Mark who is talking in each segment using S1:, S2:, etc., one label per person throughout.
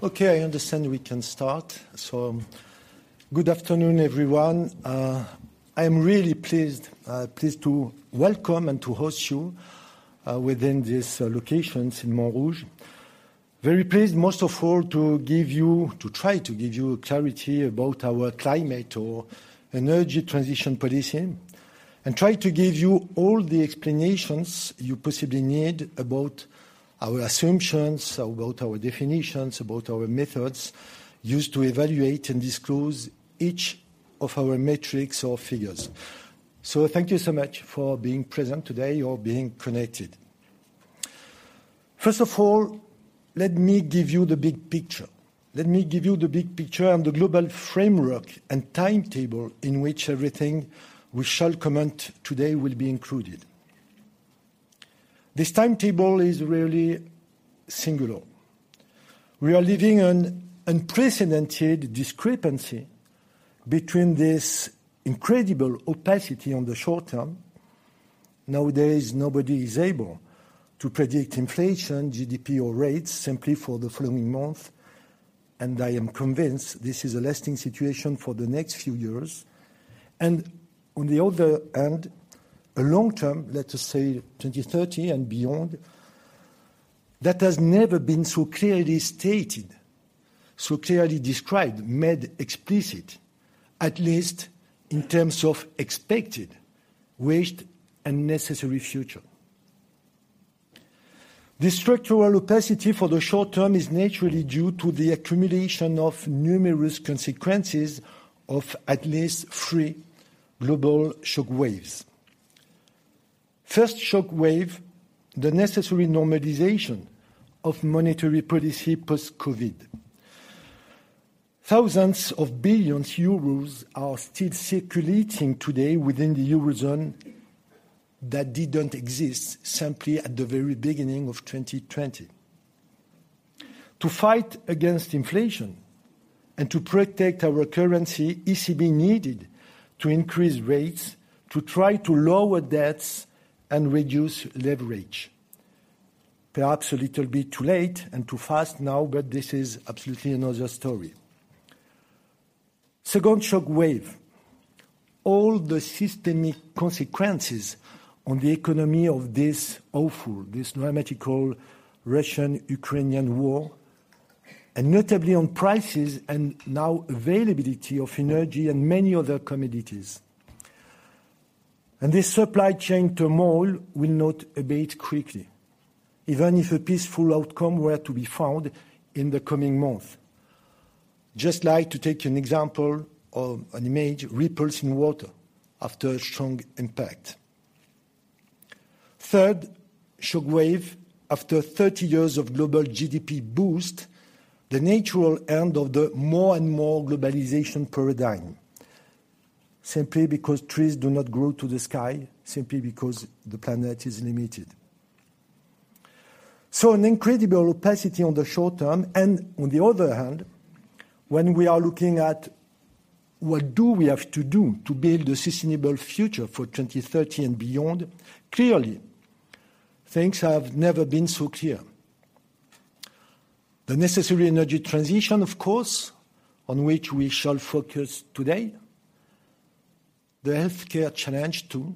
S1: Okay, I understand we can start. Good afternoon, everyone. I am really pleased to welcome and to host you within this locations in Montrouge. Very pleased, most of all, to try to give you clarity about our climate or energy transition policy and try to give you all the explanations you possibly need about our assumptions, about our definitions, about our methods used to evaluate and disclose each of our metrics or figures. Thank you so much for being present today or being connected. First of all, let me give you the big picture. Let me give you the big picture and the global framework and timetable in which everything we shall comment today will be included. This timetable is really singular. We are living an unprecedented discrepancy between this incredible opacity on the short term. Nowadays, nobody is able to predict inflation, GDP, or rates simply for the following month. I am convinced this is a lasting situation for the next few years. On the other hand, a long term, let us say 2030 and beyond, that has never been so clearly stated, so clearly described, made explicit, at least in terms of expected, wished, and necessary future. The structural opacity for the short term is naturally due to the accumulation of numerous consequences of at least three global shock waves. First shock wave, the necessary normalization of monetary policy post-COVID. Thousands of billions EUR are still circulating today within the Eurozone that didn't exist simply at the very beginning of 2020. To fight against inflation and to protect our currency, ECB needed to increase rates to try to lower debts and reduce leverage. Perhaps a little bit too late and too fast now, this is absolutely another story. Second shock wave. All the systemic consequences on the economy of this awful, this dramatic Russian-Ukrainian war, and notably on prices and now availability of energy and many other commodities. This supply chain turmoil will not abate quickly, even if a peaceful outcome were to be found in the coming month. Just like, to take an example or an image, ripples in water after a strong impact. Third shock wave. After 30 years of global GDP boost, the natural end of the more and more globalization paradigm, simply because trees do not grow to the sky, simply because the planet is limited. An incredible opacity on the short term and on the other hand, when we are looking at what do we have to do to build a sustainable future for 2030 and beyond, clearly things have never been so clear. The necessary energy transition, of course, on which we shall focus today. The healthcare challenge too,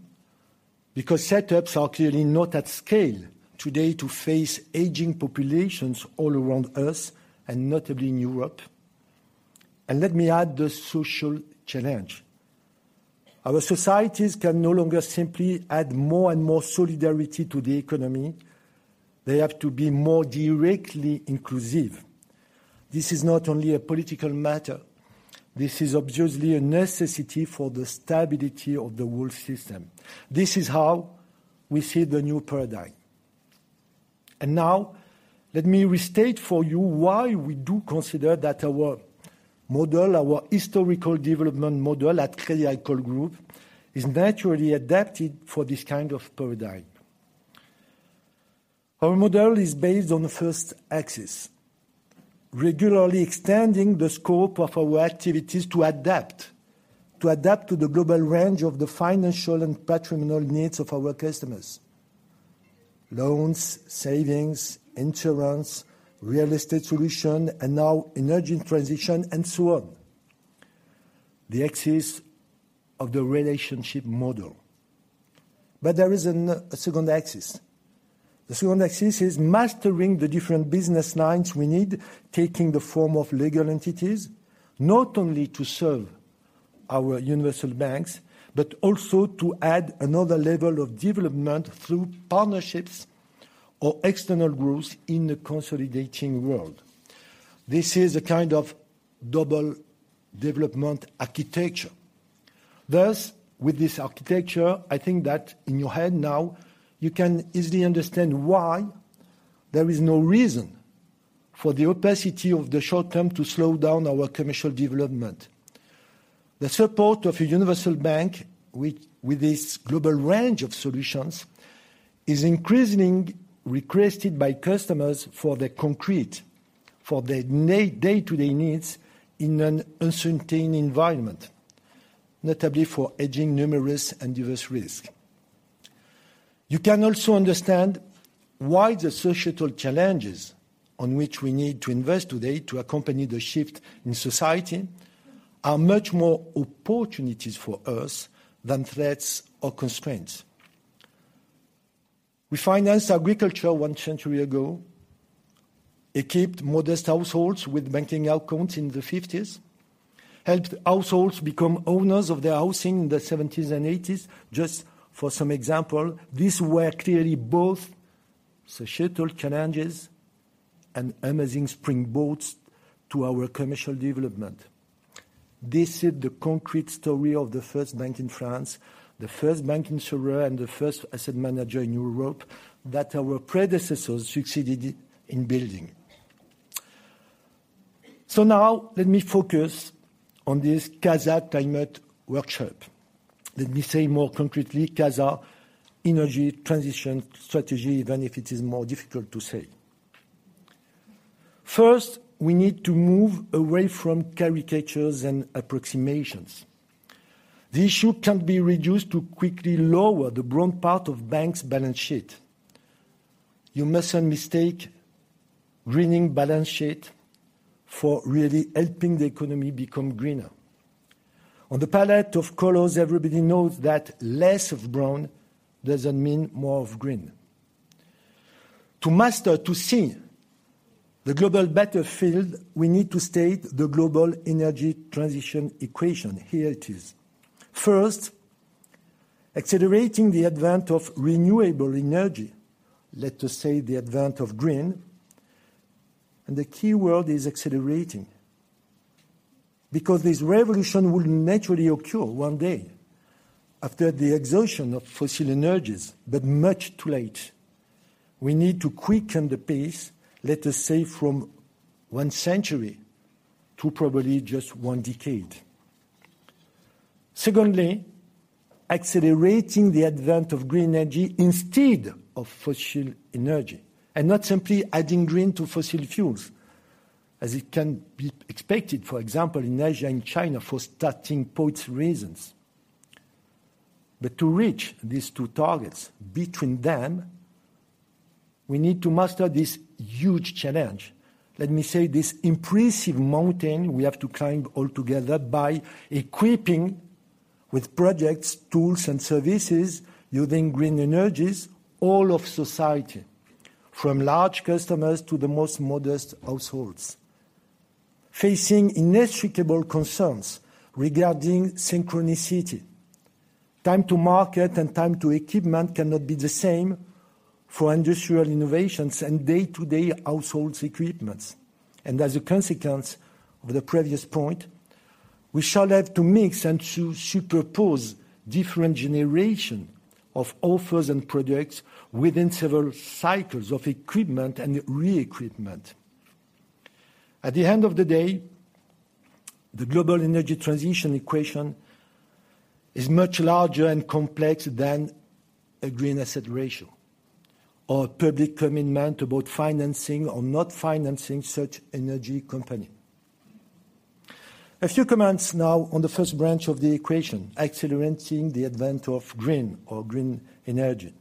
S1: because setups are clearly not at scale today to face aging populations all around us, and notably in Europe. Let me add the social challenge. Our societies can no longer simply add more and more solidarity to the economy. They have to be more directly inclusive. This is not only a political matter, this is obviously a necessity for the stability of the world system. This is how we see the new paradigm. Now, let me restate for you why we do consider that our model, our historical development model at Crédit Agricole Group, is naturally adapted for this kind of paradigm. Our model is based on the first axis, regularly extending the scope of our activities to adapt to the global range of the financial and patrimonial needs of our customers. Loans, savings, insurance, real estate solution, and now energy transition, and so on. The axis of the relationship model. There is a second axis. The second axis is mastering the different business lines we need, taking the form of legal entities, not only to serve our universal banks, but also to add another level of development through partnerships or external growth in the consolidating world. This is a kind of double development architecture. With this architecture, I think that in your head now, you can easily understand why there is no reason for the opacity of the short term to slow down our commercial development. The support of a universal bank with this global range of solutions is increasingly requested by customers for the concrete, for their day-to-day needs in an uncertain environment, notably for hedging numerous and diverse risk. You can also understand why the societal challenges on which we need to invest today to accompany the shift in society are much more opportunities for us than threats or constraints. We financed agriculture one century ago, equipped modest households with banking accounts in the 1950s, helped households become owners of their housing in the 1970s and 1980s. Just for some example, these were clearly both societal challenges and amazing springboards to our commercial development. This is the concrete story of the first bank in France, the first bank insurer, and the first asset manager in Europe that our predecessors succeeded in building. Now let me focus on this CASA Climate Workshop. Let me say more concretely, CASA Energy Transition Strategy, even if it is more difficult to say. First, we need to move away from caricatures and approximations. The issue can't be reduced to quickly lower the brown part of bank's balance sheet. You mustn't mistake greening balance sheet for really helping the economy become greener. On the palette of colors, everybody knows that less of brown doesn't mean more of green. To master, to see the global battlefield, we need to state the global energy transition equation. Here it is. First, accelerating the advent of renewable energy, let us say the advent of green. The key word is accelerating, because this revolution will naturally occur one day after the exhaustion of fossil energies, but much too late. We need to quicken the pace, let us say, from one century to probably just one decade. Secondly, accelerating the advent of green energy instead of fossil energy and not simply adding green to fossil fuels, as it can be expected, for example, in Asia and China, for starting points reasons. To reach these two targets between them, we need to master this huge challenge. Let me say this impressive mountain we have to climb all together by equipping with projects, tools, and services using green energies all of society, from large customers to the most modest households. Facing inextricable concerns regarding synchronicity, time to market and time to equipment cannot be the same for industrial innovations and day-to-day households' equipments. As a consequence of the previous point, we shall have to mix and to superpose different generation of offers and products within several cycles of equipment and re-equipment. At the end of the day, the global energy transition equation is much larger and complex than a Green Asset Ratio or public commitment about financing or not financing such energy company. A few comments now on the first branch of the equation, accelerating the advent of green or green energy.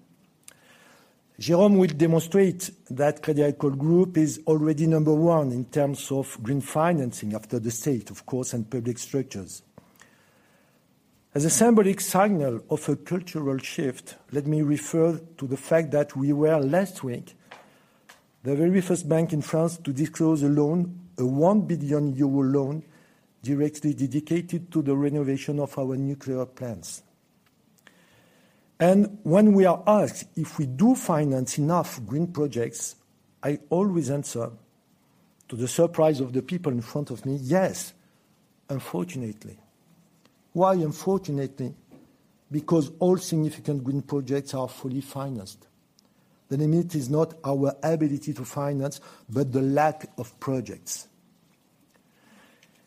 S1: Jérôme will demonstrate that Crédit Agricole Group is already number one in terms of green financing after the state, of course, and public structures. As a symbolic signal of a cultural shift, let me refer to the fact that we were, last week, the very first bank in France to disclose a loan, a 1 billion euro loan, directly dedicated to the renovation of our nuclear plants. When we are asked if we do finance enough green projects, I always answer to the surprise of the people in front of me, "Yes, unfortunately." Why, unfortunately? Because all significant green projects are fully financed. The limit is not our ability to finance, but the lack of projects.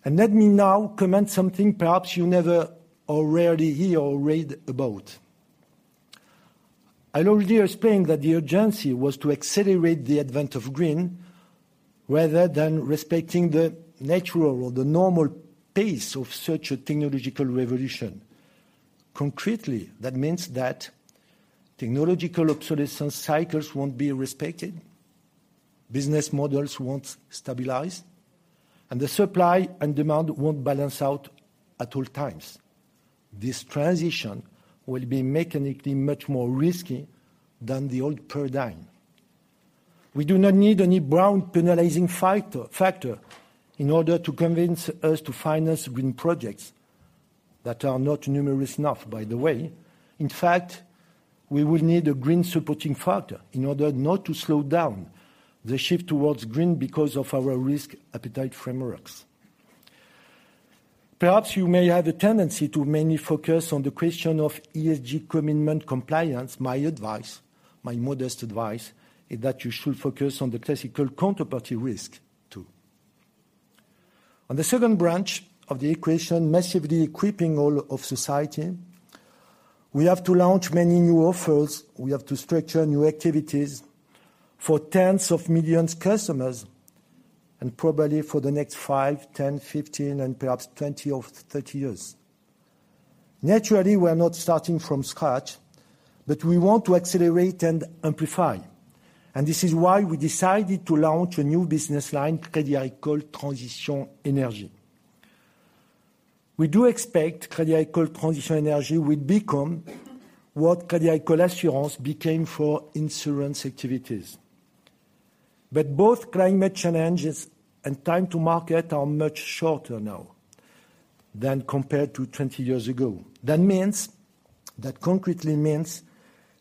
S1: Let me now comment something perhaps you never or rarely hear or read about. I'll already explain that the urgency was to accelerate the advent of green, rather than respecting the natural or the normal pace of such a technological revolution. Concretely, that means that technological obsolescence cycles won't be respected, business models won't stabilize, and the supply and demand won't balance out at all times. This transition will be mechanically much more risky than the old paradigm. We do not need any brown penalizing factor in order to convince us to finance green projects that are not numerous enough, by the way. In fact, we will need a green supporting factor in order not to slow down the shift towards green because of our risk appetite frameworks. Perhaps you may have a tendency to mainly focus on the question of ESG commitment compliance. My advice, my modest advice, is that you should focus on the classical counterparty risk, too. On the second branch of the equation, massively equipping all of society, we have to launch many new offers. We have to structure new activities for tens of millions customers. Probably for the next five, 10, 15, and perhaps 20 or 30 years. Naturally, we're not starting from scratch, but we want to accelerate and amplify. This is why we decided to launch a new business line, Crédit Agricole Transitions & Énergies. We do expect Crédit Agricole Transitions & Énergies will become what Crédit Agricole Assurances became for insurance activities. Both climate challenges and time to market are much shorter now than compared to 20 years ago. That concretely means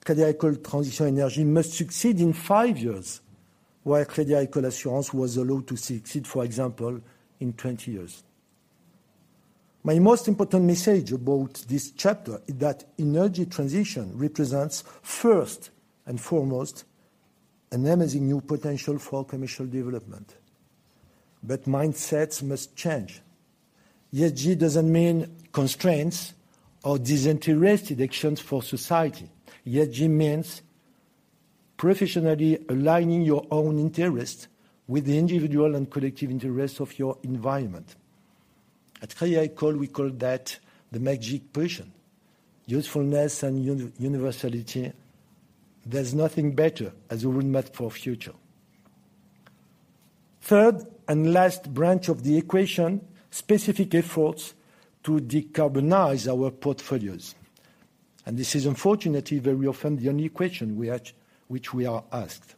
S1: Crédit Agricole Transitions & Énergies must succeed in five years, where Crédit Agricole Assurances was allowed to succeed, for example, in 20 years. My most important message about this chapter is that energy transition represents first and foremost an amazing new potential for commercial development. Mindsets must change. ESG doesn't mean constraints or disinterested actions for society. ESG means professionally aligning your own interests with the individual and collective interests of your environment. At Crédit Agricole, we call that the magic potion, usefulness and universality. There's nothing better as a roadmap for future. Third and last branch of the equation, specific efforts to decarbonize our portfolios. This is unfortunately very often the only question which we are asked.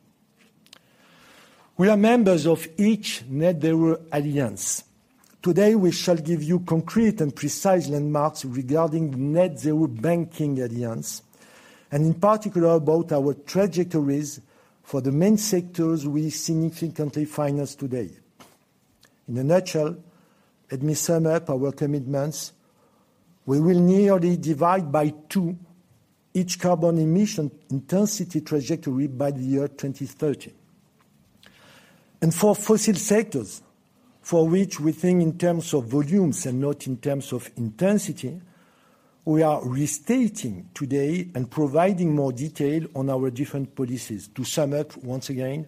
S1: We are members of each Net-Zero Alliance. Today, we shall give you concrete and precise landmarks regarding Net-Zero Banking Alliance, and in particular about our trajectories for the main sectors we significantly finance today. In a nutshell, let me sum up our commitments. We will nearly divide by two each carbon emission intensity trajectory by the year 2030. For fossil sectors, for which we think in terms of volumes and not in terms of intensity, we are restating today and providing more detail on our different policies to sum up once again,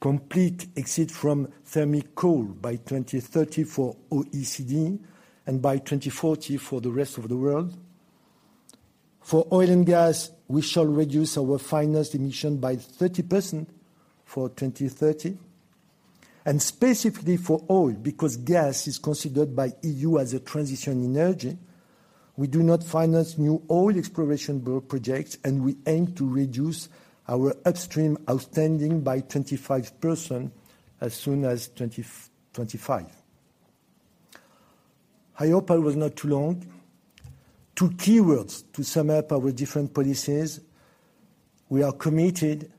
S1: complete exit from thermal coal by 2030 for OECD and by 2040 for the rest of the world. For oil and gas, we shall reduce our financed emissions by 30% for 2030. Specifically for oil, because gas is considered by EU as a transition energy, we do not finance new oil exploration projects, and we aim to reduce our upstream outstanding by 25% as soon as 2025. I hope I was not too long. Two keywords to sum up our different policies. We are committed,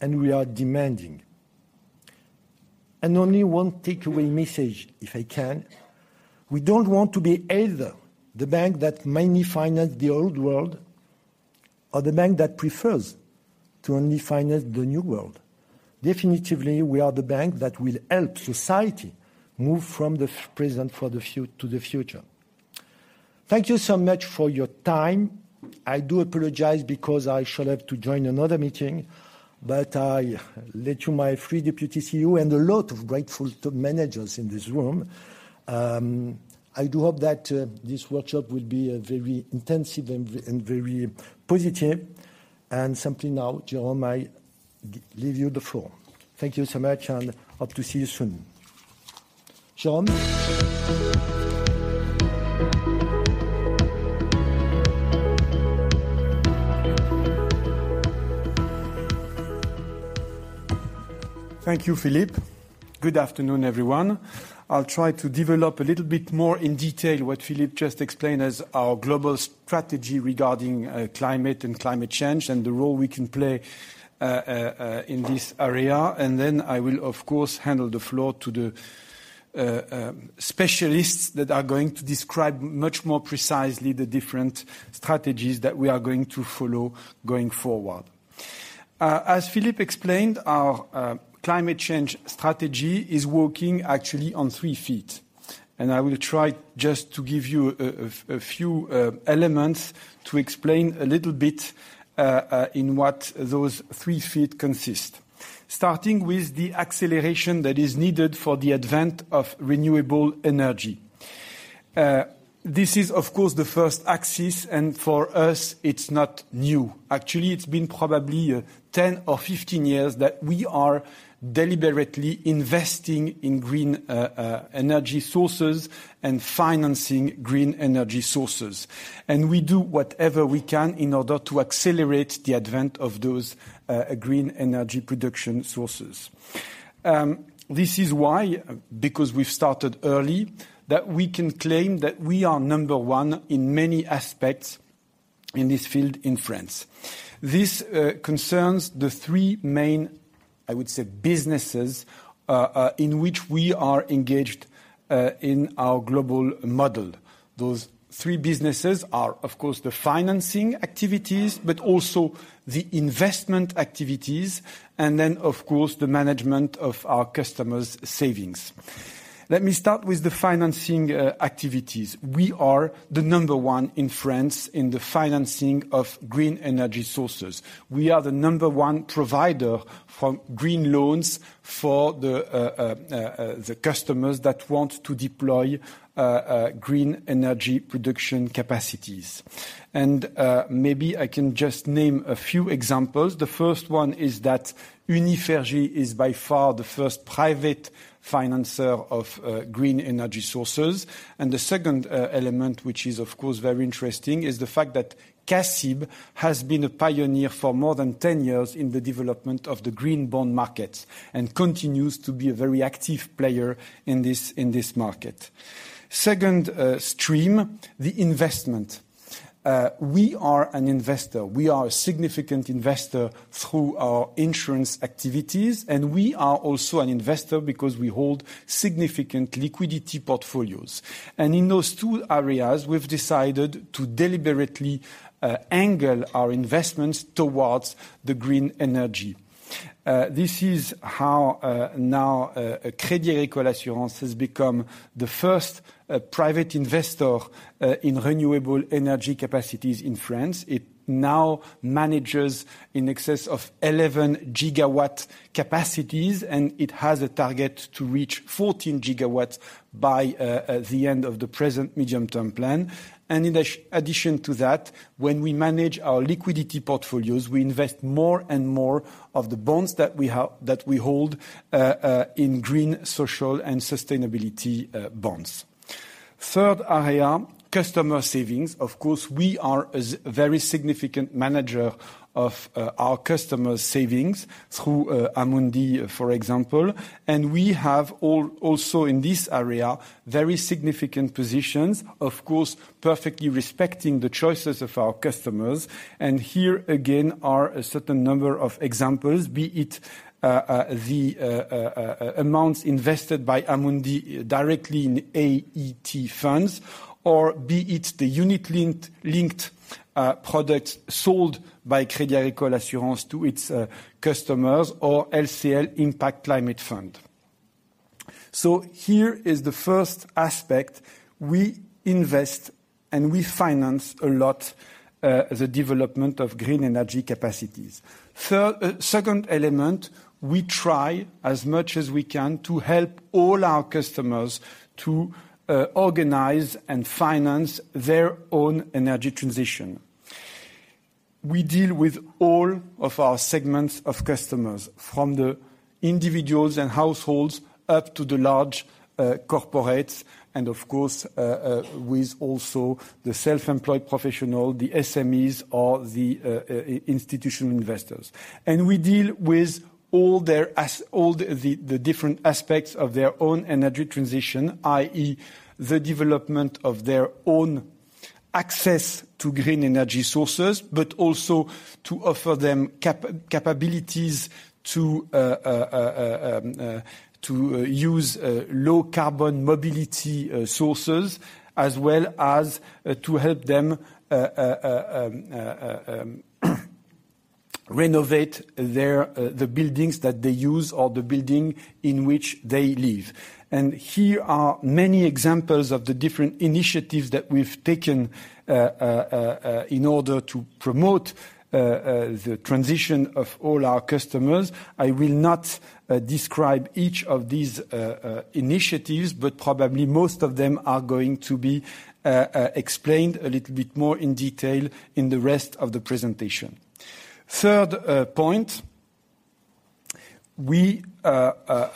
S1: and we are demanding. Only one takeaway message, if I can. We don't want to be either the bank that mainly finance the old world or the bank that prefers to only finance the new world. Definitely, we are the bank that will help society move from the present to the future. Thank you so much for your time. I do apologize because I shall have to join another meeting, but I let you, my three deputy CEO and a lot of grateful [t-managers] in this room. I do hope that this workshop will be very intensive and very positive. Simply now, Jérôme, I leave you the floor. Thank you so much and hope to see you soon. Jérôme?
S2: Thank you, Philippe. Good afternoon, everyone. I'll try to develop a little bit more in detail what Philippe just explained as our global strategy regarding climate and climate change and the role we can play in this area. Then I will, of course, handle the floor to the specialists that are going to describe much more precisely the different strategies that we are going to follow going forward. As Philippe explained, our climate change strategy is working actually on three feet. I will try just to give you a few elements to explain a little bit in what those three feet consist. Starting with the acceleration that is needed for the advent of renewable energy. This is, of course, the first axis, and for us, it's not new. Actually, it's been probably 10 or 15 years that we are deliberately investing in green energy sources and financing green energy sources. We do whatever we can in order to accelerate the advent of those green energy production sources. This is why, because we've started early, that we can claim that we are number 1 in many aspects in this field in France. This concerns the three main, I would say, businesses in which we are engaged in our global model. Those three businesses are, of course, the financing activities, but also the investment activities, and then, of course, the management of our customers' savings. Let me start with the financing activities. We are the number one in France in the financing of green energy sources. We are the number one provider for green loans for the customers that want to deploy green energy production capacities. Maybe I can just name a few examples. The first one is that Unifergie is by far the first private financer of green energy sources. The second element, which is, of course, very interesting, is the fact that CACEIS has been a pioneer for more than 10 years in the development of the green bond markets and continues to be a very active player in this market. Second, stream, the investment. We are an investor. We are a significant investor through our insurance activities, and we are also an investor because we hold significant liquidity portfolios. In those 2 areas, we've decided to deliberately angle our investments towards the green energy. This is how now Crédit Agricole Assurances become the first private investor in renewable energy capacities in France. It now manages in excess of 11 GW capacities, and it has a target to reach 14 GW by the end of the present medium-term plan. In addition to that, when we manage our liquidity portfolios, we invest more and more of the bonds that we hold in green, social, and sustainability bonds. Third area, customer savings. Of course, we are a very significant manager of our customers' savings through Amundi, for example, and we have also, in this area, very significant positions, of course, perfectly respecting the choices of our customers. Here again are a certain number of examples, be it the amounts invested by Amundi directly in AET funds, or be it the unit-linked products sold by Crédit Agricole Assurances to its customers or LCL Impact Climate Fund. Here is the first aspect. We invest, and we finance a lot, the development of green energy capacities. Second element, we try as much as we can to help all our customers to organize and finance their own energy transition. We deal with all of our segments of customers, from the individuals and households up to the large corporates and of course, with also the self-employed professional, the SMEs or the institutional investors. We deal with all their all the different aspects of their own energy transition, i.e., the development of their own access to green energy sources, but also to offer them capabilities to use low carbon mobility sources, as well as to help them renovate their the buildings that they use or the building in which they live. Here are many examples of the different initiatives that we've taken in order to promote the transition of all our customers. I will not describe each of these initiatives, but probably most of them are going to be explained a little bit more in detail in the rest of the presentation. Third, point, we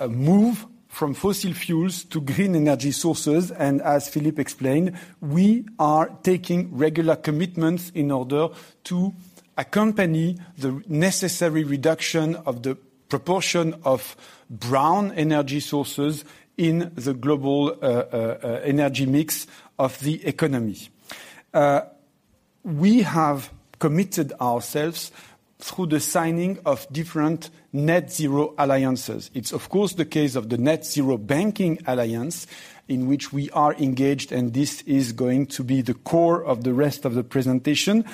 S2: move from fossil fuels to green energy sources. As Philippe explained, we are taking regular commitments in order to accompany the necessary reduction of the proportion of brown energy sources in the global energy mix of the economy. We have committed ourselves through the signing of different net zero alliances. It's of course, the case of the Net Zero Banking Alliance, in which we are engaged, and this is going to be the core of the rest of the presentation.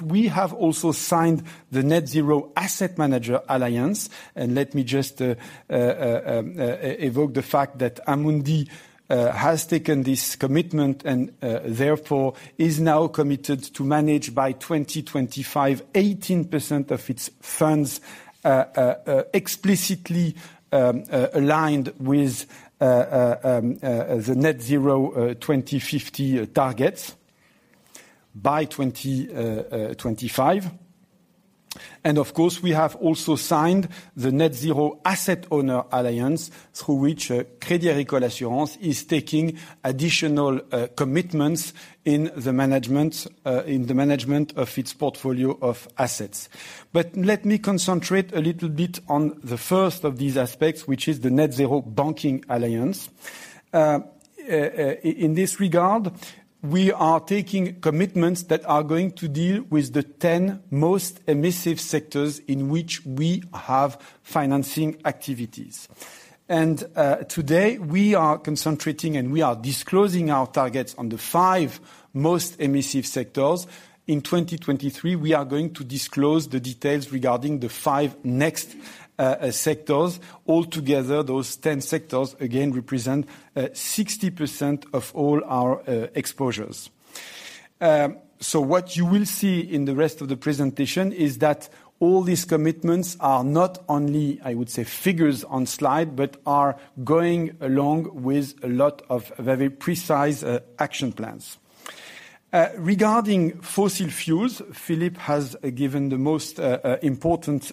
S2: We have also signed the Net Zero Asset Manager Alliance. Let me just evoke the fact that Amundi has taken this commitment and therefore, is now committed to manage by 2025, 18% of its funds explicitly aligned with the Net Zero 2050 targets by 2025. Of course, we have also signed the Net Zero Asset Owner Alliance, through which Crédit Agricole Assurances is taking additional commitments in the management of its portfolio of assets. Let me concentrate a little bit on the first of these aspects, which is the Net Zero Banking Alliance. In this regard, we are taking commitments that are going to deal with the 10 most emissive sectors in which we have financing activities. Today, we are concentrating, and we are disclosing our targets on the five most emissive sectors. In 2023, we are going to disclose the details regarding the five next sectors. All together, those 10 sectors again represent 60% of all our exposures. What you will see in the rest of the presentation is that all these commitments are not only, I would say, figures on slide, but are going along with a lot of very precise action plans. Regarding fossil fuels, Philippe has given the most important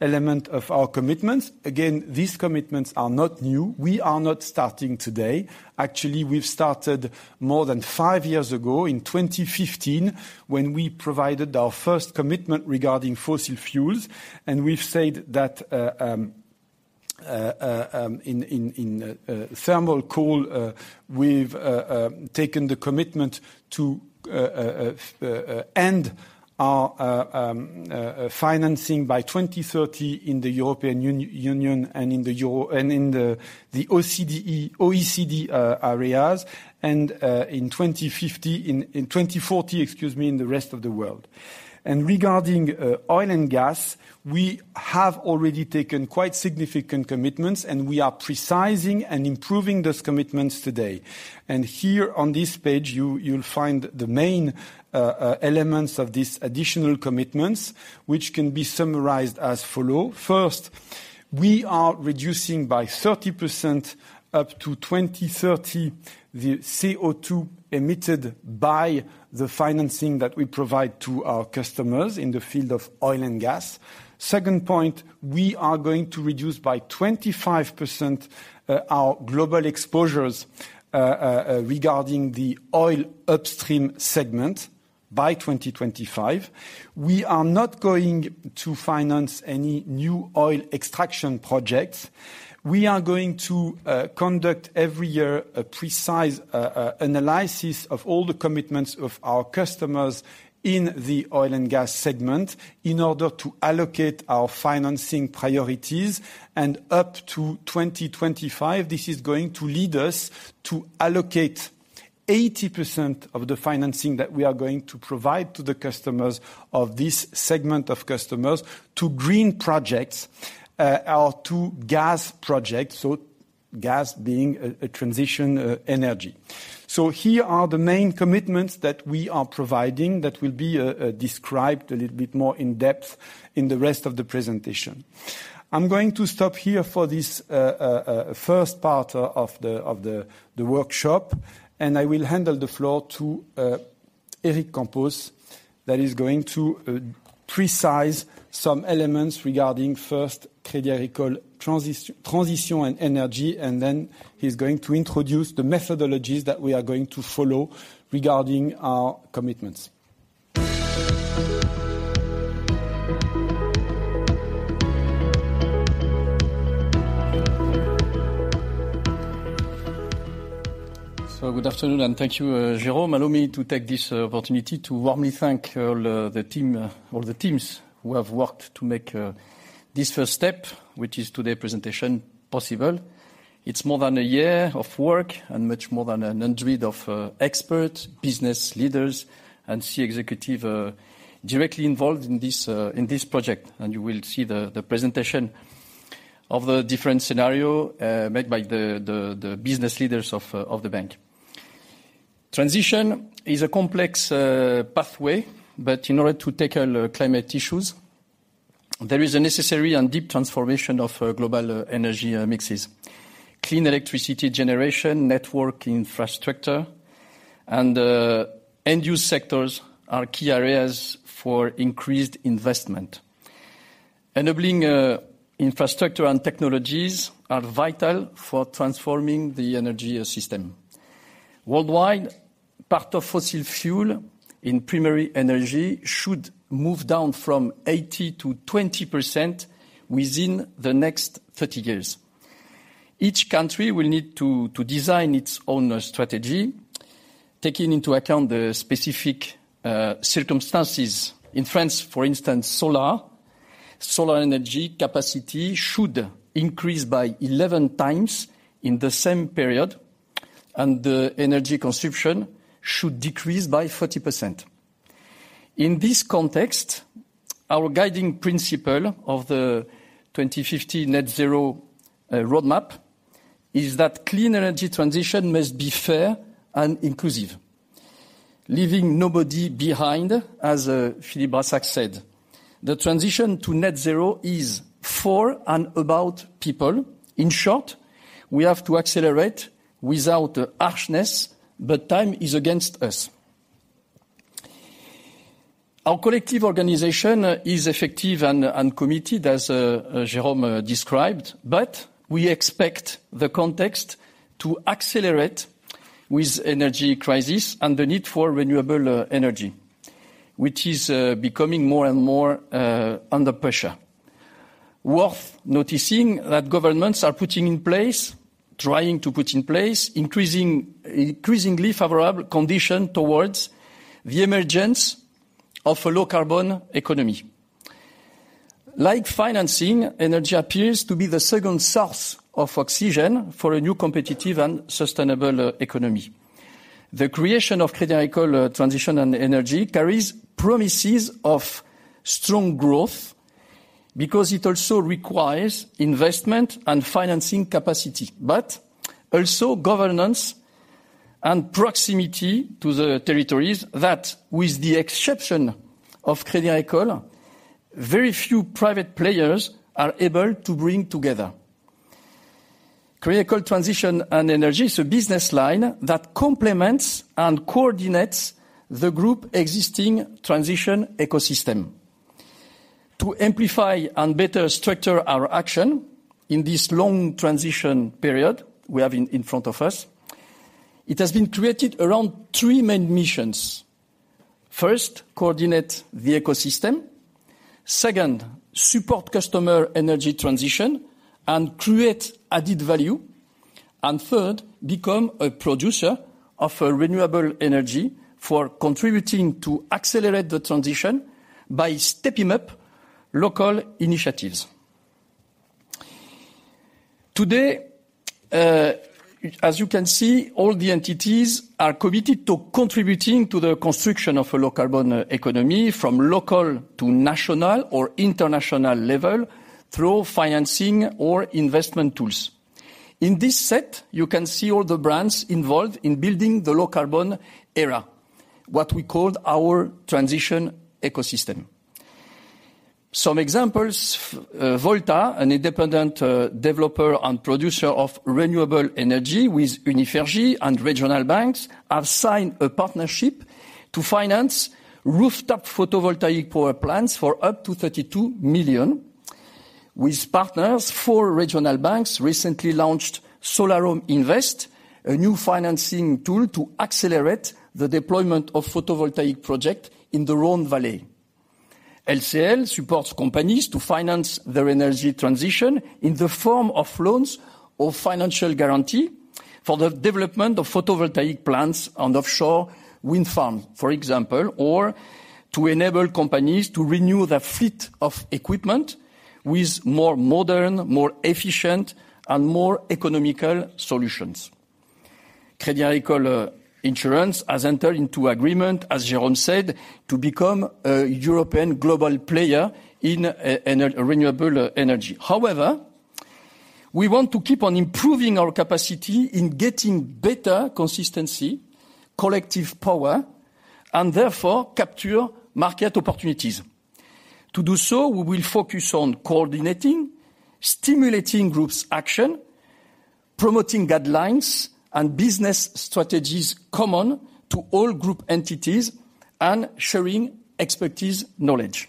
S2: element of our commitments. Again, these commitments are not new. We are not starting today. Actually, we've started more than five years ago in 2015, when we provided our first commitment regarding fossil fuels. We've said that in thermal coal, we've taken the commitment to end our financing by 2030 in the European Union and in the OECD areas and in 2050, in 2040, excuse me, in the rest of the world. Regarding oil and gas, we have already taken quite significant commitments, and we are precising and improving those commitments today. Here on this page, you'll find the main elements of these additional commitments, which can be summarized as follow. First, we are reducing by 30% up to 2030, the CO2 emitted by the financing that we provide to our customers in the field of oil and gas. Second point, we are going to reduce by 25% our global exposures regarding the oil upstream segment by 2025. We are not going to finance any new oil extraction projects. We are going to conduct every year a precise analysis of all the commitments of our customers in the oil and gas segment in order to allocate our financing priorities. Up to 2025, this is going to lead us to allocate 80% of the financing that we are going to provide to the customers of this segment of customers to green projects or to gas projects, so gas being a transition energy. Here are the main commitments that we are providing that will be described a little bit more in-depth in the rest of the presentation. I'm going to stop here for this first part of the workshop. I will handle the floor to Éric Campos that is going to precise some elements regarding first Crédit Agricole transition and energy. Then he's going to introduce the methodologies that we are going to follow regarding our commitments.
S3: Good afternoon, and thank you, Jérôme. Allow me to take this opportunity to warmly thank all the teams who have worked to make this first step, which is today presentation possible. It's more than a year of work and much more than 100 of expert business leaders and C-executive directly involved in this project. You will see the presentation of the different scenario made by the business leaders of the bank. Transition is a complex pathway, in order to tackle climate issues, there is a necessary and deep transformation of global energy mixes. Clean electricity generation, network infrastructure, and end-use sectors are key areas for increased investment. Enabling infrastructure and technologies are vital for transforming the energy system. Worldwide, part of fossil fuel in primary energy should move down from 80%-20% within the next 30 years. Each country will need to design its own strategy, taking into account the specific circumstances. In France, for instance, Solar energy capacity should increase by 11x in the same period, and the energy consumption should decrease by 40%. In this context, our guiding principle of the 2050 Net Zero roadmap is that clean energy transition must be fair and inclusive, leaving nobody behind, as Philippe Brassac said. The transition to Net Zero is for and about people. In short, we have to accelerate without harshness, time is against us. Our collective organization is effective and committed, as Jérôme described. We expect the context to accelerate with energy crisis and the need for renewable energy, which is becoming more and more under pressure. Worth noticing that governments are trying to put in place increasingly favorable condition towards the emergence of a low-carbon economy. Like financing, energy appears to be the second source of oxygen for a new competitive and sustainable economy. The creation of Crédit Agricole Transitions & Energies carries promises of strong growth. It also requires investment and financing capacity, but also governance and proximity to the territories that, with the exception of Crédit Agricole, very few private players are able to bring together. Crédit Agricole Transitions & Energies is a business line that complements and coordinates the Group existing transition ecosystem. To amplify and better structure our action in this long transition period we have in front of us, it has been created around three main missions. First, coordinate the ecosystem. Second, support customer energy transition and create added value. Third, become a producer of renewable energy for contributing to accelerate the transition by stepping up local initiatives. Today, as you can see, all the entities are committed to contributing to the construction of a low-carbon economy from local to national or international level through financing or investment tools. In this set, you can see all the brands involved in building the low-carbon IRA, what we call our transition ecosystem. Some examples, Volta, an independent developer and producer of renewable energy with Unifergie and regional banks, have signed a partnership to finance rooftop photovoltaic power plants for up to 32 million. With partners, four regional banks recently launched Solarhona Invest, a new financing tool to accelerate the deployment of photovoltaic project in the Rhône valley. LCL supports companies to finance their energy transition in the form of loans or financial guarantee for the development of photovoltaic plants and offshore wind farm, for example, or to enable companies to renew their fleet of equipment with more modern, more efficient, and more economical solutions. Crédit Agricole Assurances has entered into agreement, as Jérôme said, to become a European global player in renewable energy. We want to keep on improving our capacity in getting better consistency, collective power, and therefore capture market opportunities. To do so, we will focus on coordinating, stimulating groups' action, promoting guidelines and business strategies common to all group entities, and sharing expertise knowledge.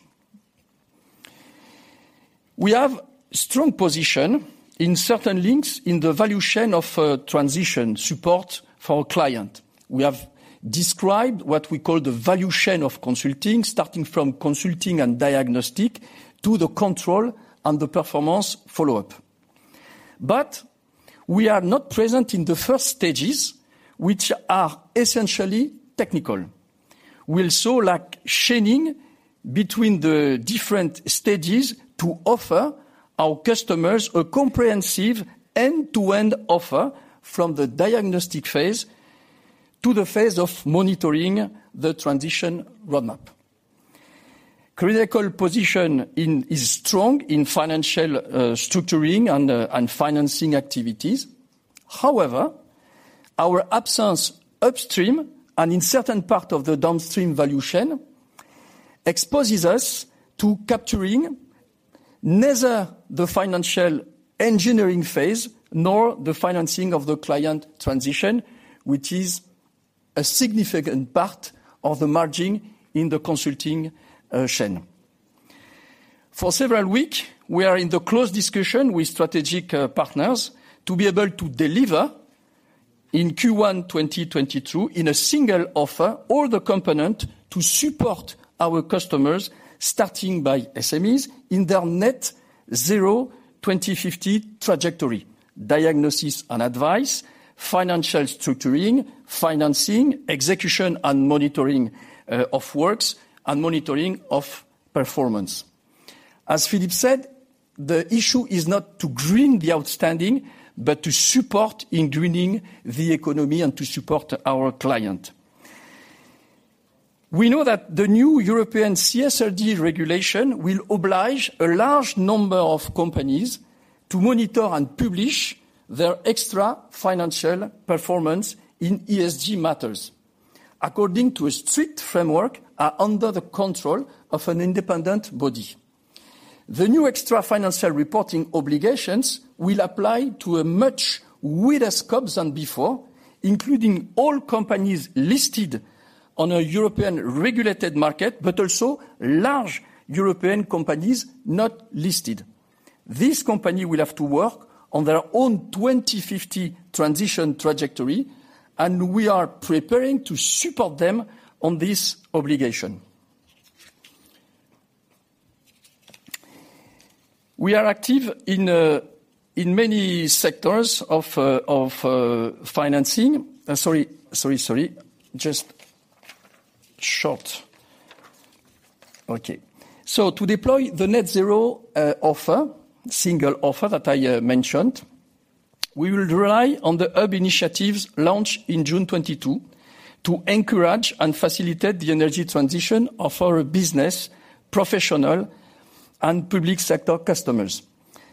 S3: We have strong position in certain links in the value chain of transition support for our client. We have described what we call the value chain of consulting, starting from consulting and diagnostic to the control and the performance follow-up. We are not present in the first stages, which are essentially technical. We'll saw like chaining between the different stages to offer our customers a comprehensive end-to-end offer from the diagnostic phase to the phase of monitoring the transition roadmap. Crédit Agricole is strong in financial structuring and financing activities. However, our absence upstream and in certain part of the downstream value chain exposes us to capturing neither the financial engineering phase nor the financing of the client transition, which is a significant part of the margin in the consulting chain. For several weeks, we are in the close discussion with strategic partners to be able to deliver in Q1 2022, in a single offer, all the component to support our customers, starting by SMEs in their net zero 2050 trajectory, diagnosis and advice, financial structuring, financing, execution and monitoring of works, and monitoring of performance. As Philippe said, the issue is not to green the outstanding, but to support in greening the economy and to support our client. We know that the new European CSRD regulation will oblige a large number of companies to monitor and publish their extra-financial performance in ESG matters, according to a strict framework under the control of an independent body. The new extra-financial reporting obligations will apply to a much wider scope than before, including all companies listed on a European regulated market, but also large European companies not listed. These company will have to work on their own 2050 transition trajectory, and we are preparing to support them on this obligation. We are active in many sectors of financing. Sorry, sorry. Just short. Okay. To deploy the net zero offer, single offer that I mentioned. We will rely on the hub initiatives launched in June 2022, to encourage and facilitate the energy transition of our business, professional and public sector customers.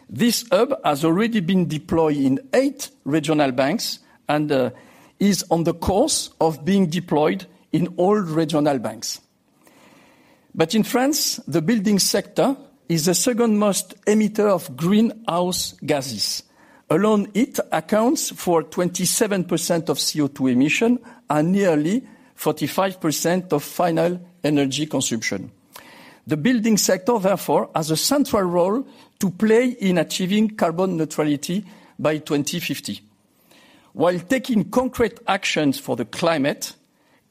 S3: This hub has already been deployed in eight regional banks and is on the course of being deployed in all regional banks. In France, the building sector is the second-most emitter of greenhouse gases. Alone, it accounts for 27% of CO2 emission, and nearly 45% of final energy consumption. The building sector, therefore, has a central role to play in achieving carbon neutrality by 2050. While taking concrete actions for the climate,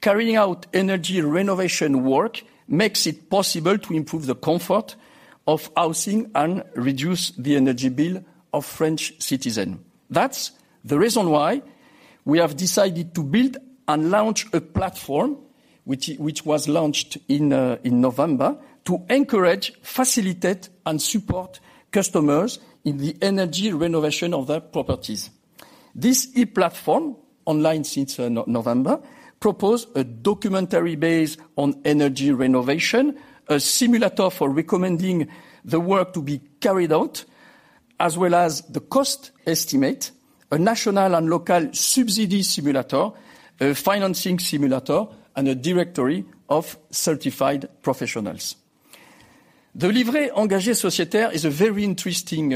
S3: carrying out energy renovation work makes it possible to improve the comfort of housing and reduce the energy bill of French citizens. That's the reason why we have decided to build and launch a platform, which was launched in November, to encourage, facilitate, and support customers in the energy renovation of their properties. This e-platform, online since November, proposes a documentary based on energy renovation, a simulator for recommending the work to be carried out, as well as the cost estimate, a national and local subsidy simulator, a financing simulator, and a directory of certified professionals. The Livret Engagé Sociétaire is a very interesting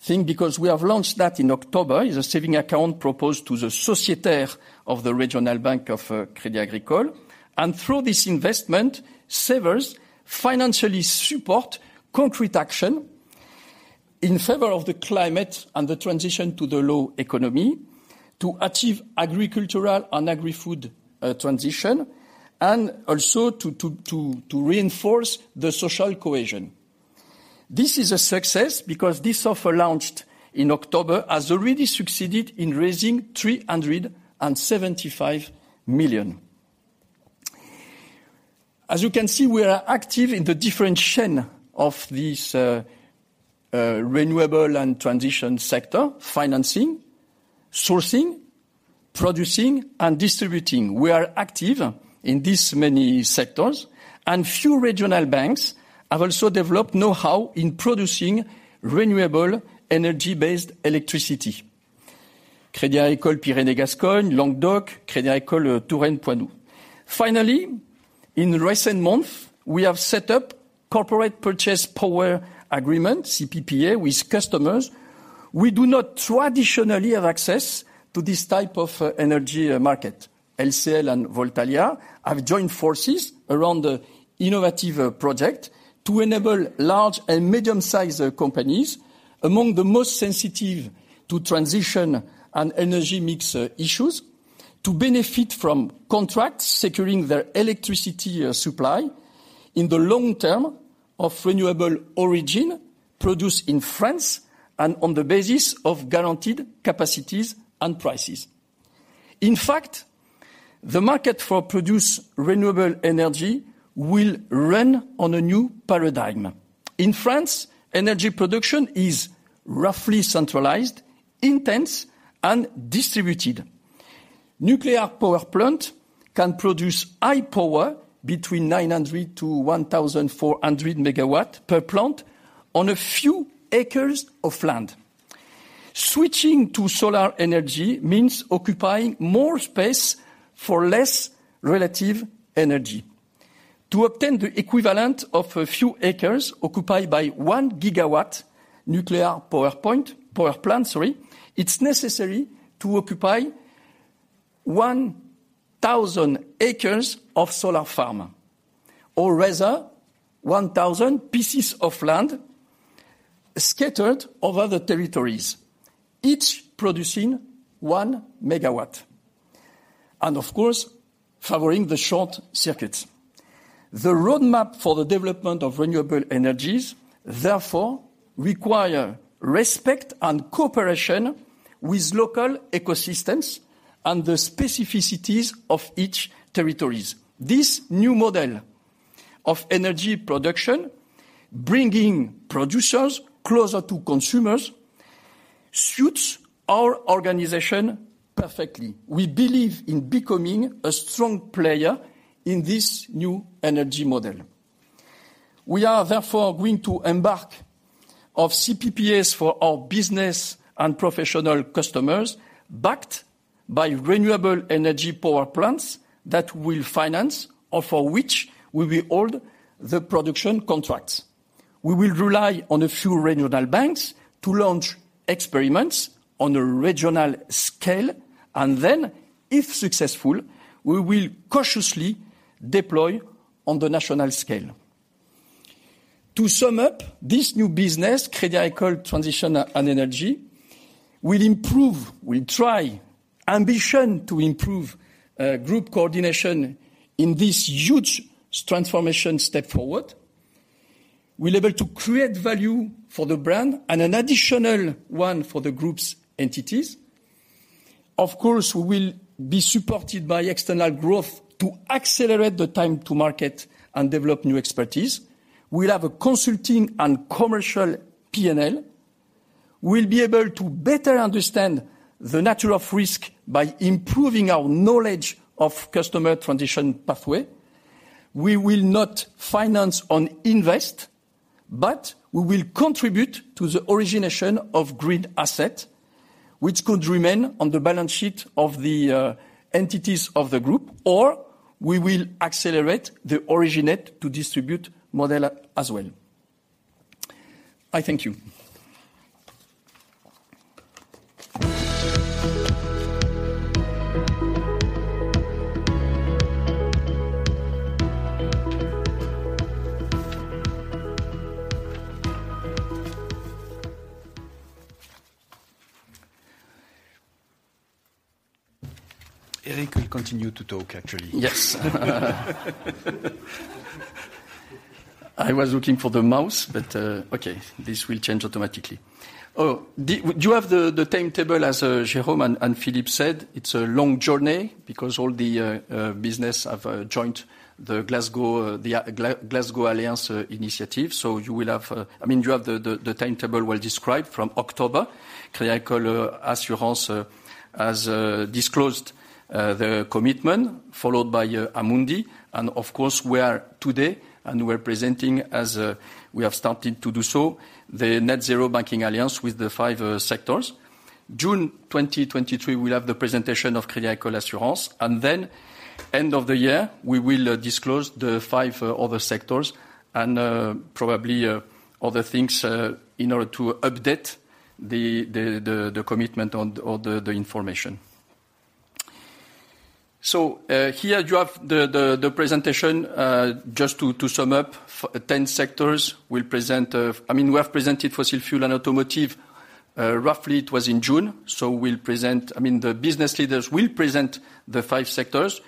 S3: thing because we have launched that in October, is a savings account proposed to the sociétaire of the regional bank of Crédit Agricole. Through this investment, savers financially support concrete action in favor of the climate and the transition to the low economy to achieve agricultural and agrifood transition, and also to reinforce the social cohesion. This is a success because this offer, launched in October, has already succeeded in raising 375 million. As you can see, we are active in the different chain of this renewable and transition sector, financing, sourcing, producing, and distributing. We are active in this many sectors, and few regional banks have also developed know-how in producing renewable energy-based electricity. Crédit Agricole Pyrénées Gascogne, Languedoc, Crédit Agricole Touraine Poitou. Finally, in recent months, we have set up Corporate Power Purchase Agreement, CPPA, with customers. We do not traditionally have access to this type of energy market. LCL and Voltalia have joined forces around the innovative project to enable large and medium-sized companies, among the most sensitive to transition and energy mix issues, to benefit from contracts securing their electricity supply in the long term of renewable origin, produced in France, and on the basis of guaranteed capacities and prices. In fact, the market for produced renewable energy will run on a new paradigm. In France, energy production is roughly centralized, intense, and distributed. Nuclear power plant can produce high power between 900 MW-1,400 MW per plant on a few acres of land. Switching to solar energy means occupying more space for less relative energy. To obtain the equivalent of a few acres occupied by 1 GW nuclear power plant, sorry, it's necessary to occupy 1,000 acres of solar farm or rather, 1,000 pieces of land scattered over the territories, each producing 1 MW, and of course, favoring the short circuits. The roadmap for the development of renewable energies, therefore, require respect and cooperation with local ecosystems and the specificities of each territories. This new model of energy production, bringing producers closer to consumers, suits our organization perfectly. We believe in becoming a strong player in this new energy model. We are therefore going to embark of CPPAs for our business and professional customers, backed by renewable energy power plants that will finance or for which we will hold the production contracts. We will rely on a few regional banks to launch experiments on a regional scale. Then, if successful, we will cautiously deploy on the national scale. To sum up, this new business, Crédit Agricole Transitions & Energies, will try, ambition to improve group coordination in this huge transformation step forward. We're able to create value for the brand and an additional one for the group's entities. Of course, we will be supported by external growth to accelerate the time to market and develop new expertise. We'll have a consulting and commercial P&L. We'll be able to better understand the nature of risk by improving our knowledge of customer transition pathway. We will not finance on invest, but we will contribute to the origination of grid asset, which could remain on the balance sheet of the entities of the group, or we will accelerate the originate-to-distribute model as well. I thank you.
S2: Éric will continue to talk, actually.
S3: Yes. I was looking for the mouse, but okay, this will change automatically. Do you have the timetable as Jérôme and Philippe said? It's a long journey because all the business have joined the Glasgow Alliance initiative. You will have, I mean, you have the timetable well described from October. Crédit Agricole Assurances has disclosed their commitment, followed by Amundi. Of course, we are today, and we're presenting as we have started to do so, the Net-Zero Banking Alliance with the five sectors. June 2023, we'll have the presentation of Crédit Agricole Assurances. Then end of the year, we will disclose the five other sectors and probably other things in order to update the commitment on all the information. Here you have the presentation. Just to sum up, 10 sectors will present. I mean, we have presented fossil fuel and automotive, roughly it was in June, so we'll present, I mean, the business leaders will present the five sectors.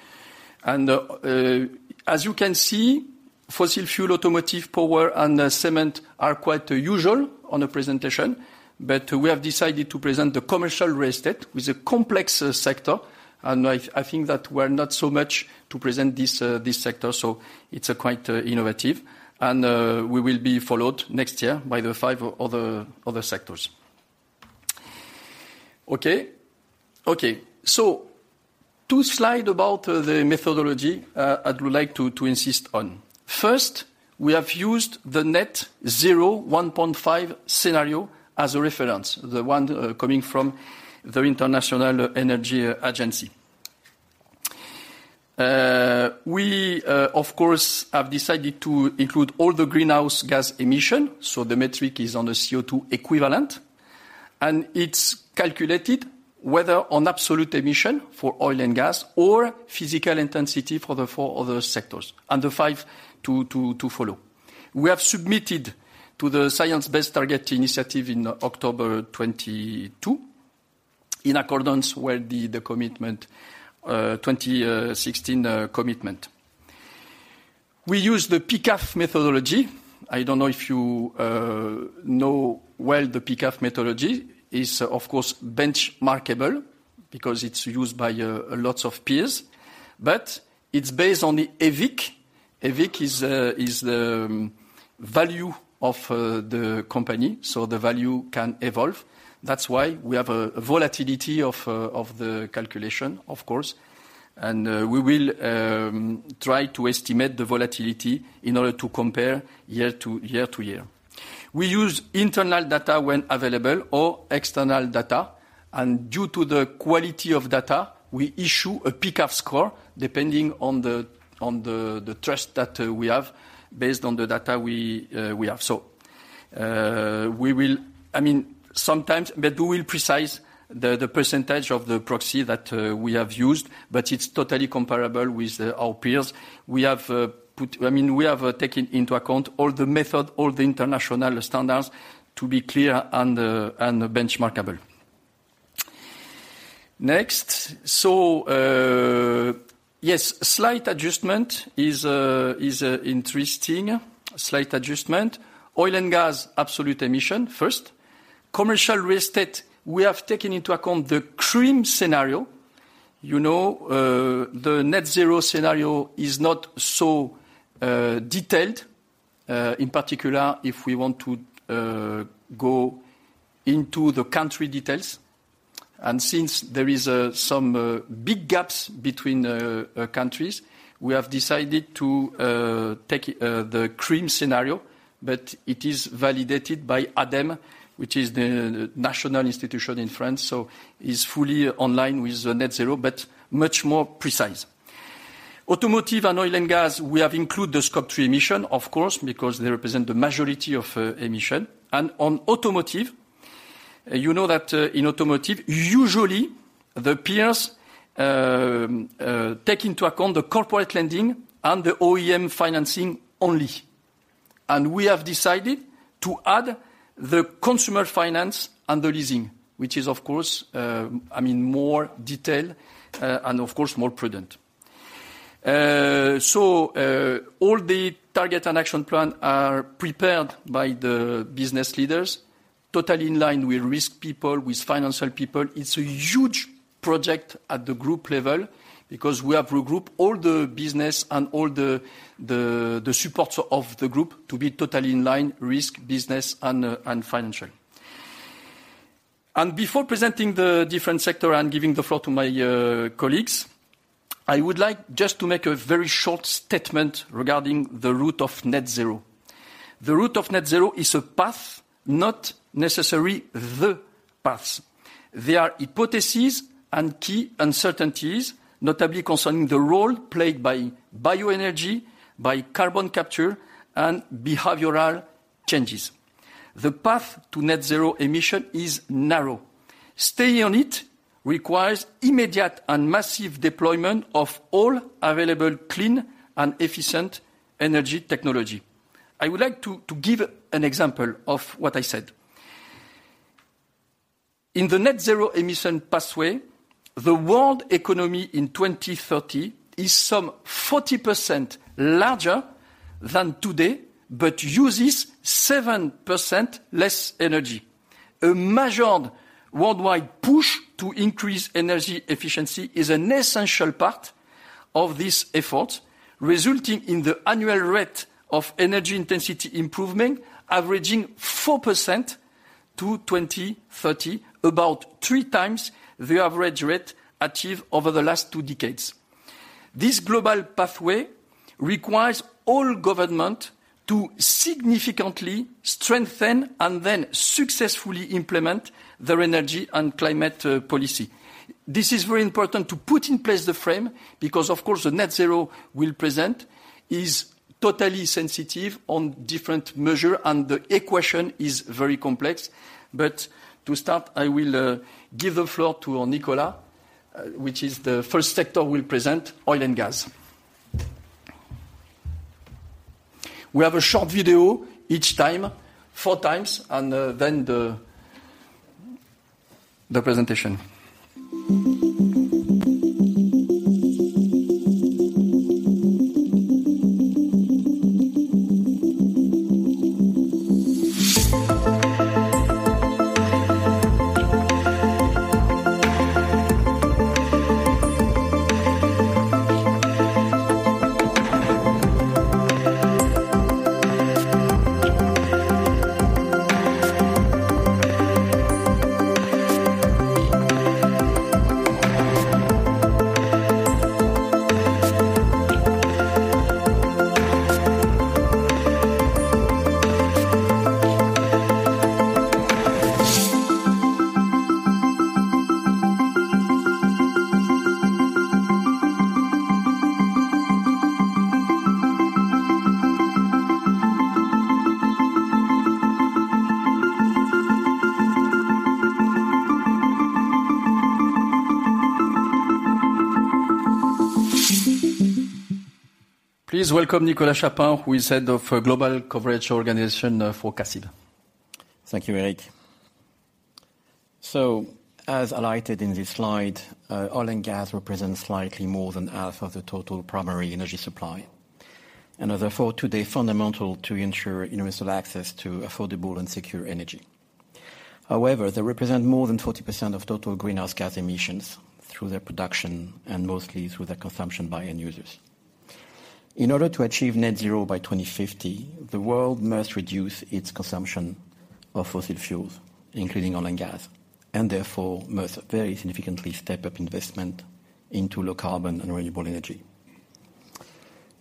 S3: As you can see, fossil fuel, automotive, power, and cement are quite usual on a presentation. We have decided to present the commercial real estate with a complex sector. I think that we're not so much to present this sector, it's quite innovative. We will be followed next year by the five other sectors. Two slide about the methodology I'd like to insist on. First, we have used the Net Zero 1.5 scenario as a reference, the one coming from the International Energy Agency. We, of course, have decided to include all the greenhouse gas emission, the metric is on a CO2 equivalent, and it's calculated whether on absolute emission for oil and gas or physical intensity for the four other sectors and the five to follow. We have submitted to the Science Based Targets initiative in October 2022, in accordance with the commitment 2016 commitment. We use the PCAF methodology. I don't know if you know well the PCAF methodology. It's, of course, benchmarkable because it's used by lots of peers, but it's based on the EVIC. EVIC is the value of the company, so the value can evolve. That's why we have a volatility of the calculation, of course. We will try to estimate the volatility in order to compare year to year. We use internal data when available or external data, due to the quality of data, we issue a PCAF score depending on the trust that we have based on the data we have. We will... I mean, sometimes, but we will precise the percentage of the proxy that we have used, but it's totally comparable with our peers. We have. I mean, we have taken into account all the method, all the international standards to be clear and benchmarkable. Next. Yes, slight adjustment is interesting. Slight adjustment. Oil and gas, absolute emission first. Commercial real estate, we have taken into account the CRREM scenario. You know, the net zero scenario is not so detailed in particular, if we want to go into the country details. Since there is some big gaps between countries, we have decided to take the CRREM scenario, but it is validated by ADEME, which is the national institution in France, so it's fully online with net zero, but much more precise. Automotive and oil and gas, we have included the Scope 3 emission, of course, because they represent the majority of emission. On automotive, you know that in automotive, usually the peers take into account the corporate lending and the OEM financing only. We have decided to add the consumer finance and the leasing, which is, of course, I mean, more detailed, and of course, more prudent. All the target and action plan are prepared by the business leaders, totally in line with risk people, with financial people. It's a huge project at the Group level because we have regrouped all the business and all the supports of the Group to be totally in line risk, business and financial. Before presenting the different sector and giving the floor to my colleagues, I would like just to make a very short statement regarding the route of Net Zero. The route of Net Zero is a path, not necessary the paths. There are hypotheses and key uncertainties, notably concerning the role played by bioenergy, by carbon capture and behavioral changes. The path to Net Zero emission is narrow. Staying on it requires immediate and massive deployment of all available clean and efficient energy technology. I would like to give an example of what I said. In the net zero emission pathway, the world economy in 2030 is some 40% larger than today, uses 7% less energy. A measured worldwide push to increase energy efficiency is an essential part of this effort, resulting in the annual rate of energy intensity improvement averaging 4% to 2030, about 3x the average rate achieved over the last two decades. This global pathway requires all government to significantly strengthen then successfully implement their energy and climate policy. This is very important to put in place the frame, because of course, the Net Zero we'll present is totally sensitive on different measure, the equation is very complex. To start, I will give the floor to Nicolas, which is the first sector we'll present, oil and gas. We have a short video each time, 4x, and then the presentation. Please welcome Nicolas Chapin, who is head of Global Coverage Organisation, for CACIB.
S4: Thank you, Éric. As highlighted in this slide, oil and gas represents slightly more than half of the total primary energy supply, and are therefore today fundamental to ensure universal access to affordable and secure energy. However, they represent more than 40% of total greenhouse gas emissions through their production and mostly through their consumption by end users. In order to achieve Net Zero by 2050, the world must reduce its consumption of fossil fuels, including oil and gas, and therefore must very significantly step up investment into low carbon and renewable energy.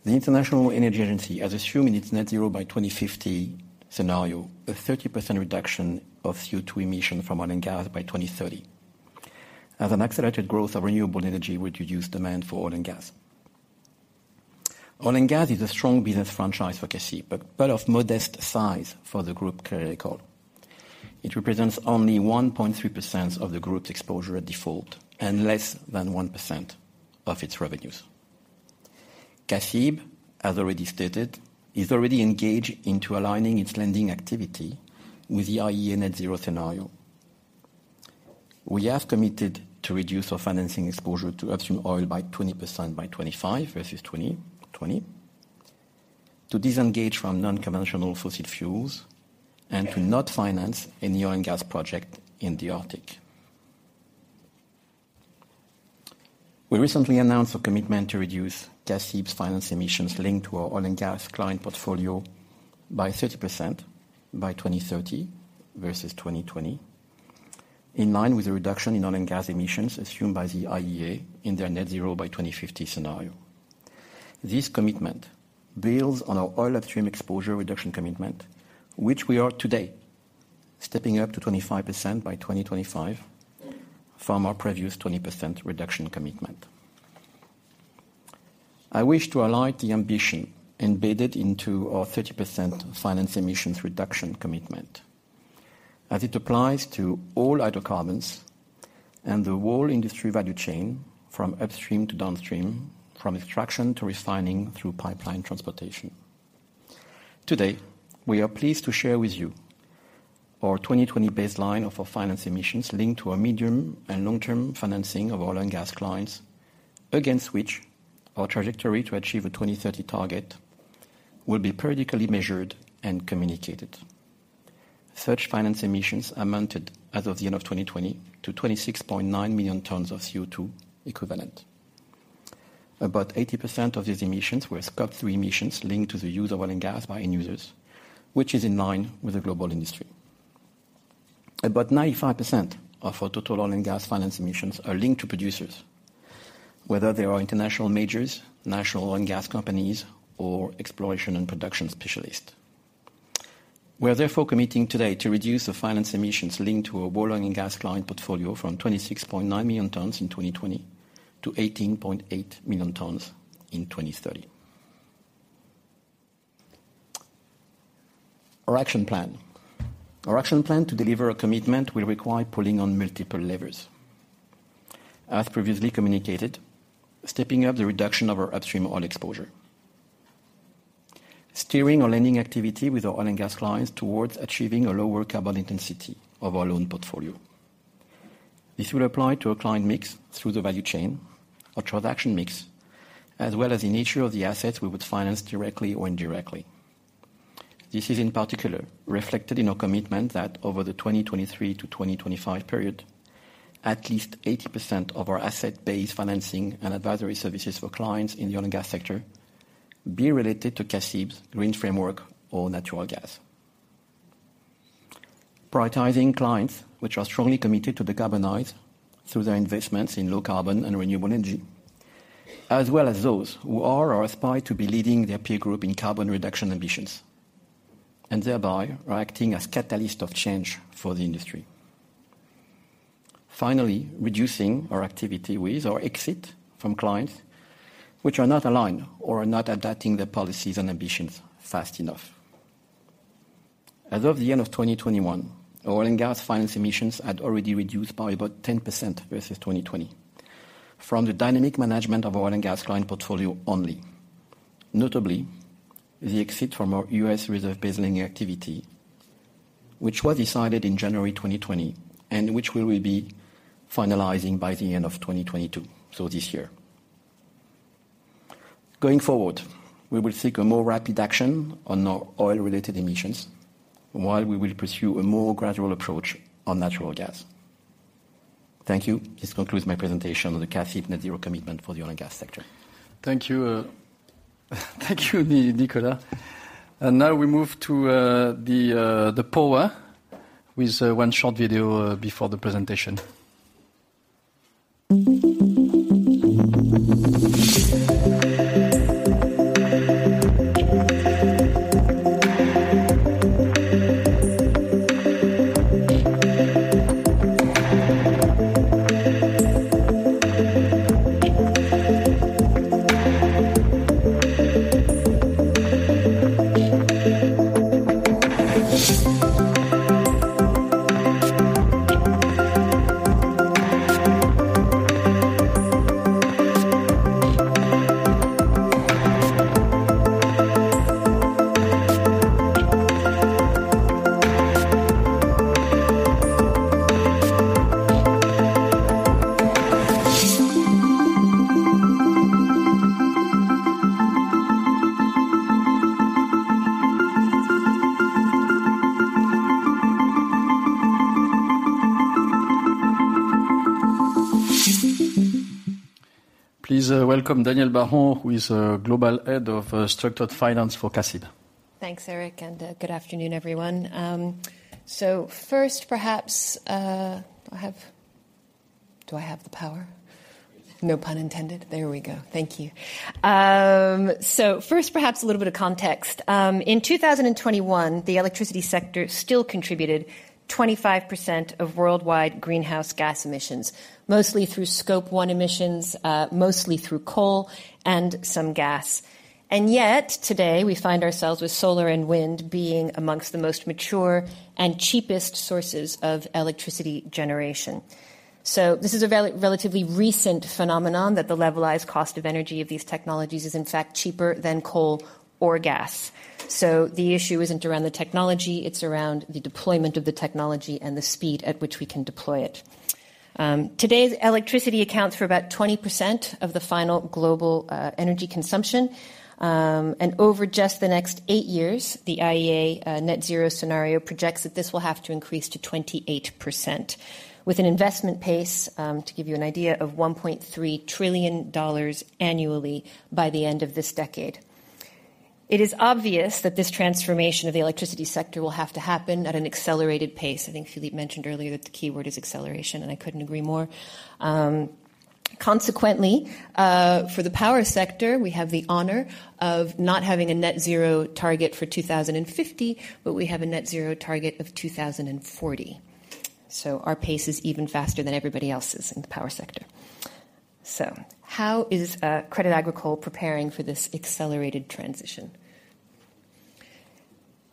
S4: The International Energy Agency has assumed in its Net Zero Emissions by 2050 Scenario, a 30% reduction of CO2 emission from oil and gas by 2030 as an accelerated growth of renewable energy would reduce demand for oil and gas. Oil and gas is a strong business franchise for CACIB, but part of modest size for the group Crédit Agricole. It represents only 1.3% of the group's exposure at default and less than 1% of its revenues. CACIB, as already stated, is already engaged into aligning its lending activity with the IEA Net Zero scenario. We have committed to reduce our financing exposure to upstream oil by 20% by 2025 versus 2020, to disengage from non-conventional fossil fuels, and to not finance any oil and gas project in the Arctic. We recently announced a commitment to reduce CACIB's financed emissions linked to our oil and gas client portfolio by 30% by 2030 versus 2020, in line with the reduction in oil and gas emissions assumed by the IEA in their Net Zero by 2050 scenario. This commitment builds on our oil upstream exposure reduction commitment, which we are today stepping up to 25% by 2025 from our previous 20% reduction commitment. I wish to highlight the ambition embedded into our 30% finance emissions reduction commitment, as it applies to all hydrocarbons and the whole industry value chain, from upstream to downstream, from extraction to refining through pipeline transportation. Today, we are pleased to share with you our 2020 baseline of our finance emissions linked to our medium and long-term financing of oil and gas clients, against which our trajectory to achieve a 2030 target will be periodically measured and communicated. Such finance emissions amounted as of the end of 2020 to 26.9 million tons of CO2 equivalent. About 80% of these emissions were Scope 3 emissions linked to the use of oil and gas by end users, which is in line with the global industry. About 95% of our total oil and gas finance emissions are linked to producers, whether they are international majors, national oil and gas companies, or exploration and production specialists. We are therefore committing today to reduce the finance emissions linked to our oil and gas client portfolio from 26.9 million tons in 2020 to 18.8 million tons in 2030. Our action plan. Our action plan to deliver a commitment will require pulling on multiple levers. As previously communicated, stepping up the reduction of our upstream oil exposure. Steering or lending activity with our oil and gas clients towards achieving a lower carbon intensity of our loan portfolio. This will apply to our client mix through the value chain, our transaction mix, as well as the nature of the assets we would finance directly or indirectly. This is in particular reflected in our commitment that over the 2023-2025 period, at least 80% of our asset-based financing and advisory services for clients in the oil and gas sector be related to CACIB's green framework or natural gas. Prioritizing clients which are strongly committed to decarbonize through their investments in low carbon and renewable energy, as well as those who are or aspire to be leading their peer group in carbon reduction ambitions and thereby are acting as catalyst of change for the industry. Finally, reducing our activity with or exit from clients which are not aligned or are not adapting their policies and ambitions fast enough. As of the end of 2021, our oil and gas finance emissions had already reduced by about 10% versus 2020 from the dynamic management of oil and gas client portfolio only. Notably, the exit from our U.S. reserve-based lending activity, which was decided in January 2020, and which we will be finalizing by the end of 2022, so this year. Going forward, we will seek a more rapid action on our oil-related emissions, while we will pursue a more gradual approach on natural gas. Thank you. This concludes my presentation on the CACIB Net Zero commitment for the oil and gas sector.
S3: Thank you, Nicolas. Now we move to the power with one short video before the presentation. Please welcome Danielle Baron, who is Global Head of Structured Finance for CACIB.
S5: Thanks, Éric, good afternoon, everyone. First perhaps, I have... Do I have the power? No pun intended. There we go. Thank you. First, perhaps a little bit of context. In 2021, the electricity sector still contributed 25% of worldwide greenhouse gas emissions, mostly through Scope 1 emissions, mostly through coal and some gas. Yet, today, we find ourselves with solar and wind being amongst the most mature and cheapest sources of electricity generation. This is a relatively recent phenomenon that the levelized cost of energy of these technologies is in fact cheaper than coal or gas. Today's electricity accounts for about 20% of the final global energy consumption. Over just the next eight years, the IEA Net Zero Scenario projects that this will have to increase to 28% with an investment pace, to give you an idea, of $1.3 trillion annually by the end of this decade. It is obvious that this transformation of the electricity sector will have to happen at an accelerated pace. I think Philippe mentioned earlier that the keyword is acceleration. I couldn't agree more. Consequently, for the power sector, we have the honor of not having a net-zero target for 2050, we have a net-zero target of 2040. Our pace is even faster than everybody else's in the power sector. How is Crédit Agricole preparing for this accelerated transition?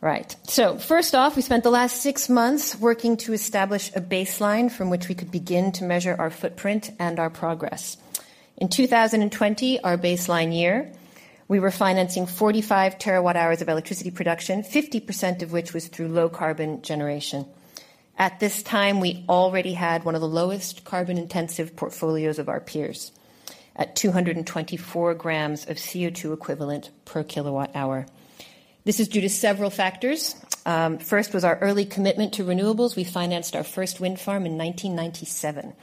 S5: Right. First off, we spent the last six months working to establish a baseline from which we could begin to measure our footprint and our progress. In 2020, our baseline year, we were financing 45 terawatt-hours of electricity production, 50% of which was through low carbon generation. At this time, we already had one of the lowest carbon intensive portfolios of our peers at 224 grams of CO2 equivalent per kWh. This is due to several factors. First was our early commitment to renewables. We financed our first wind farm in 1997.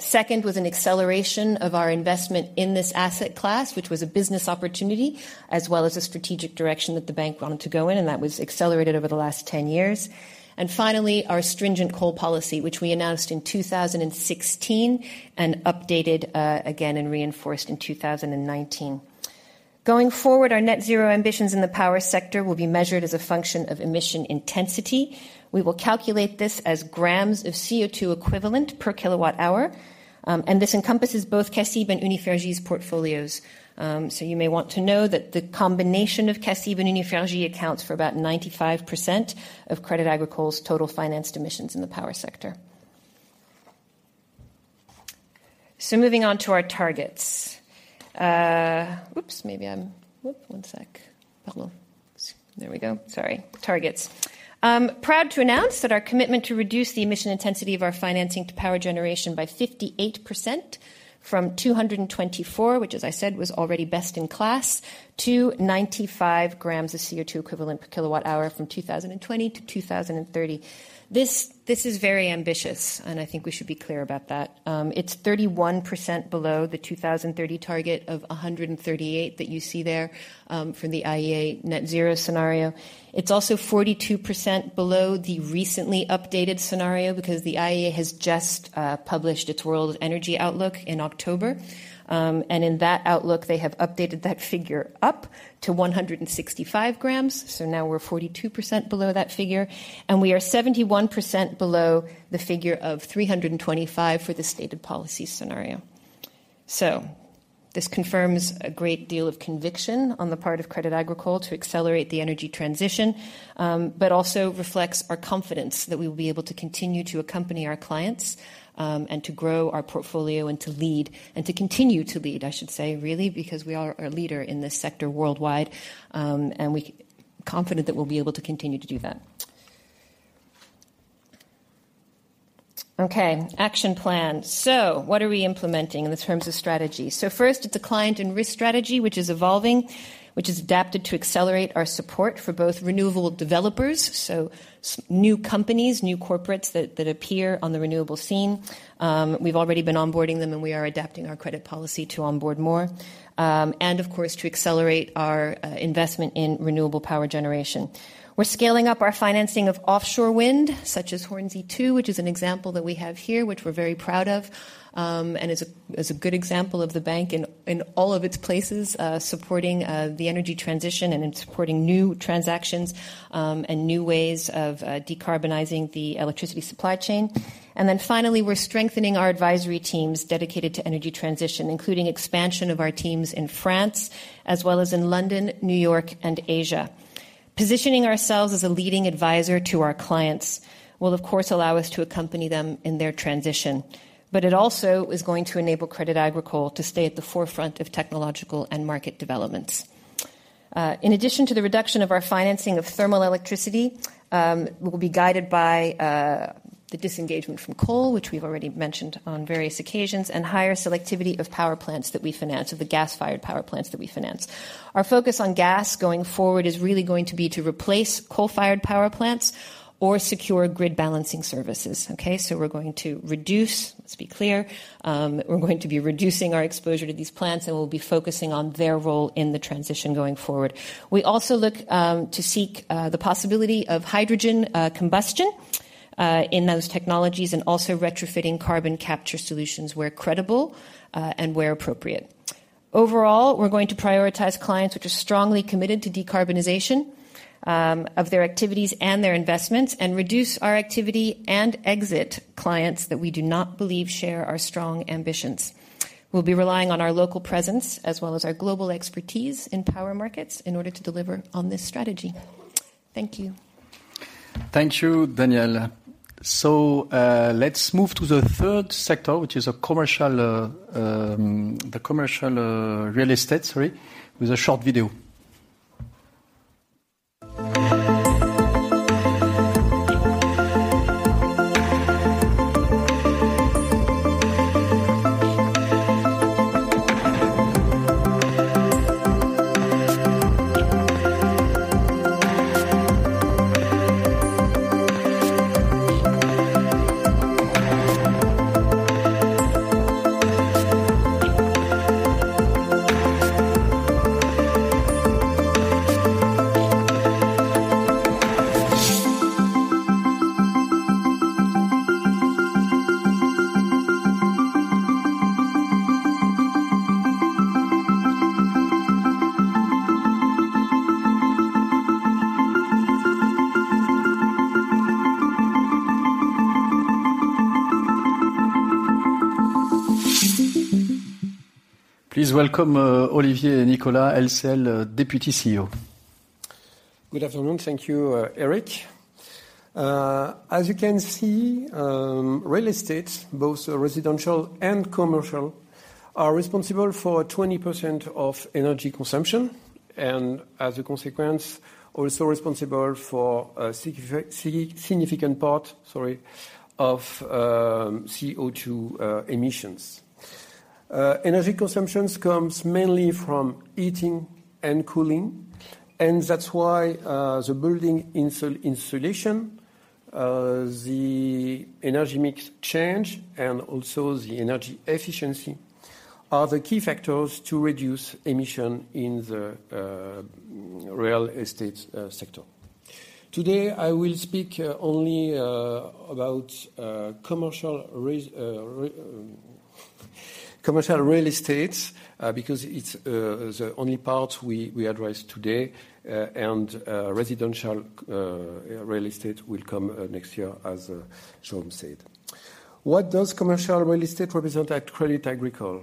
S5: Second was an acceleration of our investment in this asset class, which was a business opportunity as well as a strategic direction that the bank wanted to go in, and that was accelerated over the last 10 years. Finally, our stringent coal policy, which we announced in 2016 and updated again and reinforced in 2019. Going forward, our net zero ambitions in the power sector will be measured as a function of emission intensity. We will calculate this as grams of CO2 equivalent per kWh, and this encompasses both CACEIS and Unifergie's portfolios. You may want to know that the combination of CACEIS and Unifergie accounts for about 95% of Crédit Agricole's total financed emissions in the power sector. Moving on to our targets. Whoops. Whoop. One sec. Pardon. There we go. Sorry. Targets. Proud to announce that our commitment to reduce the emission intensity of our financing to power generation by 58% from 224, which as I said, was already best in class, to 95 grams of CO2 equivalent per kWh from 2020-2030. This is very ambitious, and I think we should be clear about that. It's 31% below the 2030 target of 138 that you see there, from the IEA Net Zero scenario. It's also 42% below the recently updated scenario because the IEA has just published its World Energy Outlook in October. In that outlook, they have updated that figure up to 165 grams, now we're 42% below that figure, and we are 71% below the figure of 325 for the Stated Policies Scenario. This confirms a great deal of conviction on the part of Crédit Agricole to accelerate the energy transition but also reflects our confidence that we will be able to continue to accompany our clients, and to grow our portfolio and to continue to lead, I should say, really, because we are a leader in this sector worldwide. And we confident that we'll be able to continue to do that. Action plan. What are we implementing in the terms of strategy? First, it's a client and risk strategy which is evolving, which is adapted to accelerate our support for both renewable developers, new companies, new corporates that appear on the renewable scene. We've already been onboarding them, and we are adapting our credit policy to onboard more, and of course, to accelerate our investment in renewable power generation. We're scaling up our financing of offshore wind, such as Hornsea Two, which is an example that we have here, which we're very proud of, and is a good example of the bank in all of its places supporting the energy transition and in supporting new transactions, and new ways of decarbonizing the electricity supply chain. Finally, we're strengthening our advisory teams dedicated to energy transition, including expansion of our teams in France as well as in London, New York and Asia. Positioning ourselves as a leading advisor to our clients will of course allow us to accompany them in their transition. It also is going to enable Crédit Agricole to stay at the forefront of technological and market developments. In addition to the reduction of our financing of thermal electricity, we'll be guided by the disengagement from coal, which we've already mentioned on various occasions, and higher selectivity of power plants that we finance, of the gas-fired power plants that we finance. Our focus on gas going forward is really going to be to replace coal-fired power plants or secure grid balancing services, okay? We're going to reduce, let's be clear, we're going to be reducing our exposure to these plants, and we'll be focusing on their role in the transition going forward. We also look to seek the possibility of hydrogen combustion in those technologies and also retrofitting carbon capture solutions where credible and where appropriate. Overall, we're going to prioritize clients which are strongly committed to decarbonization of their activities and their investments and reduce our activity and exit clients that we do not believe share our strong ambitions. We'll be relying on our local presence as well as our global expertise in power markets in order to deliver on this strategy. Thank you.
S3: Thank you, Danielle. Let's move to the third sector, which is a commercial real estate, sorry, with a short video. Please welcome Olivier Nicolas, LCL Deputy CEO.
S6: Good afternoon. Thank you, Éric. As you can see, real estate, both residential and commercial, are responsible for 20% of energy consumption and, as a consequence, also responsible for a significant part, sorry, of CO2 emissions. Energy consumptions comes mainly from heating and cooling, that's why the building insulation, the energy mix change, also the energy efficiency are the key factors to reduce emission in the real estate sector. Today, I will speak only about commercial real estate because it's the only part we address today. Residential real estate will come next year, as Sean said. What does commercial real estate represent at Crédit Agricole?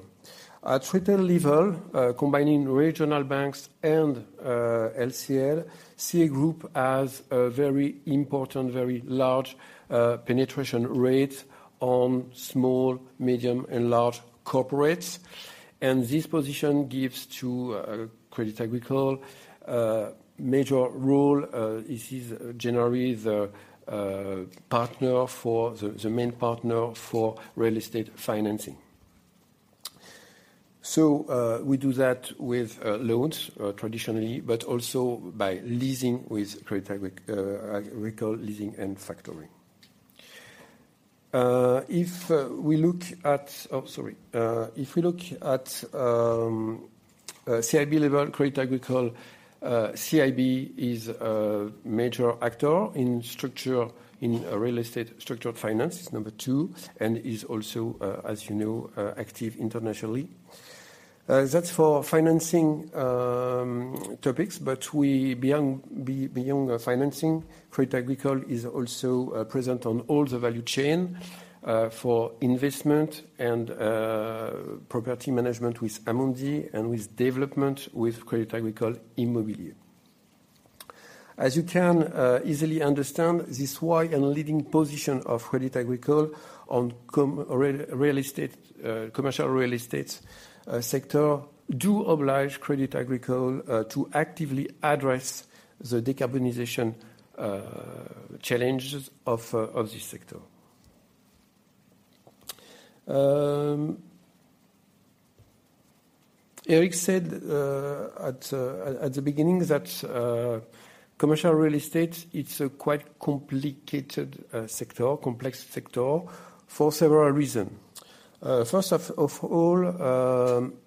S6: At retail level, combining regional banks and LCL, CA group has a very important, very large penetration rate on small, medium, and large corporates. This position gives to Crédit Agricole a major role. It is generally the main partner for real estate financing. We do that with loans traditionally, but also by leasing with Crédit Agricole Leasing & Factoring. If we look at CIB level, Crédit Agricole CIB is a major actor in real estate Structured Finance. It's number two and is also, as you know, active internationally. That's for financing topics. Beyond financing, Crédit Agricole is also present on all the value chain for investment and property management with Amundi and with development with Crédit Agricole Immobilier. As you can easily understand, this wide and leading position of Crédit Agricole on real estate, commercial real estate sector, do oblige Crédit Agricole to actively address the decarbonization challenges of this sector. Éric said at the beginning that commercial real estate, it's a quite complicated sector, complex sector for several reason. First of all,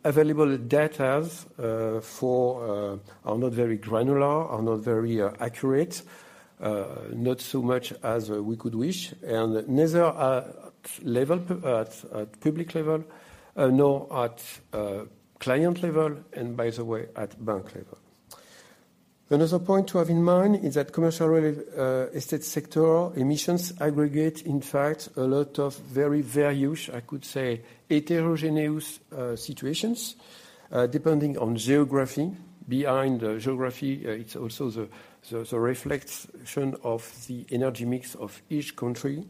S6: available datas for are not very granular, are not very accurate, not so much as we could wish, and neither at public level nor at client level and, by the way, at bank level. Another point to have in mind is that commercial real estate sector emissions aggregate, in fact, a lot of very, very huge, I could say, heterogeneous situations depending on geography. Behind the geography, it's also the, the reflection of the energy mix of each country,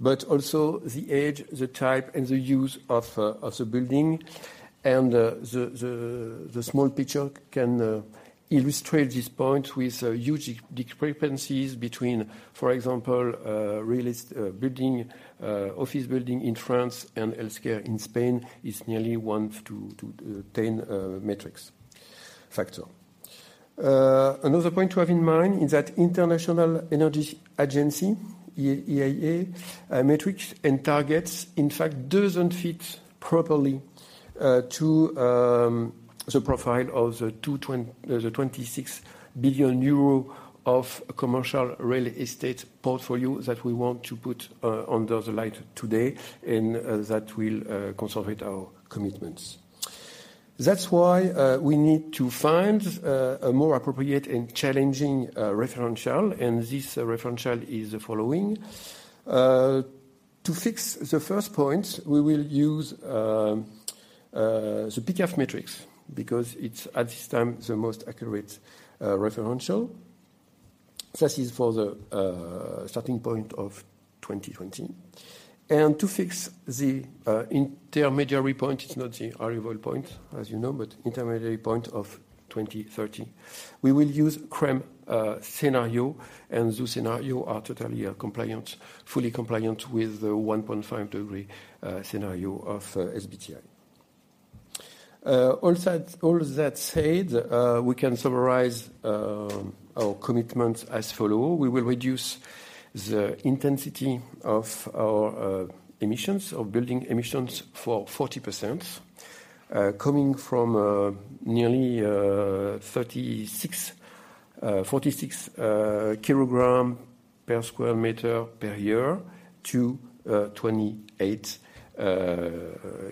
S6: but also the age, the type, and the use of the building. The, the small picture can illustrate this point with huge discrepancies between, for example, real estate building, office building in France and healthcare in Spain is nearly one-10 metrics factor. Another point to have in mind is that International Energy Agency, IEA, metrics and targets, in fact, doesn't fit properly to the profile of the 26 billion euro of commercial real estate portfolio that we want to put under the light today and that will consolidate our commitments. That's why we need to find a more appropriate and challenging referential. This referential is the following. To fix the first point, we will use the PCAF metrics because it's, at this time, the most accurate referential. This is for the starting point of 2020. To fix the intermediary point, it's not the arrival point, as you know, but intermediary point of 2030, we will use CRREM scenario, and the scenario are totally compliant, fully compliant with the 1.5-degree scenario of SBTi. All that said, we can summarize our commitments as follow. We will reduce the intensity of our emissions, of building emissions for 40%, coming from nearly 36 kg, 46 kg per sq m per year to 28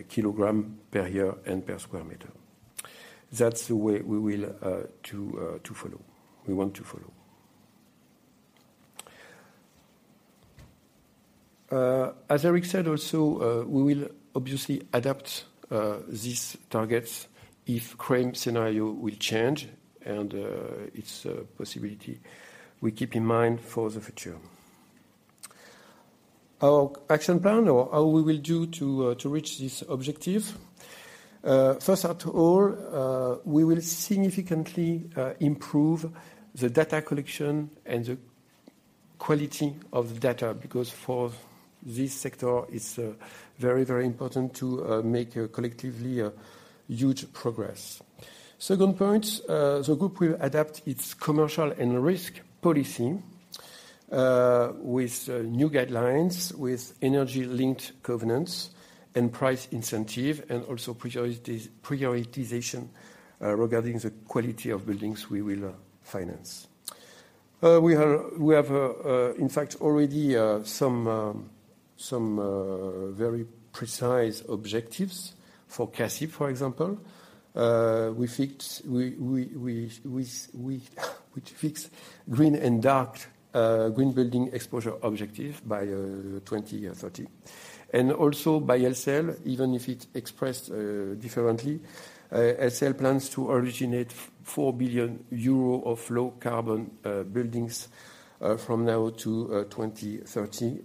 S6: kg per year and per sq m. That's the way we want to follow. As Éric said also, we will obviously adapt these targets if frame scenario will change and its possibility we keep in mind for the future. Our action plan or how we will do to reach this objective. First of all, we will significantly improve the data collection and the quality of data, because for this sector, it's very, very important to make a collectively a huge progress. Second point, the group will adapt its commercial and risk policy with new guidelines, with energy-linked governance and price incentive, and also prioritization regarding the quality of buildings we will finance. We have, in fact, already some very precise objectives. For CACEIS, for example, we fix green and dark green building exposure objective by 2030. Also by LCL, even if it expressed differently, LCL plans to originate 4 billion euro of low carbon buildings from now to 2030.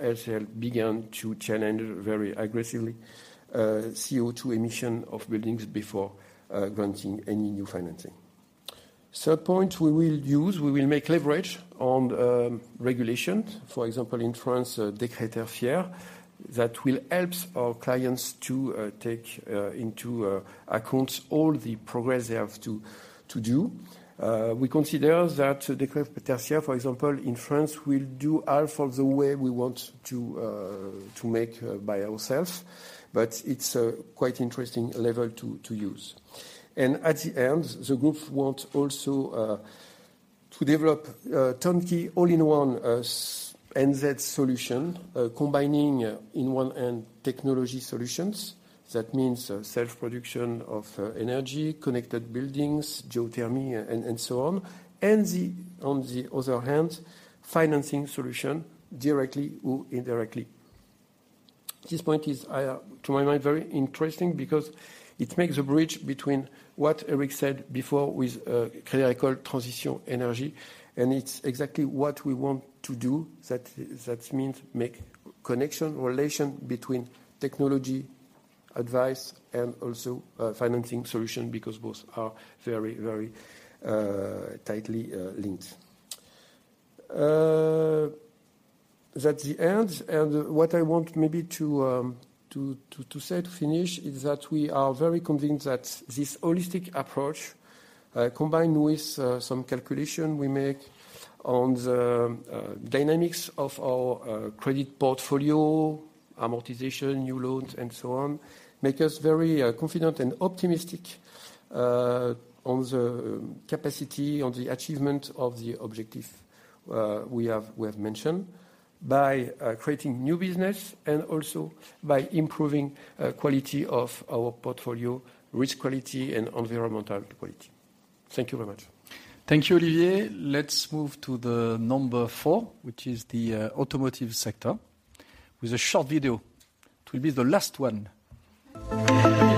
S6: LCL began to challenge very aggressively CO2 emission of buildings before granting any new financing. Third point, we will make leverage on regulations. For example, in France, Décret Tertiaire, that will help our clients to take into account all the progress they have to do. We consider that Décret Tertiaire, for example, in France, will do half of the way we want to make by ourself, but it's a quite interesting level to use. At the end, the group want also to develop turnkey all-in-one and that solution combining in one end technology solutions. That means self-production of energy, connected buildings, geothermal, and so on. On the other hand, financing solution, directly or indirectly. This point is to my mind very interesting because it makes a bridge between what Éric said before with Crédit Agricole Transitions & Energies, and it's exactly what we want to do. That means make connection, relation between technology, advice, and also financing solution, because both are very, very tightly linked. That's the end. What I want maybe to say to finish is that we are very convinced that this holistic approach, combined with some calculation we make on the dynamics of our credit portfolio, amortization, new loans, and so on, make us very confident and optimistic on the capacity, on the achievement of the objective we have mentioned, by creating new business and also by improving quality of our portfolio, risk quality and environmental quality. Thank you very much.
S3: Thank you, Olivier. Let's move to the number four, which is the automotive sector, with a short video. It will be the last one. Please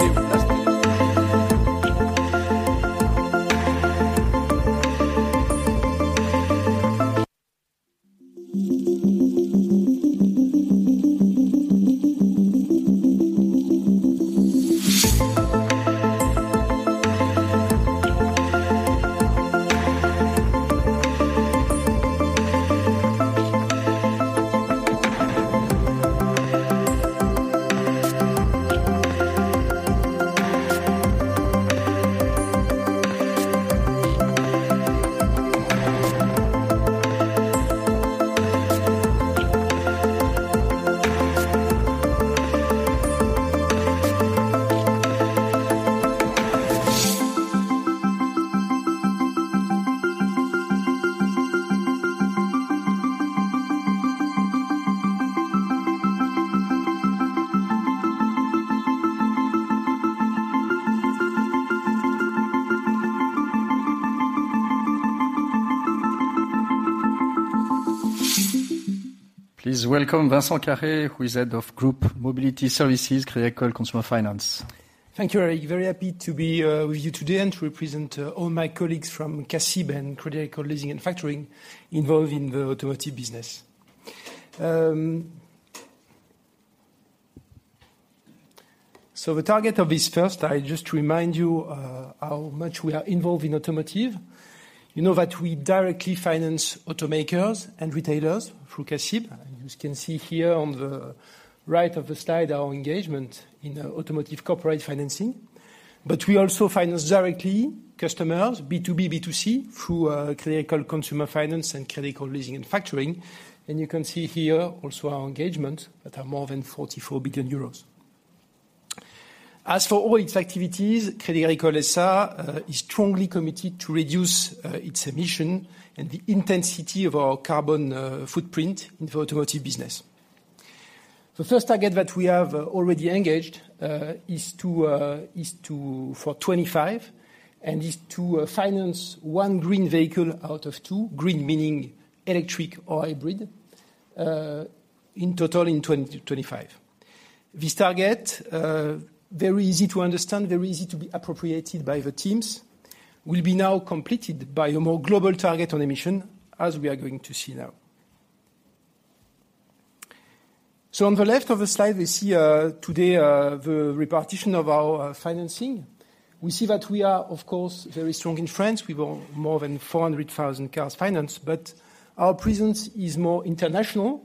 S3: welcome Vincent Carré, who is Head of Group Mobility Services, Crédit Agricole Consumer Finance.
S7: Thank you, Éric. Very happy to be with you today and to represent all my colleagues from CACEIS and Crédit Agricole Leasing & Factoring involved in the automotive business. The target of this, first, I just remind you how much we are involved in automotive. You know that we directly finance automakers and retailers through CACEIS. As you can see here on the right of the slide, our engagement in automotive corporate financing. We also finance directly customers, B2B, B2C, through Crédit Agricole Consumer Finance and Crédit Agricole Leasing & Factoring. You can see here also our engagement that are more than 44 billion euros. As for all its activities, Crédit Agricole S.A. is strongly committed to reduce its emission and the intensity of our carbon footprint in the automotive business. The first target that we have already engaged is to for 2025, is to finance one green vehicle out of two, green meaning electric or hybrid in total in 2020-2025. This target, very easy to understand, very easy to be appropriated by the teams, will be now completed by a more global target on emission, as we are going to see now. On the left of the slide, we see today the repartition of our financing. We see that we are, of course, very strong in France. We have more than 400,000 cars financed, but our presence is more international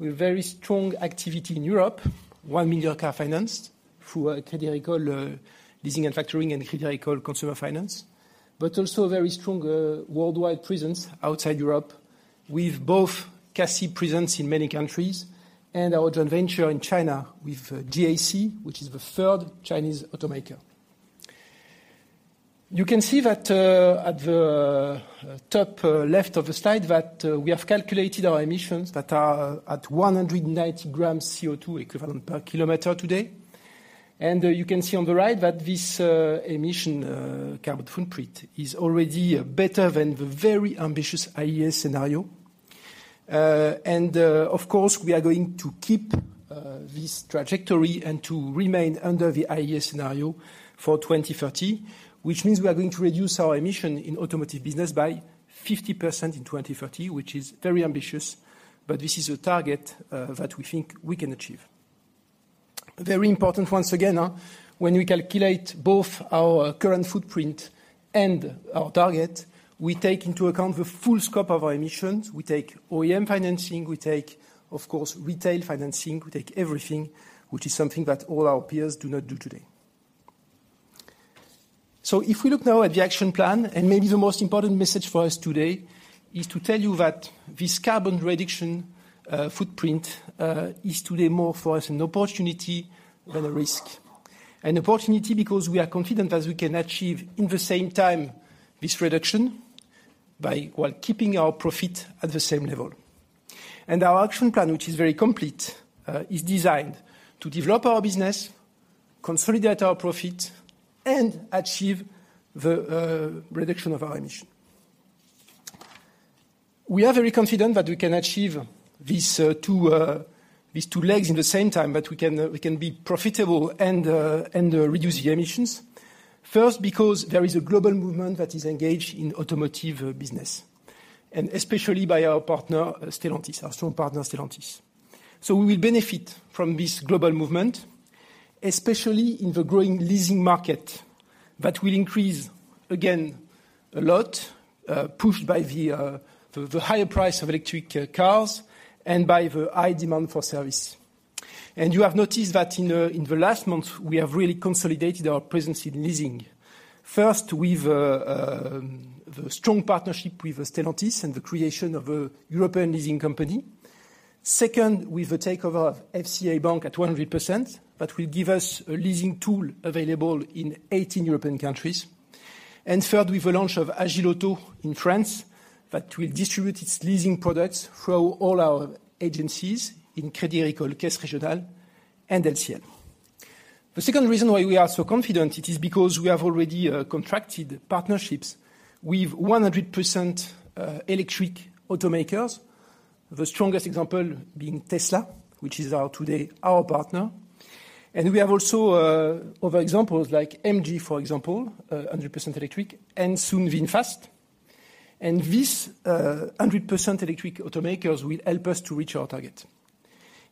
S7: with very strong activity in Europe, 1 million car financed through Crédit Agricole Leasing & Factoring and Crédit Agricole Consumer Finance. Also, a very strong worldwide presence outside Europe with both CACEIS presence in many countries and our joint venture in China with GAC, which is the third Chinese automaker. You can see that at the top left of the slide that we have calculated our emissions that are at 190 grams CO2 equivalent per km today. You can see on the right that this emission carbon footprint is already better than the very ambitious IEA scenario. Of course, we are going to keep this trajectory and to remain under the IEA scenario for 2030. Which means we are going to reduce our emission in automotive business by 50% in 2030, which is very ambitious, but this is a target that we think we can achieve. Very important once again, when we calculate both our current footprint and our target, we take into account the full scope of our emissions. We take OEM financing, we take, of course, retail financing, we take everything, which is something that all our peers do not do today. If we look now at the action plan, and maybe the most important message for us today is to tell you that this carbon reduction footprint is today more for us an opportunity than a risk. An opportunity because we are confident that we can achieve, in the same time, this reduction by, well, keeping our profit at the same level. Our action plan, which is very complete, is designed to develop our business, consolidate our profit, and achieve the reduction of our emission. We are very confident that we can achieve these two legs in the same time, that we can be profitable and reduce the emissions. First, because there is a global movement that is engaged in automotive business, and especially by our partner, Stellantis, our strong partner, Stellantis. We will benefit from this global movement, especially in the growing leasing market that will increase, again, a lot, pushed by the higher price of electric cars and by the high demand for service. You have noticed that in the last months, we have really consolidated our presence in leasing. First, with the strong partnership with Stellantis and the creation of a European leasing company. With the takeover of FCA Bank at 100%, that will give us a leasing tool available in 18 European countries. With the launch of Agilauto in France, that will distribute its leasing products through all our agencies in Crédit Agricole Caisses Régionales and LCL. The second reason why we are so confident, it is because we have already contracted partnerships with 100% electric automakers. The strongest example being Tesla, which is our, today, our partner. We have also other examples like MG, for example, 100% electric, and soon VinFast. These 100% electric automakers will help us to reach our target.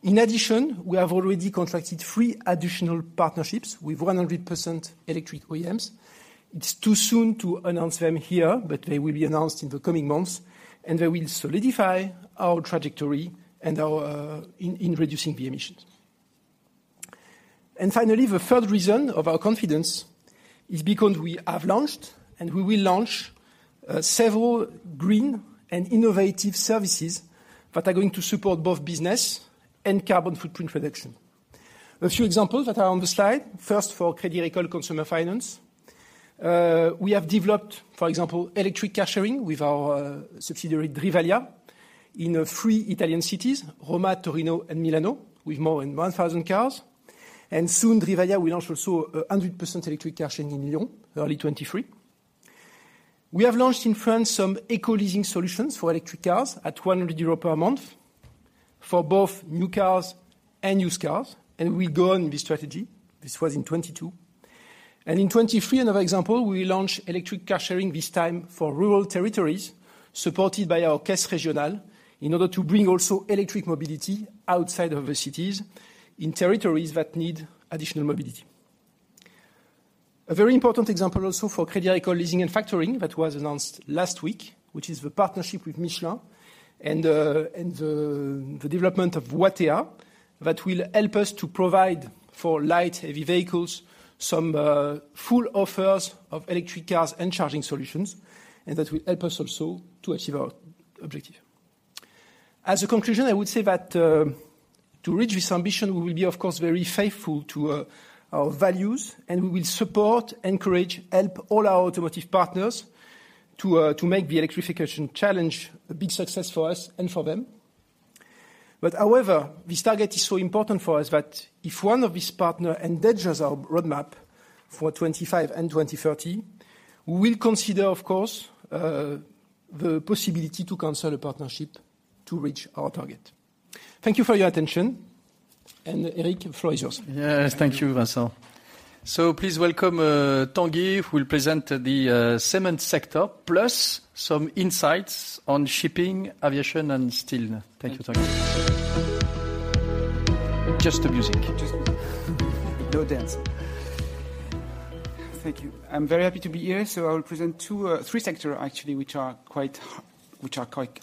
S7: In addition, we have already contracted three additional partnerships with 100% electric OEMs. It's too soon to announce them here, they will be announced in the coming months, they will solidify our trajectory and our in reducing the emissions. Finally, the third reason of our confidence is because we have launched, and we will launch, several green and innovative services that are going to support both business and carbon footprint reduction. A few examples that are on the slide. First, for Crédit Agricole Consumer Finance. We have developed, for example, electric car sharing with our subsidiary, Drivalia, in three Italian cities, Roma, Torino and Milano, with more than 1,000 cars. Soon, Drivalia will launch also a 100% electric car sharing in Lyon, early 2023. We have launched in France some eco-leasing solutions for electric cars at 100 euros per month for both new cars and used cars. We go on this strategy. This was in 2022. In 2023, another example, we launch electric car sharing this time for rural territories, supported by our Caisse Régionale, in order to bring also electric mobility outside of the cities in territories that need additional mobility. A very important example also for Crédit Agricole Leasing & Factoring that was announced last week, which is the partnership with Michelin and the development of Watèa that will help us to provide for light, heavy vehicles some full offers of electric cars and charging solutions, and that will help us also to achieve our objective. As a conclusion, I would say that to reach this ambition, we will be, of course, very faithful to our values, and we will support, encourage, help all our automotive partners to make the electrification challenge a big success for us and for them. However, this target is so important for us that if one of these partner endangers our roadmap for 2025 and 2030, we'll consider, of course, the possibility to cancel the partnership to reach our target. Thank you for your attention. Éric, the floor is yours.
S3: Thank you, Vincent. Please welcome Tanguy, who will present the cement sector, plus some insights on shipping, aviation, and steel. Thank you, Tanguy. Just the music. Just the music.
S8: No dance. Thank you. I'm very happy to be here, so I'll present two, three sector actually, which are quite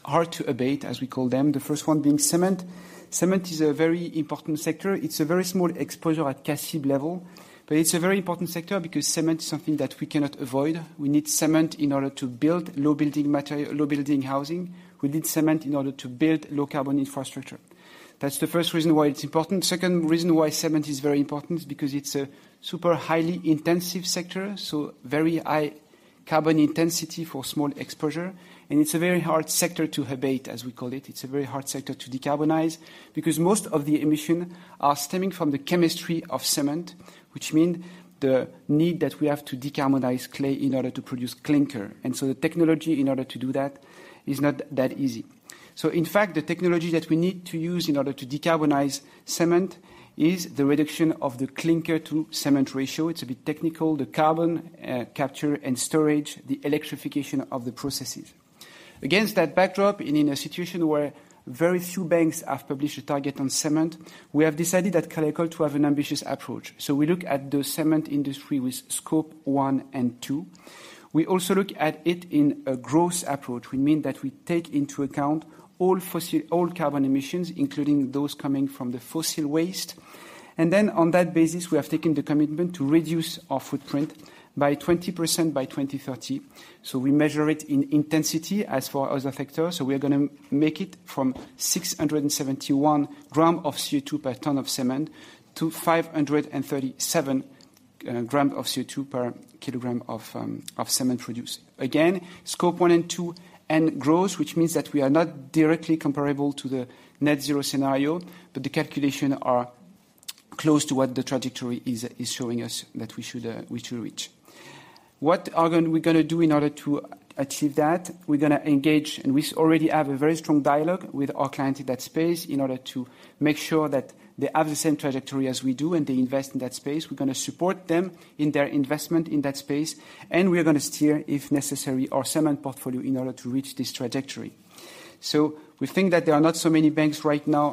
S8: hard to abate, as we call them. The first one being cement. Cement is a very important sector. It's a very small exposure at CIB level, but it's a very important sector because cement is something that we cannot avoid. We need cement in order to build new building housing. We need cement in order to build low-carbon infrastructure. That's the first reason why it's important. Second reason why cement is very important is because it's a super highly intensive sector, so very high carbon intensity for small exposure, and it's a very hard sector to abate, as we call it. It's a very hard sector to decarbonize, because most of the emission are stemming from the chemistry of cement, which mean the need that we have to decarbonize clay in order to produce clinker. The technology in order to do that is not that easy. In fact, the technology that we need to use in order to decarbonize cement is the reduction of the clinker-to-cement ratio. It's a bit technical, the carbon capture and storage, the electrification of the processes. Against that backdrop, and in a situation where very few banks have published a target on cement, we have decided at Crédit Agricole to have an ambitious approach. We look at the cement industry with Scope 1 and 2. We also look at it in a growth approach. We mean that we take into account all fossil, all carbon emissions, including those coming from the fossil waste. On that basis, we have taken the commitment to reduce our footprint by 20% by 2030. We measure it in intensity as for other factors, we're gonna make it from 671 gram of CO2 per ton of cement to 537 gram of CO2 per kg of cement produced. Again, Scope 1 and 2 and growth, which means that we are not directly comparable to the Net Zero scenario, but the calculation are close to what the trajectory is showing us that we should reach. What we gonna do in order to achieve that? We're gonna engage, we already have a very strong dialogue with our client in that space in order to make sure that they have the same trajectory as we do, they invest in that space. We're gonna support them in their investment in that space, we are gonna steer, if necessary, our cement portfolio in order to reach this trajectory. We think that there are not so many banks right now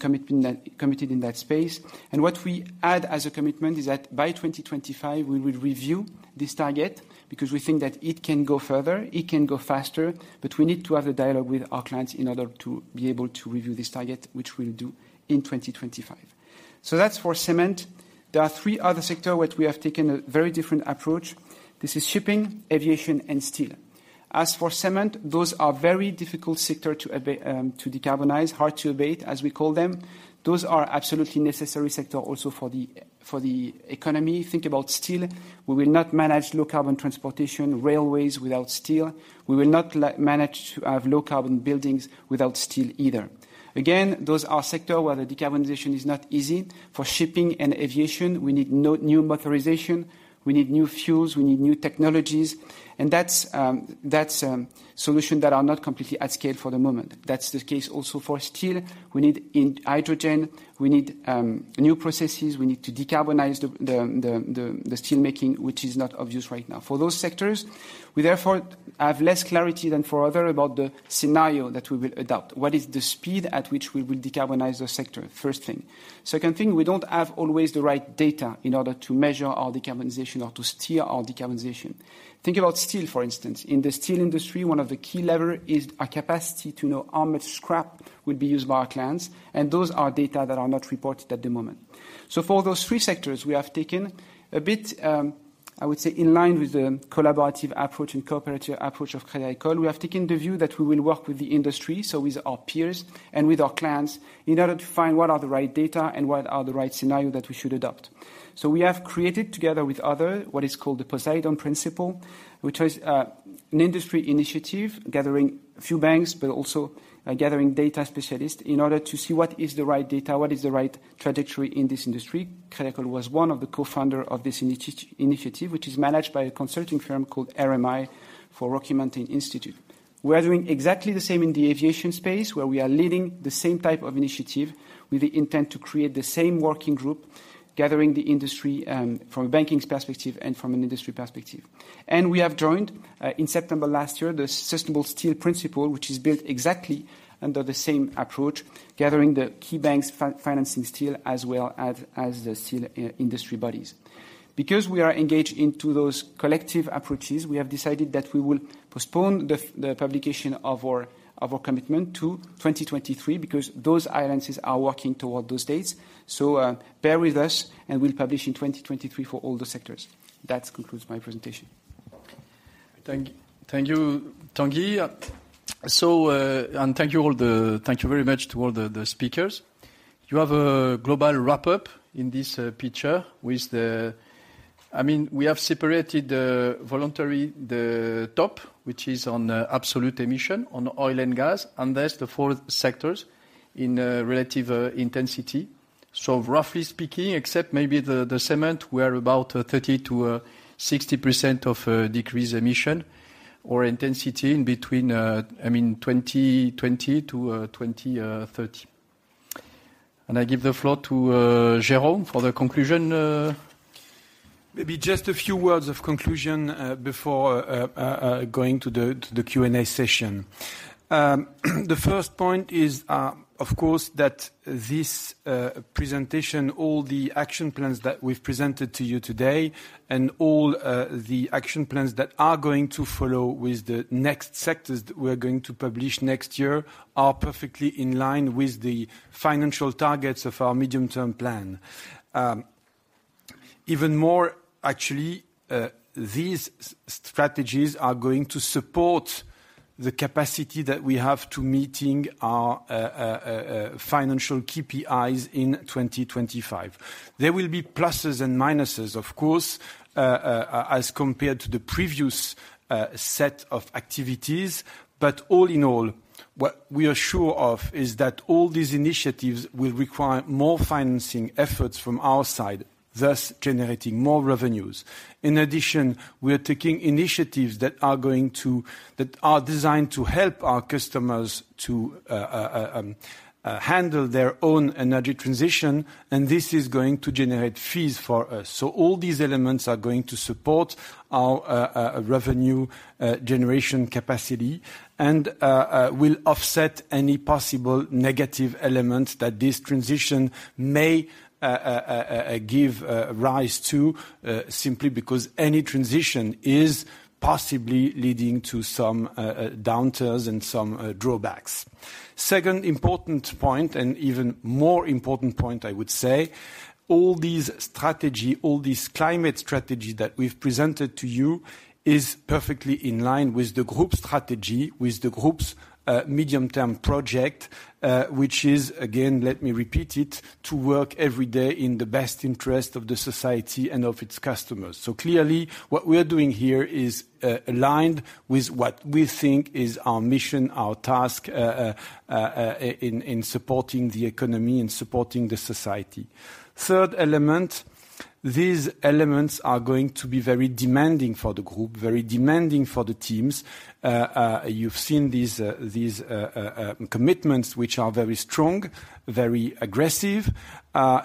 S8: committed in that space, what we add as a commitment is that by 2025, we will review this target because we think that it can go further, it can go faster, we need to have a dialogue with our clients in order to be able to review this target, which we'll do in 2025. That's for cement. There are three other sectors which we have taken a very different approach. This is shipping, aviation, and steel. As for cement, those are very difficult sectors to decarbonize, hard to abate, as we call them. Those are absolutely necessary sectors also for the economy. Think about steel. We will not manage low-carbon transportation railways without steel. We will not manage to have low-carbon buildings without steel either. Again, those are sectors where the decarbonization is not easy. For shipping and aviation, we need no-new motorization, we need new fuels, we need new technologies, and that's solutions that are not completely at scale for the moment. That's the case also for steel. We need hydrogen, we need new processes, we need to decarbonize the steelmaking, which is not obvious right now. For those sectors, we therefore have less clarity than for other about the scenario that we will adopt. What is the speed at which we will decarbonize the sector? First thing. Second thing, we don't have always the right data in order to measure our decarbonization or to steer our decarbonization. Think about steel, for instance. In the steel industry, one of the key lever is our capacity to know how much scrap will be used by our clients, those are data that are not reported at the moment. For those three sectors, we have taken a bit, I would say, in line with the collaborative approach and cooperative approach of Crédit Agricole, we have taken the view that we will work with the industry, so with our peers and with our clients, in order to find what are the right data and what are the right scenario that we should adopt. We have created, together with other, what is called the Poseidon Principles, which is an industry initiative gathering a few banks, but also gathering data specialists in order to see what is the right data, what is the right trajectory in this industry. Crédit Agricole was one of the co-founder of this initiative, which is managed by a consulting firm called RMI for Rocky Mountain Institute. We are doing exactly the same in the aviation space, where we are leading the same type of initiative with the intent to create the same working group, gathering the industry from a banking's perspective and from an industry perspective. We have joined in September last year, the Sustainable STEEL Principles, which is built exactly under the same approach, gathering the key banks financing steel as well as the steel industry bodies. Because we are engaged into those collective approaches, we have decided that we will postpone the publication of our commitment to 2023, because those alliances are working toward those dates. Bear with us, and we'll publish in 2023 for all the sectors. That concludes my presentation.
S3: Thank you, Tanguy. Thank you very much to all the speakers. You have a global wrap up in this picture with the... I mean, we have separated, voluntary, the top, which is on absolute emission on oil and gas, and there's the four sectors in relative intensity. Roughly speaking, except maybe the cement, we are about 30%-60% of decreased emission or intensity in between, I mean, 2020-2030. I give the floor to Jérôme for the conclusion.
S2: Maybe just a few words of conclusion, before going to the Q&A session. The first point is, of course, that this presentation, all the action plans that we've presented to you today and all the action plans that are going to follow with the next sectors that we're going to publish next year, are perfectly in line with the financial targets of our medium-term plan. Even more actually, these strategies are going to support the capacity that we have to meeting our financial KPIs in 2025. There will be pluses and minuses, of course, as compared to the previous set of activities. All in all, what we are sure of is that all these initiatives will require more financing efforts from our side, thus generating more revenues. We are taking initiatives that are designed to help our customers to handle their own energy transition, and this is going to generate fees for us. All these elements are going to support our revenue generation capacity and will offset any possible negative elements that this transition may give rise to simply because any transition is possibly leading to some downers and some drawbacks. Second important point, and even more important point, I would say, all these strategy, all these climate strategy that we've presented to you is perfectly in line with the group's strategy, with the group's medium-term project, which is again, let me repeat it, to work every day in the best interest of the society and of its customers. Clearly, what we are doing here is aligned with what we think is our mission, our task, in supporting the economy and supporting the society. Third element. These elements are going to be very demanding for the group, very demanding for the teams. You've seen these commitments, which are very strong, very aggressive.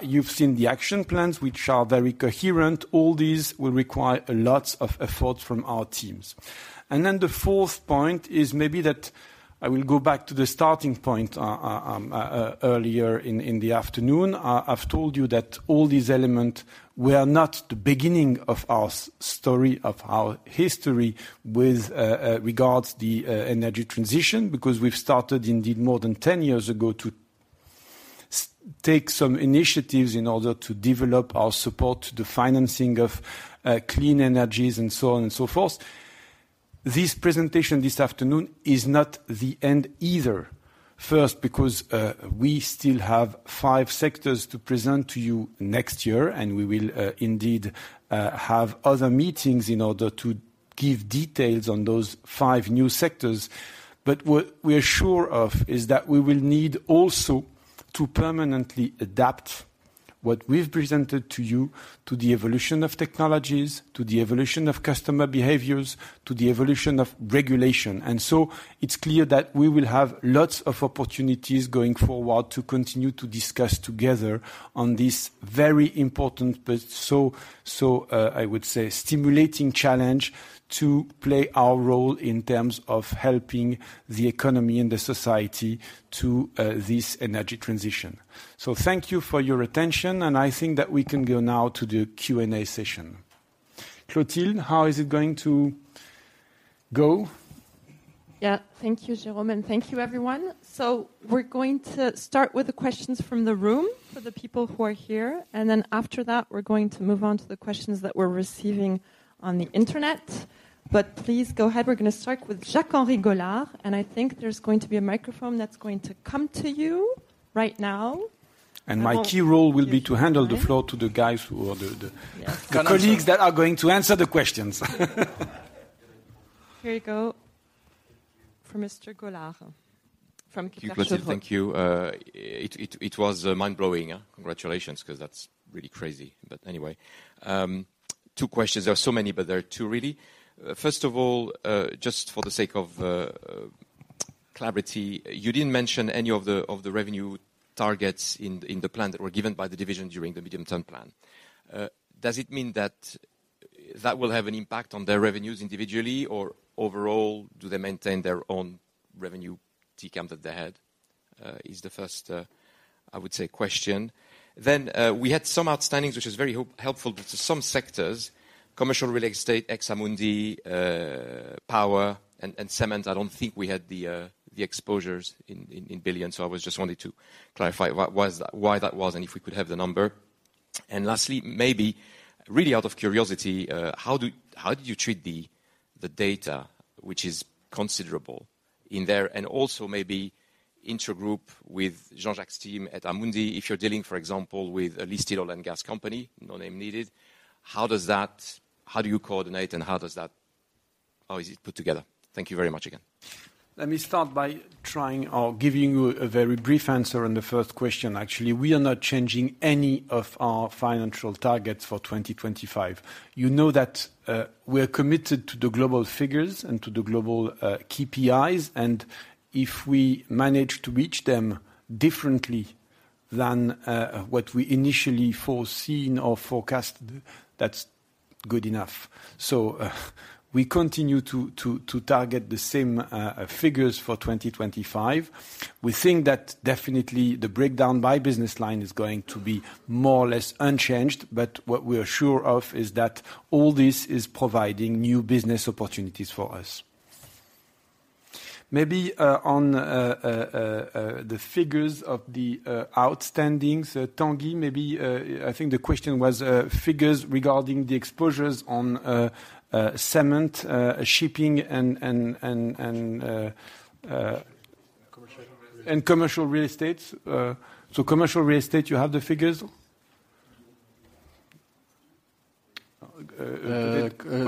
S2: You've seen the action plans, which are very coherent. All these will require a lot of effort from our teams. The fourth point is maybe that I will go back to the starting point earlier in the afternoon. I've told you that all these element were not the beginning of our story, of our history with regards the energy transition, we've started indeed more than 10 years ago to take some initiatives in order to develop our support to the financing of clean energies and so on and so forth. This presentation this afternoon is not the end either. First, we still have five sectors to present to you next year, we will indeed have other meetings in order to give details on those five new sectors. What we are sure of is that we will need also to permanently adapt what we've presented to you to the evolution of technologies, to the evolution of customer behaviors, to the evolution of regulation. It's clear that we will have lots of opportunities going forward to continue to discuss together on this very important but so, I would say, stimulating challenge to play our role in terms of helping the economy and the society to this energy transition. Thank you for your attention, and I think that we can go now to the Q&A session. Clotilde, how is it going to go?
S9: Yeah. Thank you, Jérôme, and thank you everyone. We're going to start with the questions from the room for the people who are here, and then after that, we're going to move on to the questions that we're receiving on the Internet. Please go ahead. We're going to start with Jacques-Henri Goularte, and I think there's going to be a microphone that's going to come to you right now.
S2: My key role will be to handle the floor to the guys who are the.
S9: Yes.
S2: Colleagues that are going to answer the questions.
S9: Here you go. For Mr. Goularte from Crédit Agricole.
S10: Thank you, Clotilde. Thank you. It was mind-blowing. Congratulations, 'cause that's really crazy. Anyway, two questions. There are so many, but there are two really. First of all, just for the sake of clarity, you didn't mention any of the revenue targets in the plan that were given by the division during the medium-term plan. Does it mean that will have an impact on their revenues individually or overall? Do they maintain their own revenue TCAM that they had? Is the first, I would say, question. We had some outstandings, which is very helpful, but to some sectors, commercial real estate, Amundi, Power and Cement, I don't think we had the exposures in billions, so I was just wanting to clarify what was that, why that was, and if we could have the number. Lastly, maybe really out of curiosity, how do you treat the data which is considerable in there, and also maybe intergroup with Jean-Jacques' team at Amundi, if you're dealing, for example, with a listed oil and gas company, no name needed, how does that... how do you coordinate and how is it put together? Thank you very much again.
S2: Let me start by trying or giving you a very brief answer on the first question. Actually, we are not changing any of our financial targets for 2025. You know that we are committed to the global figures and to the global KPIs, and if we manage to reach them differently than what we initially foreseen or forecasted, that's good enough. We continue to target the same figures for 2025. We think that definitely the breakdown by business line is going to be more or less unchanged, but what we're sure of is that all this is providing new business opportunities for us. Maybe, on the figures of the outstandings, Tanguy, maybe, I think the question was, figures regarding the exposures on cement, shipping and.
S1: Commercial real estate.
S2: Commercial real estate. Commercial real estate, you have the figures?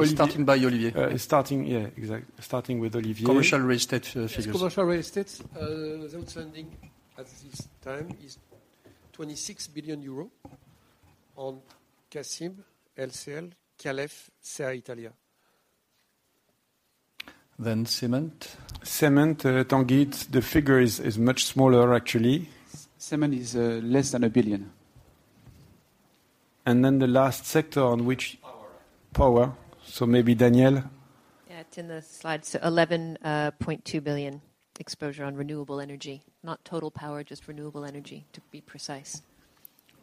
S3: Starting by Olivier.
S2: Starting, yeah, exactly. Starting with Olivier.
S3: Commercial real estate figures.
S6: Yes, commercial real estate, the outstanding at this time is 26 billion euros on CASA, LCL, CAL&F, Crédit Agricole Italia.
S2: Cement? Cement, Tanguy, the figure is much smaller actually.
S8: Cement is, less than 1 billion.
S2: The last sector on which. Power. Power. Maybe Danielle.
S5: Yeah, it's in the slides. 11.2 billion exposure on renewable energy. Not total power, just renewable energy to be precise.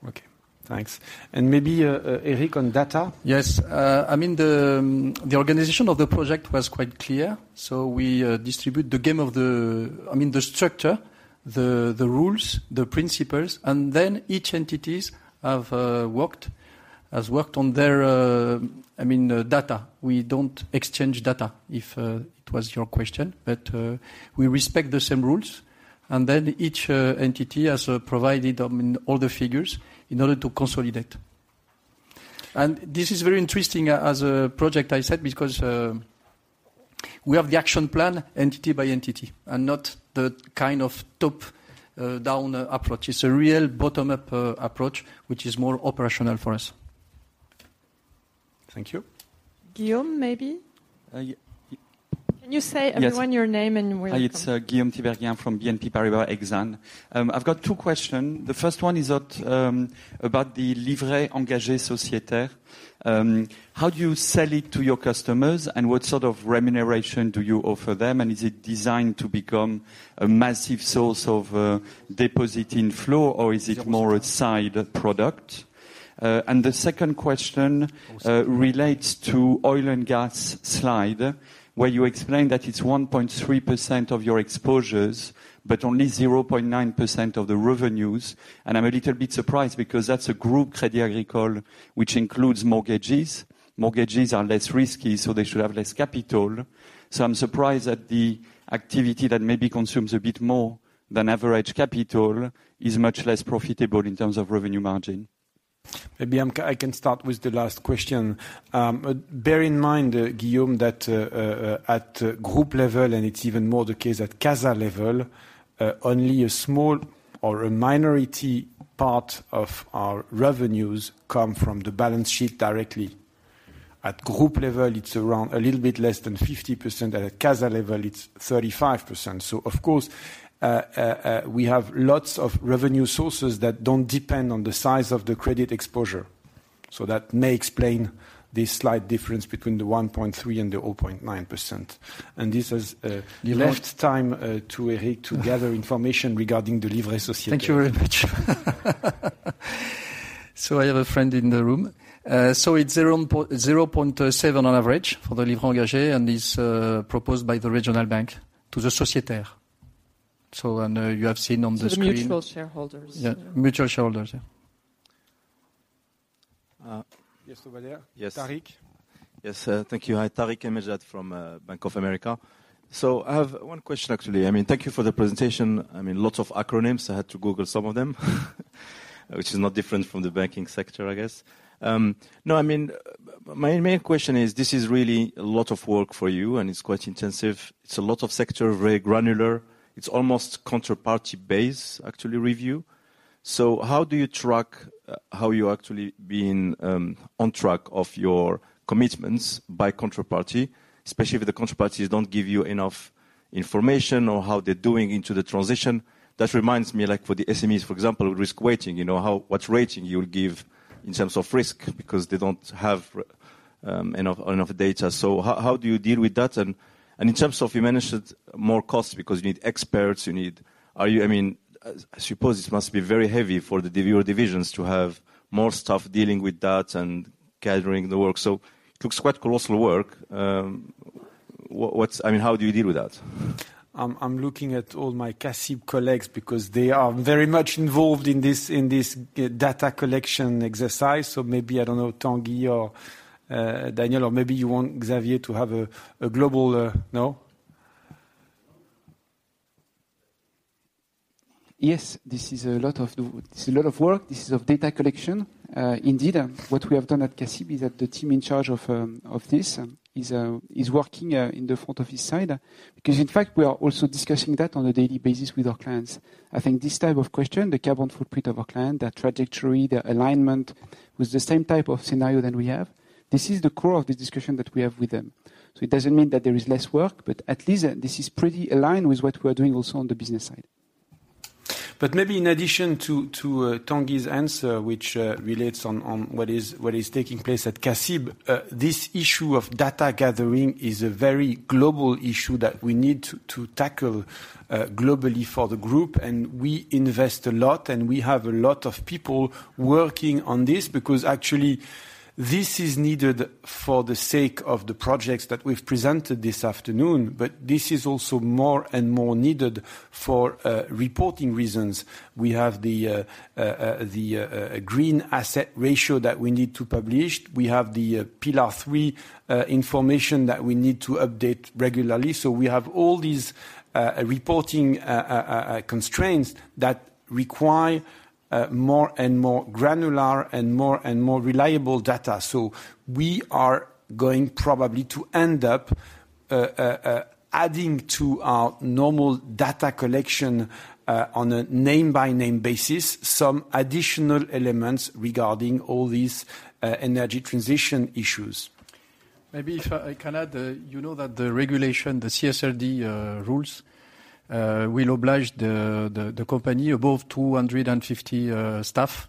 S2: Okay, thanks. Maybe Éric, on data?
S3: Yes. I mean, the organization of the project was quite clear. So, we distribute I mean, the structure, the rules, the principles, and then each entities have worked, has worked on their I mean, data. We don't exchange data, if it was your question, but we respect the same rules, and then each entity has provided I mean, all the figures in order to consolidate. This is very interesting as a project, I said, because we have the action plan entity by entity and not the kind of top-down approach. It's a real bottom-up approach, which is more operational for us.
S2: Thank you.
S9: Guillaume, maybe.
S11: Uh, y-
S9: Can you say everyone your name and where you're from?
S11: Hi, it's Guillaume Tiberghien from BNP Paribas Exane. I've got two question. The first one is at about the Livret Engagé Sociétaire. How do you sell it to your customers, and what sort of remuneration do you offer them? Is it designed to become a massive source of deposit in flow, or is it more a side product? The second question relates to oil and gas slide, where you explain that it's 1.3% of your exposures but only 0.9% of the revenues. I'm a little bit surprised because that's a group, Crédit Agricole, which includes mortgages. Mortgages are less risky, so they should have less capital. I'm surprised that the activity that maybe consumes a bit more than average capital is much less profitable in terms of revenue margin.
S2: Maybe I can start with the last question. Bear in mind, Guillaume, that at group level, and it's even more the case at CASA level, only a small or a minority part of our revenues come from the balance sheet directly. At group level, it's around a little bit less than 50%. At a CASA level, it's 35%. Of course, we have lots of revenue sources that don't depend on the size of the credit exposure. That may explain this slight difference between the 1.3% and the 0.9%. This is left time to Éric to gather information regarding the Livret Sociétaire.
S3: Thank you very much. I have a friend in the room. It's 0.7% on average for the Livret Engagé, and it's proposed by the regional bank to the sociétaire. You have seen on the screen.
S5: To the mutual shareholders.
S3: Yeah, mutual shareholders. Yeah.
S2: Yes, over there.
S12: Yes.
S2: Tarik.
S12: Yes. Thank you. Hi, Tarik El Mejjad from Bank of America. I have 1 question, actually. I mean, thank you for the presentation. I mean, lots of acronyms. I had to Google some of them, which is not different from the banking sector, I guess. I mean, my main question is, this is really a lot of work for you, and it's quite intensive. It's a lot of sector, very granular. It's almost counterparty-based actually review. How do you track how you're actually being on track of your commitments by counterparty, especially if the counterparties don't give you enough information or how they're doing into the transition? That reminds me, like for the SMEs, for example, risk weighting, you know, how, what rating you'll give in terms of risk because they don't have enough data. How do you deal with that? In terms of you manage it more cost because you need experts, you need. Are you, I mean, I suppose it must be very heavy for the divisions to have more staff dealing with that and gathering the work. It looks quite colossal work. What's, I mean, how do you deal with that?
S2: I'm looking at all my CIB colleagues because they are very much involved in this, in this data collection exercise. Maybe, I don't know, Tanguy or Danielle, or maybe you want Xavier to have a global. No?
S8: This is a lot of work. This is of data collection. Indeed, what we have done at CIB is that the team in charge of this is working in the front office side. In fact, we are also discussing that on a daily basis with our clients. I think this type of question, the carbon footprint of our client, their trajectory, their alignment with the same type of scenario that we have, this is the core of the discussion that we have with them. It doesn't mean that there is less work, but at least this is pretty aligned with what we are doing also on the business side.
S2: Maybe in addition to Tanguy's answer, which relates on what is taking place at CACIB, this issue of data gathering is a very global issue that we need to tackle globally for the Group. We invest a lot, and we have a lot of people working on this because actually this is needed for the sake of the projects that we've presented this afternoon. This is also more and more needed for reporting reasons. We have the Green Asset Ratio that we need to publish. We have the Pillar 3 information that we need to update regularly. We have all these reporting constraints that require more and more granular and more and more reliable data. We are going probably to end up, adding to our normal data collection, on a name-by-name basis, some additional elements regarding all these, energy transition issues.
S8: Maybe if I can add, you know that the regulation, the CSRD rules, will oblige the company above 250 staff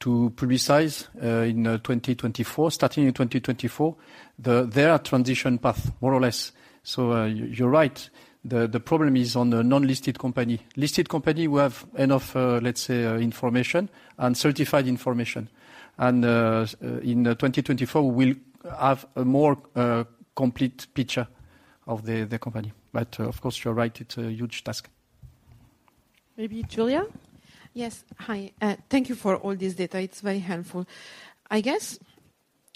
S8: to publicize in 2024, starting in 2024, their transition path, more or less. You're right. The problem is on the non-listed company. Listed company, we have enough, let's say, information and certified information. In 2024, we'll have a more complete picture of the company. Of course, you're right, it's a huge task.
S9: Maybe Julia?
S13: Yes. Hi. Thank you for all this data, it's very helpful. I guess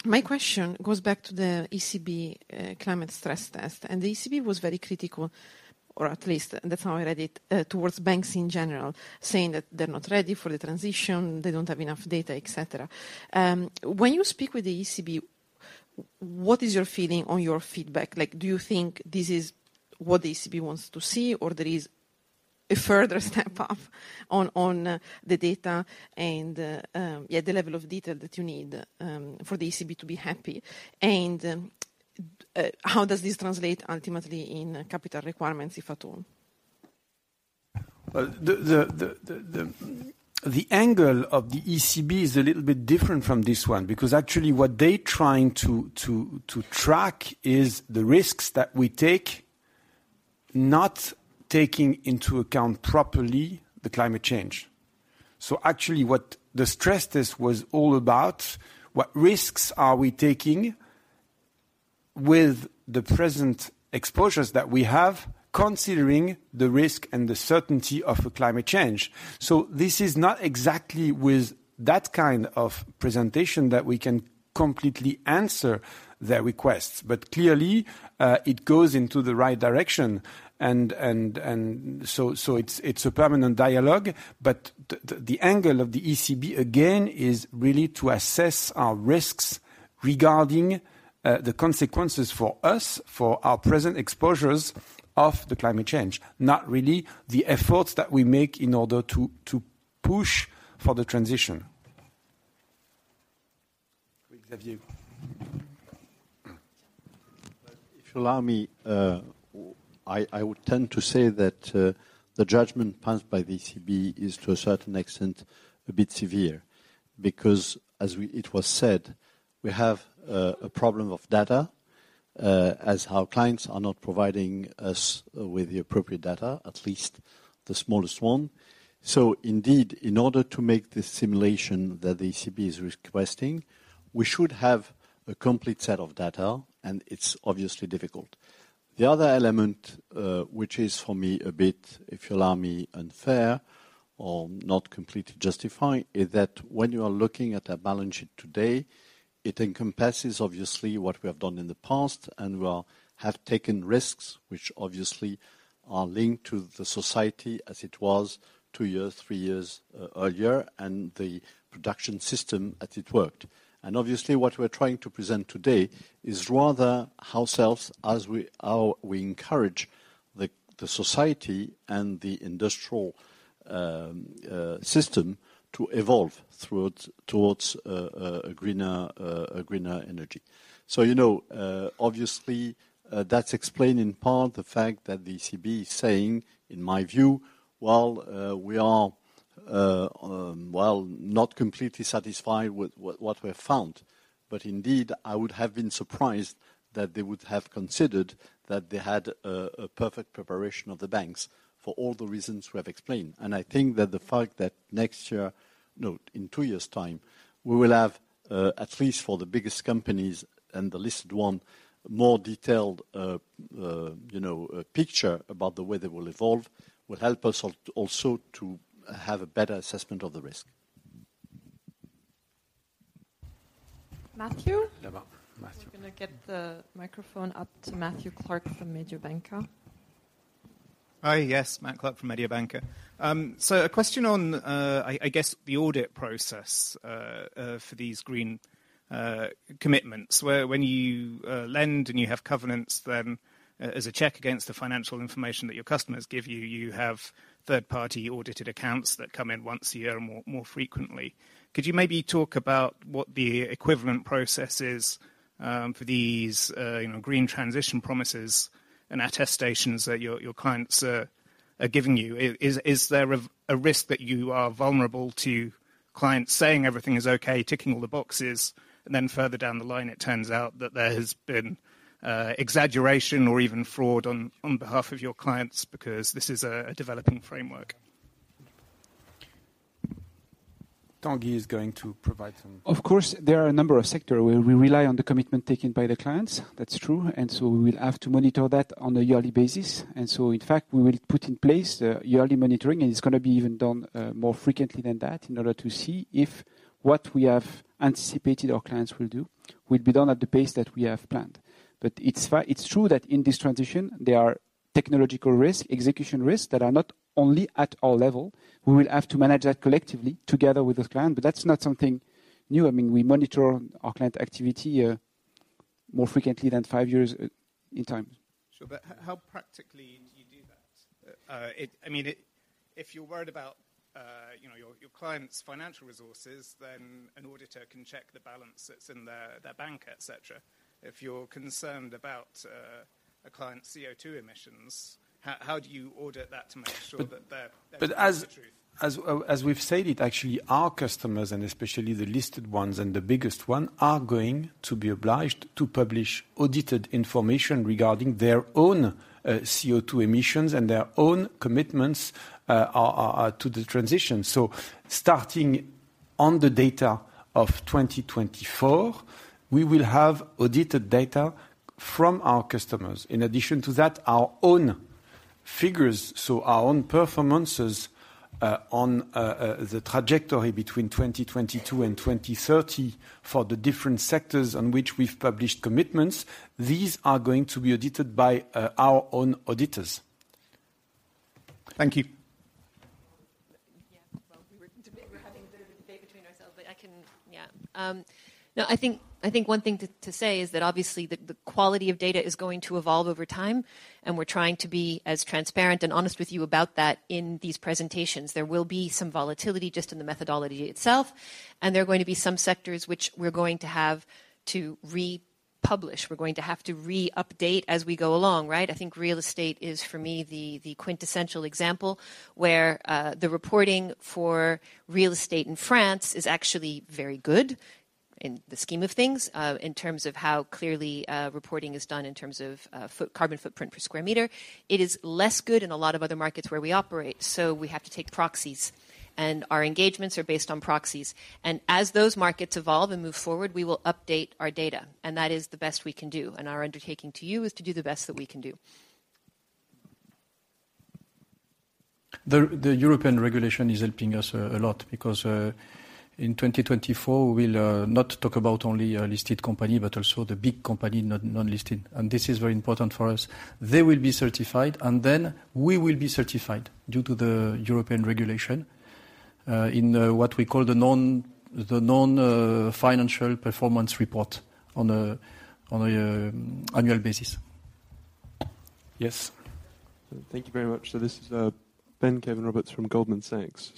S13: my question goes back to the ECB climate stress test. The ECB was very critical, or at least that's how I read it, towards banks in general, saying that they're not ready for the transition, they don't have enough data, et cetera. When you speak with the ECB, what is your feeling or your feedback? Like, do you think this is what the ECB wants to see or there is a further step up on the data and, yeah, the level of detail that you need for the ECB to be happy? How does this translate ultimately in capital requirements, if at all?
S2: The angle of the ECB is a little bit different from this one, because actually what they're trying to track is the risks that we take, not taking into account properly the climate change. Actually, what the stress test was all about, what risks are we taking with the present exposures that we have, considering the risk and the certainty of a climate change. This is not exactly with that kind of presentation that we can completely answer their requests, clearly, it goes into the right direction. It's a permanent dialogue, but the angle of the ECB, again, is really to assess our risks regarding the consequences for us, for our present exposures of the climate change, not really the efforts that we make in order to push for the transition. Xavier.
S14: If you allow me, I would tend to say that, the judgment passed by the ECB is to a certain extent, a bit severe. As it was said, we have a problem of data, as our clients are not providing us with the appropriate data, at least the smallest one. Indeed, in order to make this simulation that the ECB is requesting, we should have a complete set of data, and it's obviously difficult. The other element, which is for me a bit, if you allow me, unfair or not completely justifying, is that when you are looking at a balance sheet today, it encompasses obviously what we have done in the past, we have taken risks, which obviously are linked to the society as it was two years, three years, earlier, and the production system as it worked. Obviously, what we're trying to present today is rather ourselves as how we encourage the society and the industrial system to evolve towards a greener energy. You know, obviously, that's explained in part the fact that the ECB is saying, in my view, while, we are. Well, not completely satisfied with what we have found, but indeed, I would have been surprised that they would have considered that they had a perfect preparation of the banks for all the reasons we have explained. I think that the fact that next year, no, in two years' time, we will have, at least for the biggest companies and the listed one, more detailed, you know, picture about the way they will evolve, will help us also to have a better assessment of the risk.
S5: Matthew.
S14: Matthew.
S5: We're gonna get the microphone up to Matthew Clark from Mediobanca.
S15: Hi. Yes, Matthew Clark from Mediobanca. A question on, I guess, the audit process for these green commitments, where when you lend and you have covenants, as a check against the financial information that your customers give you have third-party audited accounts that come in once a year or more frequently. Could you maybe talk about what the equivalent process is for these, you know, green transition promises and attestations that your clients are giving you? Is there a risk that you are vulnerable to clients saying everything is okay, ticking all the boxes, and then further down the line it turns out that there has been exaggeration or even fraud on behalf of your clients because this is a developing framework?
S2: Tanguy is going to provide.
S8: Of course, there are a number of sectors where we rely on the commitment taken by the clients. That's true. We will have to monitor that on a yearly basis. In fact, we will put in place the yearly monitoring, and it's gonna be even done more frequently than that in order to see if what we have anticipated our clients will do will be done at the pace that we have planned. It's true that in this transition, there are technological risks, execution risks that are not only at our level. We will have to manage that collectively together with this client, but that's not something new. I mean, we monitor our client activity more frequently than five years in time.
S15: Sure. how practically do you do that? I mean, if you're worried about, you know, your client's financial resources, then an auditor can check the balance that's in their bank, et cetera. If you're concerned about, a client's CO2 emissions, how do you audit that to make sure that they're telling the truth?
S8: As we've said it, actually, our customers, and especially the listed ones and the biggest one, are going to be obliged to publish audited information regarding their own CO2 emissions and their own commitments to the transition. Starting on the data of 2024, we will have audited data from our customers. In addition to that, our own figures, so our own performances on the trajectory between 2022 and 2030 for the different sectors on which we've published commitments, these are going to be audited by our own auditors.
S15: Thank you.
S5: Yeah. Well, we're having a bit of a debate between ourselves, but I can. Yeah. No, I think one thing to say is that obviously the quality of data is going to evolve over time. We're trying to be as transparent and honest with you about that in these presentations. There will be some volatility just in the methodology itself. There are going to be some sectors which we're going to have to republish. We're going to have to re-update as we go along, right. I think real estate is, for me, the quintessential example, where the reporting for real estate in France is actually very good in the scheme of things, in terms of how clearly reporting is done in terms of carbon footprint per square meter. It is less good in a lot of other markets where we operate. We have to take proxies. Our engagements are based on proxies. As those markets evolve and move forward, we will update our data, and that is the best we can do, and our undertaking to you is to do the best that we can do.
S6: The European regulation is helping us a lot because in 2024, we'll not talk about only a listed company, but also the big company not non-listed, and this is very important for us. They will be certified, and then we will be certified due to the European regulation in what we call the non-financial performance report on an annual basis. Yes.
S16: Thank you very much. This is Benjamin Caven-Roberts from Goldman Sachs.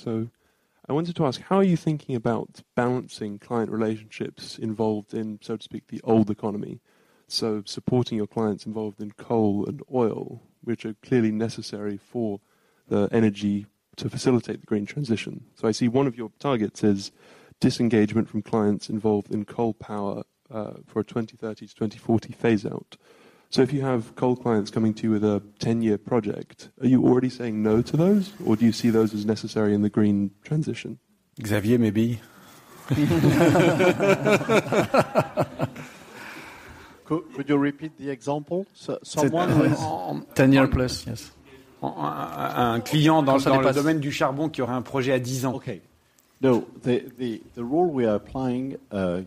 S16: I wanted to ask, how are you thinking about balancing client relationships involved in, so to speak, the old economy? Supporting your clients involved in coal and oil, which are clearly necessary for the energy to facilitate the green transition. I see one of your targets is disengagement from clients involved in coal power for a 2030-2040 phase out. If you have coal clients coming to you with a 10-year project, are you already saying no to those, or do you see those as necessary in the green transition?
S2: Xavier, maybe.
S14: Could you repeat the example? someone on-
S2: 10+ year. Yes.
S14: Okay. No. The rule we are applying,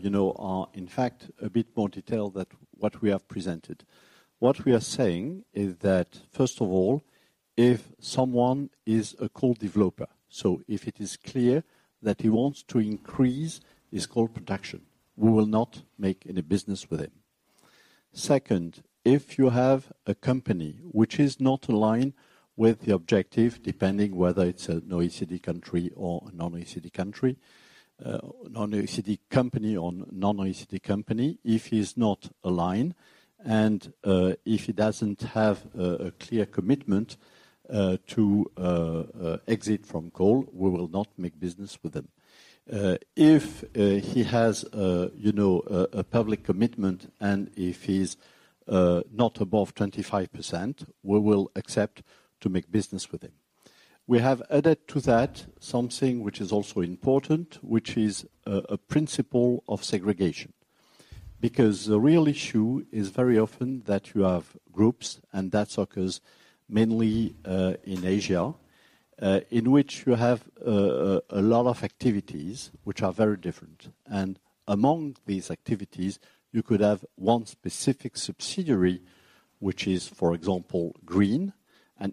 S14: you know, are in fact a bit more detailed that what we have presented. What we are saying is that, first of all, if someone is a coal developer, so if it is clear that he wants to increase his coal production, we will not make any business with him. Second, if you have a company which is not aligned with the objective, depending whether it's an OECD country or a non-OECD country, non-OECD company or non-OECD company, if it's not aligned and if it doesn't have a clear commitment to exit from coal, we will not make business with them. If he has, you know, a public commitment, and if he's not above 25%, we will accept to make business with him. We have added to that something which is also important, which is a principle of segregation. The real issue is very often that you have groups, and that occurs mainly in Asia, in which you have a lot of activities which are very different. Among these activities, you could have one specific subsidiary, which is, for example, green.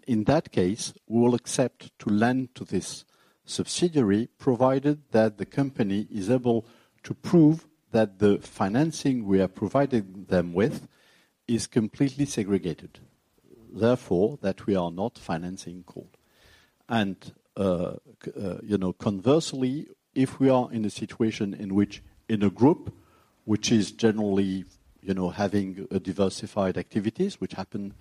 S14: In that case, we will accept to lend to this subsidiary, provided that the company is able to prove that the financing we are providing them with is completely segregated. Therefore, that we are not financing coal. You know, conversely, if we are in a situation in which in a group, which is generally, you know, having diversified activities, which happen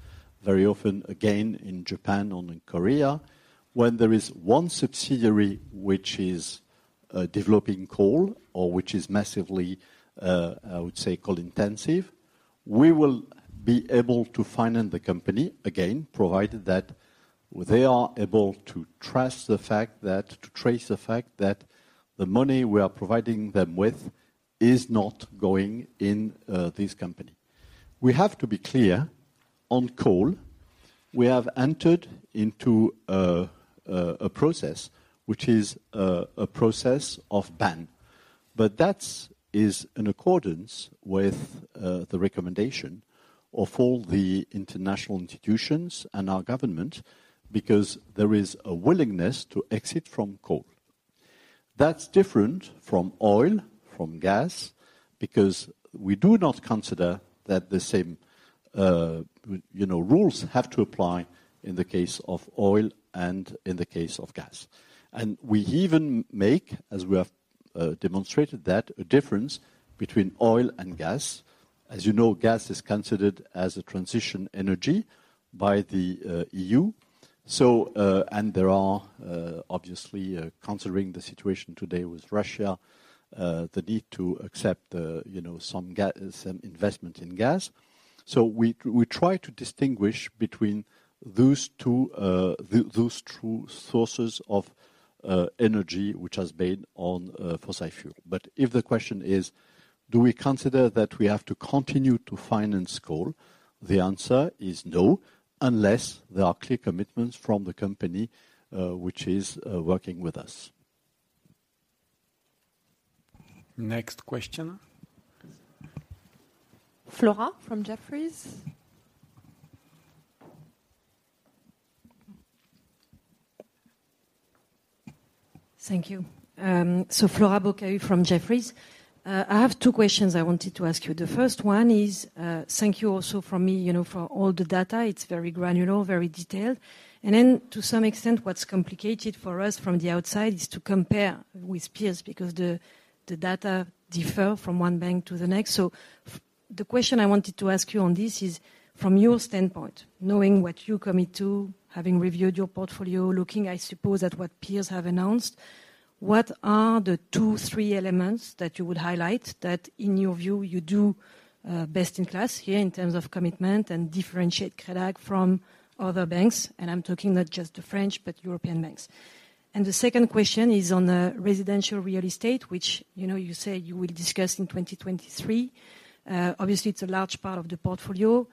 S14: very often, again in Japan or in Korea, when there is one subsidiary which is developing coal or which is massively, I would say, coal intensive, we will be able to finance the company, again, provided that they are able to trace the fact that the money we are providing them with is not going in, this company. We have to be clear on coal. We have entered into, a process, which is a process of ban. That is in accordance with the recommendation of all the international institutions and our government, because there is a willingness to exit from coal. That's different from oil, from gas, because we do not consider that the same, you know, rules have to apply in the case of oil and in the case of gas. We even make, as we have demonstrated that, a difference between oil and gas. As you know, gas is considered as a transition energy by the EU. There are, obviously, considering the situation today with Russia, the need to accept, you know, some investment in gas. We try to distinguish between those two, those two sources of energy, which has been on fossil fuel. If the question is, do we consider that we have to continue to finance coal? The answer is no, unless there are clear commitments from the company, which is working with us.
S2: Next question.
S9: Flora from Jefferies.
S17: Thank you. Flora Bocahut from Jefferies. I have two questions I wanted to ask you. The first one is, thank you also from me, you know, for all the data. It's very granular, very detailed. To some extent, what's complicated for us from the outside is to compare with peers because the data differ from one bank to the next. The question I wanted to ask you on this is, from your standpoint, knowing what you commit to, having reviewed your portfolio, looking, I suppose, at what peers have announced, what are the two, three elements that you would highlight that in your view you do best in class here in terms of commitment and differentiate Credit from other banks? I'm talking not just the French, but European banks. The second question is on the residential real estate, which, you know, you say you will discuss in 2023. Obviously, it's a large part of the portfolio.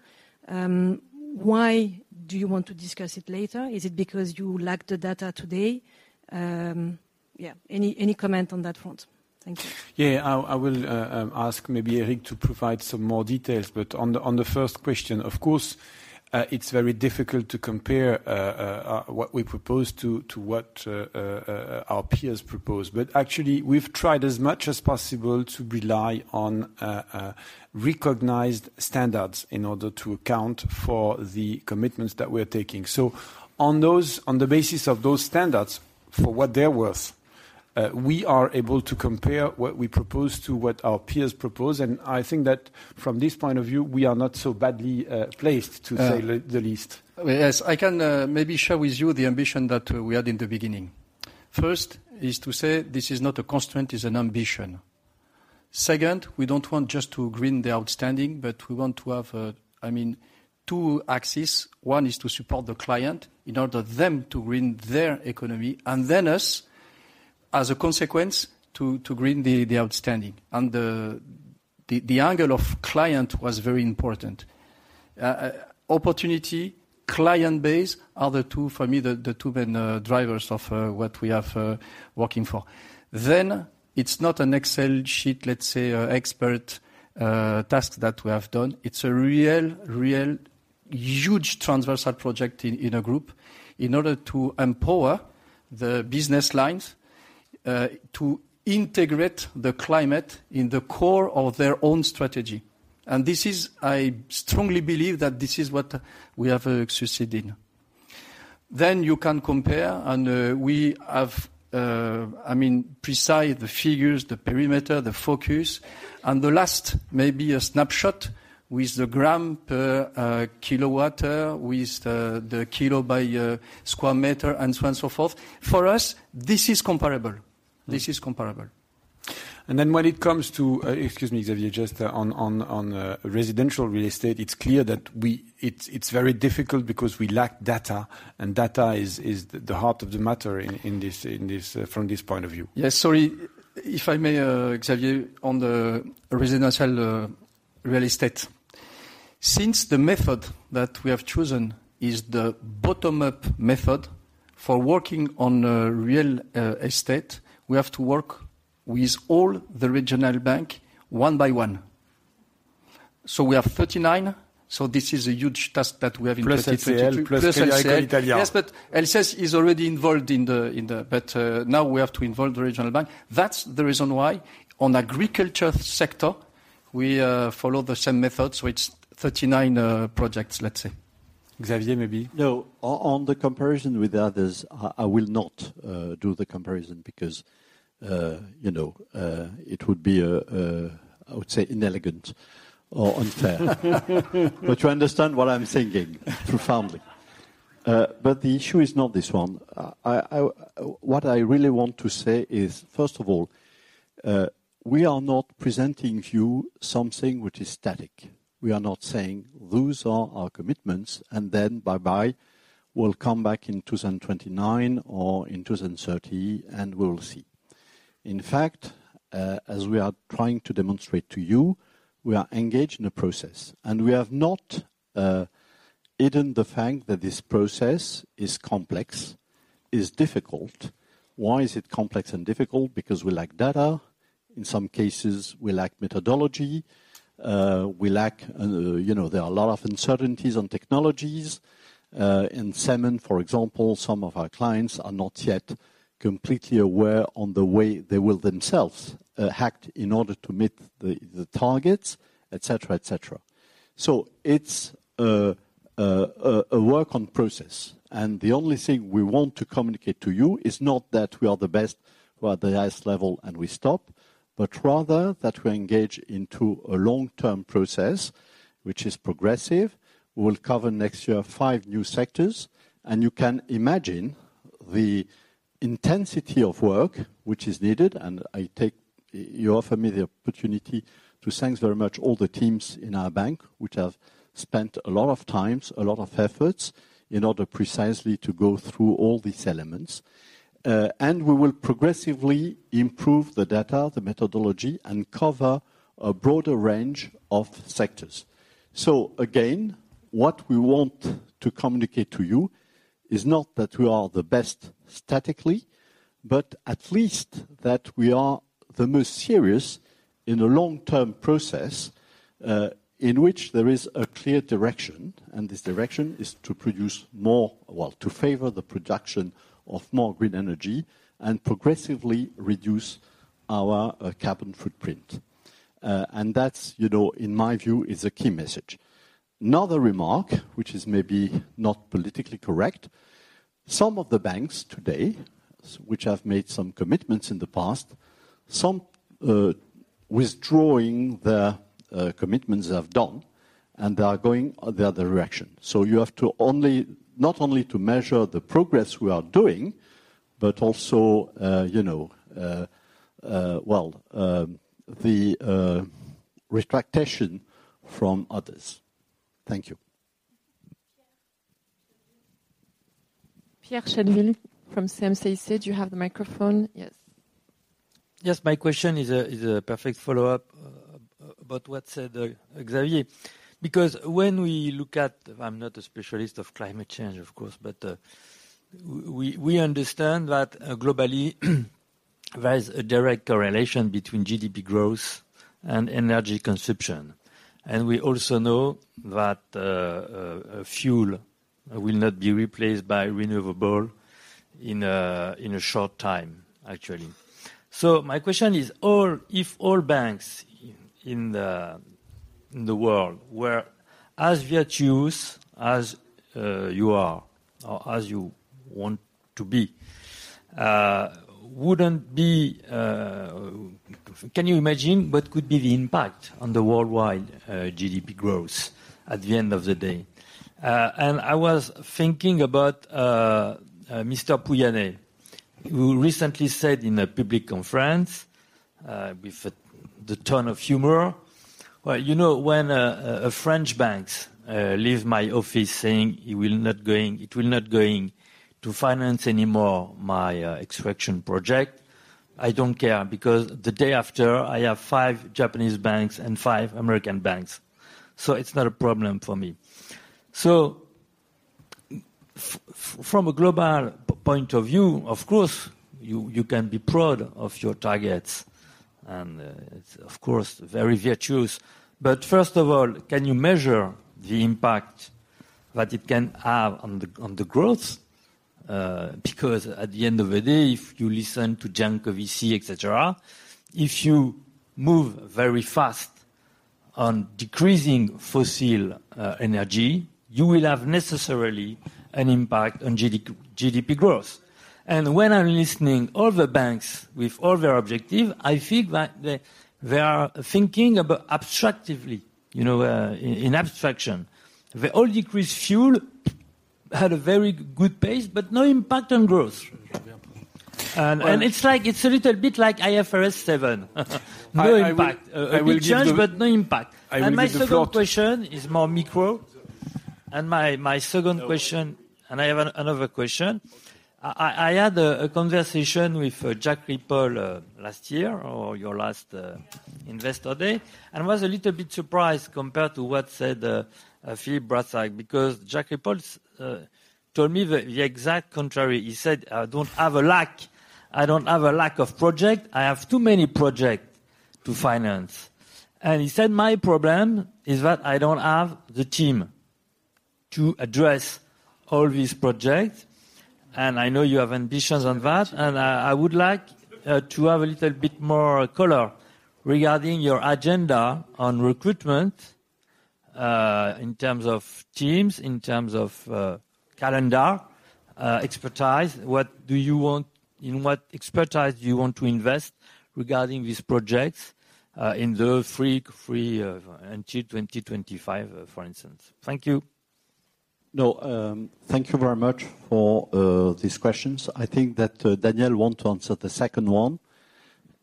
S17: Why do you want to discuss it later? Is it because you lack the data today? Yeah. Any comment on that front? Thank you.
S2: Yeah. I will ask maybe Éric to provide some more details. On the first question, of course, it's very difficult to compare what we propose to what our peers propose. I think that from this point of view, we are not so badly placed, to say the least.
S3: Yes. I can maybe share with you the ambition that we had in the beginning. First is to say this is not a constraint, it's an ambition. Second, we don't want just to green the outstanding, but we want to have, I mean, two axis. One is to support the client in order them to green their economy, and then us, as a consequence, to green the outstanding. The angle of client was very important. Opportunity, client base are the two, for me, the two main drivers of what we have working for. It's not an Excel sheet, let's say, expert task that we have done. It's a real huge transversal project in a group in order to empower. The business lines to integrate the climate in the core of their own strategy. I strongly believe that this is what we have succeeded in. You can compare, and we have, I mean precise the figures, the perimeter, the focus, and the last maybe a snapshot with the gram per kW, with the kilo by square meter and so on and so forth. For us, this is comparable. This is comparable. When it comes to, excuse me, Xavier, just on residential real estate, it's clear that it's very difficult because we lack data, and data is the heart of the matter in this from this point of view.
S6: Yes. Sorry. If I may, Xavier, on the residential real estate. Since the method that we have chosen is the bottom-up method for working on real estate, we have to work with all the regional bank one by one. We have 39, so this is a huge task that we have in 2022. Plus LCL, plus Crédit Agricole Italia. LCL is already involved in the. Now we have to involve the regional bank. That's the reason why on agriculture sector we follow the same method, so it's 39 projects, let's say. Xavier, maybe.
S14: No. On the comparison with others, I will not do the comparison because, you know, it would be a, I would say inelegant or unfair. You understand what I'm saying, profoundly. The issue is not this one. What I really want to say is, first of all, we are not presenting you something which is static. We are not saying, "Those are our commitments," and then, "Bye-bye. We'll come back in 2029 or in 2030, and we will see." In fact, as we are trying to demonstrate to you, we are engaged in a process, and we have not hidden the fact that this process is complex, is difficult. Why is it complex and difficult? Because we lack data. In some cases, we lack methodology. We lack, you know, there are a lot of uncertainties on technologies. In cement, for example, some of our clients are not yet completely aware on the way they will themselves act in order to meet the targets, et cetera, et cetera. It's a work on process. The only thing we want to communicate to you is not that we are the best, we are at the highest level and we stop, but rather that we engage into a long-term process which is progressive. We'll cover next year five new sectors. You can imagine the intensity of work which is needed. You offer me the opportunity to thank very much all the teams in our bank which have spent a lot of times, a lot of efforts in order precisely to go through all these elements. We will progressively improve the data, the methodology, and cover a broader range of sectors. Again, what we want to communicate to you is not that we are the best statically, but at least that we are the most serious in a long-term process, in which there is a clear direction, this direction is to favor the production of more green energy and progressively reduce our carbon footprint. That's, you know, in my view, is a key message. Another remark, which is maybe not politically correct, some of the banks today, which have made some commitments in the past, some withdrawing their commitments have done, they are going the other direction. You have to only... Not only to measure the progress we are doing, but also, you know, well, the retractation from others. Thank you.
S9: Pierre Chédeville from CIC. You have the microphone. Yes.
S18: Yes. My question is a perfect follow-up about what said Xavier. When we look at... I'm not a specialist of climate change, of course, but we understand that globally there is a direct correlation between GDP growth and energy consumption. We also know that fuel will not be replaced by renewable in a short time, actually. My question is if all banks in the world were as virtuous as you are or as you want to be, Can you imagine what could be the impact on the worldwide GDP growth at the end of the day? I was thinking about Mr. Pouyanné, who recently said in a public conference, with the tone of humor, "Well, you know, when French banks leave my office saying it will not going to finance anymore my extraction project, I don't care, because the day after, I have five Japanese banks and five American banks, so it's not a problem for me." From a global point of view, of course, you can be proud of your targets, and it's of course, very virtuous. First of all, can you measure the impact that it can have on the growth? Because at the end of the day, if you listen to Giancarlo, et cetera, if you move very fast on decreasing fossil energy, you will have necessarily an impact on GDP growth. When I'm listening all the banks with all their objective, I feel that they are thinking about abstractively, you know, in abstraction. They all decrease fuel at a very good pace but no impact on growth.
S2: Yeah.
S18: It's like, it's a little bit like IFRS 7. No impact.
S2: I will give.
S18: A big change, but no impact.
S2: I will give the floor.
S18: My second question is more micro. My second question, and I have another question.
S2: Okay.
S18: I had a conversation with Jacques Ripoll last year or your last Investor Day, was a little bit surprised compared to what said Philippe Brassac. Because Jacques Ripoll told me the exact contrary. He said, "I don't have a lack of project. I have too many project to finance." He said, "My problem is that I don't have the team to address all these projects." I know you have ambitions on that, and I would like to have a little bit more color regarding your agenda on recruitment in terms of teams, in terms of calendar, expertise. In what expertise do you want to invest regarding these projects in the three until 2025, for instance? Thank you.
S14: Thank you very much for these questions. I think that Danielle want to answer the second one.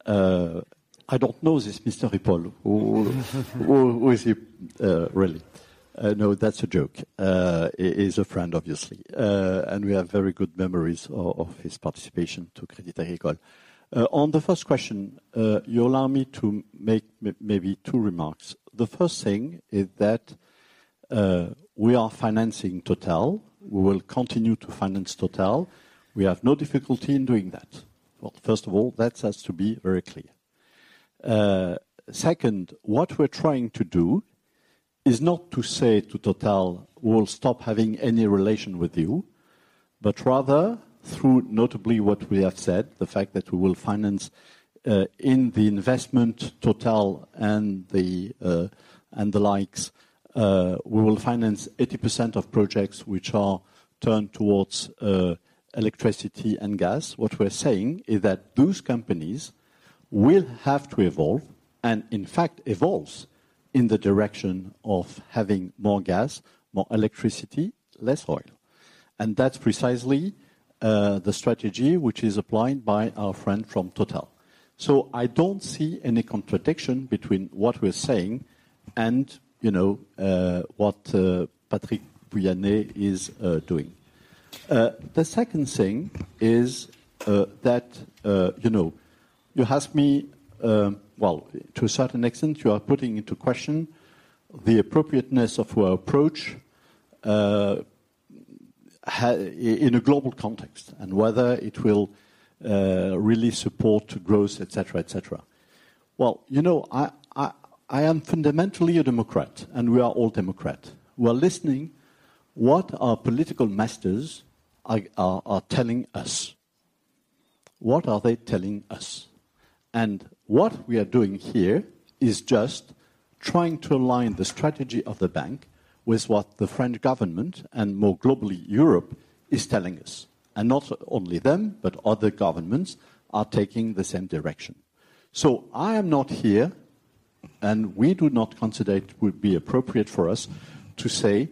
S14: I don't know this Jacques Ripoll. Who is he really? No, that's a joke. He's a friend, obviously. We have very good memories of his participation to Crédit Agricole. On the first question, you allow me to make maybe two remarks. The first thing is that we are financing TotalEnergies. We will continue to finance TotalEnergies. We have no difficulty in doing that. First of all, that has to be very clear. Second, what we're trying to do is not to say to TotalEnergies, "We'll stop having any relation with you," but rather through notably what we have said, the fact that we will finance in the investment TotalEnergies and the likes, we will finance 80% of projects which are turned towards electricity and gas. What we're saying is that those companies will have to evolve, and in fact, evolves in the direction of having more gas, more electricity, less oil. That's precisely the strategy which is applied by our friend from TotalEnergies. I don't see any contradiction between what we're saying and, you know, what Patrick Pouyanné is doing. The second thing is that, you know, you ask me, well, to a certain extent, you are putting into question the appropriateness of our approach in a global context, and whether it will really support growth, et cetera, et cetera. Well, you know, I am fundamentally a Democrat, and we are all Democrat. We are listening what our political masters are telling us. What are they telling us? What we are doing here is just trying to align the strategy of the bank with what the French government and more globally Europe is telling us, and not only them, but other governments are taking the same direction. I am not here, and we do not consider it would be appropriate for us to say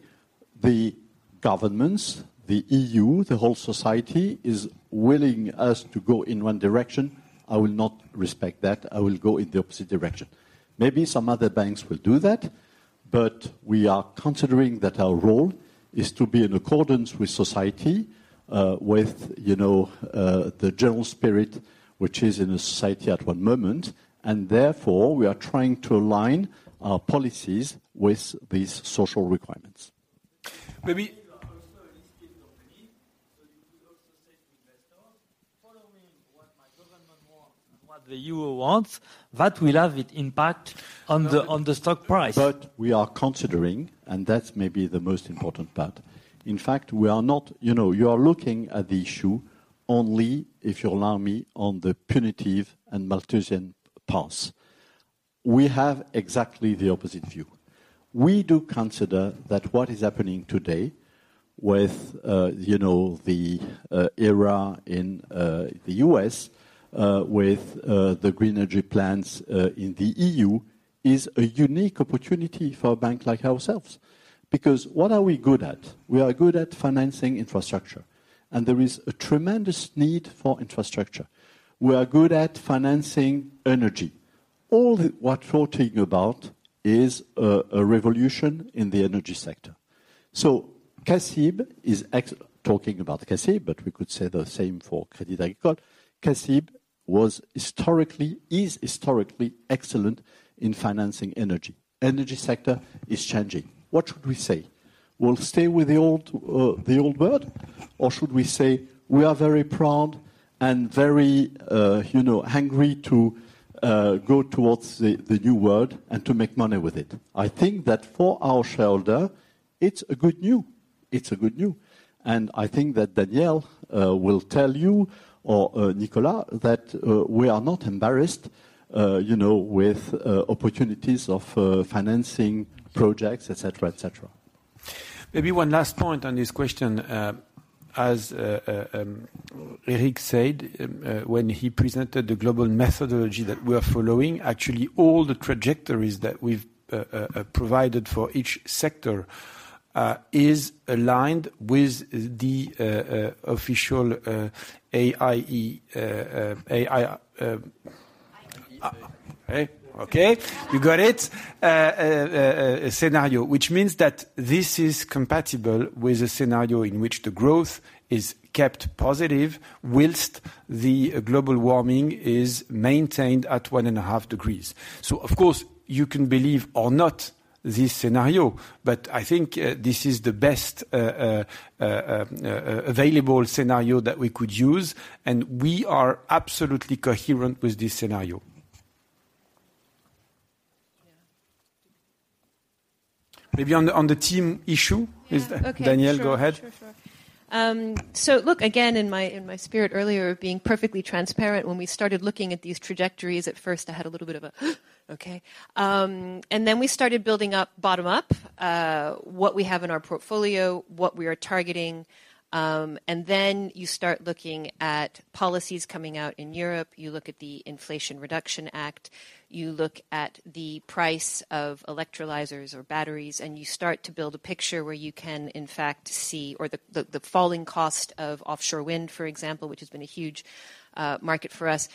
S14: the governments, the EU, the whole society is willing us to go in one direction. I will not respect that. I will go in the opposite direction. Maybe some other banks will do that, but we are considering that our role is to be in accordance with society, with, you know, the general spirit, which is in a society at one moment, and therefore, we are trying to align our policies with these social requirements.
S18: Maybe- You are also a listed company, you could also say to investors, following what my government wants and what the EU wants, that will have its impact on the stock price.
S14: We are considering, that's maybe the most important part. In fact, you know, you are looking at the issue only, if you allow me, on the punitive and Malthusian paths. We have exactly the opposite view. We do consider that what is happening today with, you know, the ERA in the U.S., with the green energy plans in the EU, is a unique opportunity for a bank like ourselves. What are we good at? We are good at financing infrastructure, there is a tremendous need for infrastructure. We are good at financing energy. All what we're talking about is a revolution in the energy sector. CACEIS is Talking about CACEIS, but we could say the same for Crédit Agricole. CACEIS was historically, is historically excellent in financing energy. Energy sector is changing. What should we say? We'll stay with the old, the old world, or should we say we are very proud and very hungry to go towards the new world and to make money with it? I think that for our shareholder, it's a good new. It's a good new. I think that Danielle Baron will tell you or Nicolas that we are not embarrassed with opportunities of financing projects, et cetera, et cetera.
S2: Maybe one last point on this question. Éric said, when he presented the global methodology that we are following, actually all the trajectories that we've provided for each sector, is aligned with the official AIE. IEA. Hey. Okay. You got it. Scenario, which means that this is compatible with a scenario in which the growth is kept positive whilst the global warming is maintained at one and a half degrees. Of course, you can believe or not this scenario, but I think this is the best available scenario that we could use. We are absolutely coherent with this scenario.
S5: Yeah.
S2: Maybe on the team issue.
S5: Yeah. Okay. Sure.
S2: Danielle, go ahead.
S5: Sure. Sure. Look, again, in my spirit earlier of being perfectly transparent, when we started looking at these trajectories, at first I had a little bit of a okay. Then we started building up bottom-up, what we have in our portfolio, what we are targeting. Then you start looking at policies coming out in Europe. You look at the Inflation Reduction Act, you look at the price of electrolyzers or batteries. You start to build a picture where you can in fact see or the falling cost of offshore wind, for example, which has been a huge market for us.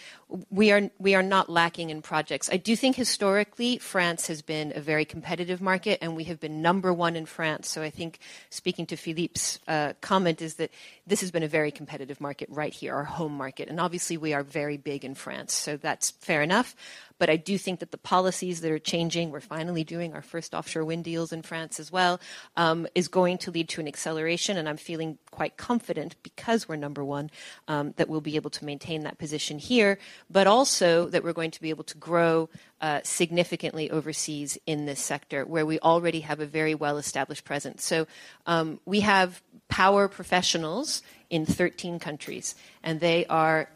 S5: We are not lacking in projects. I do think historically, France has been a very competitive market. We have been number one in France. I think speaking to Philippe's comment is that this has been a very competitive market right here, our home market, and obviously we are very big in France, so that's fair enough. I do think that the policies that are changing, we're finally doing our first offshore wind deals in France as well, is going to lead to an acceleration, and I'm feeling quite confident because we're number one that we'll be able to maintain that position here. Also, that we're going to be able to grow significantly overseas in this sector where we already have a very well-established presence. We have power professionals in 13 countries, and they are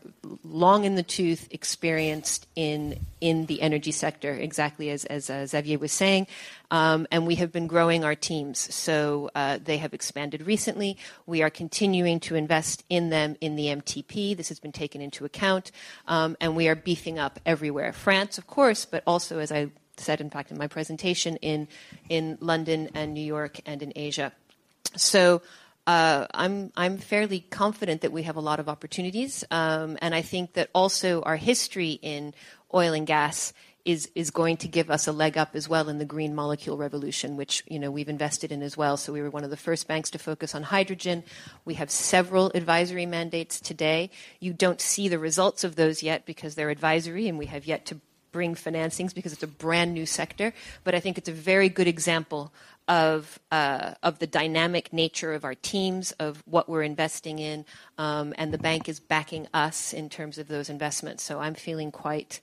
S5: long in the tooth, experienced in the energy sector, exactly as Xavier was saying. We have been growing our teams, so they have expanded recently. We are continuing to invest in them in the MTP. This has been taken into account. We are beefing up everywhere. France of course, also as I said, in fact in my presentation, in London and New York and in Asia. I'm fairly confident that we have a lot of opportunities. I think that also our history in oil and gas is going to give us a leg up as well in the green molecule revolution, which, you know, we've invested in as well. We were one of the first banks to focus on hydrogen. We have several advisory mandates today. You don't see the results of those yet because they're advisory and we have yet to bring financings because it's a brand-new sector. I think it's a very good example of the dynamic nature of our teams, of what we're investing in, and the bank is backing us in terms of those investments, so I'm feeling quite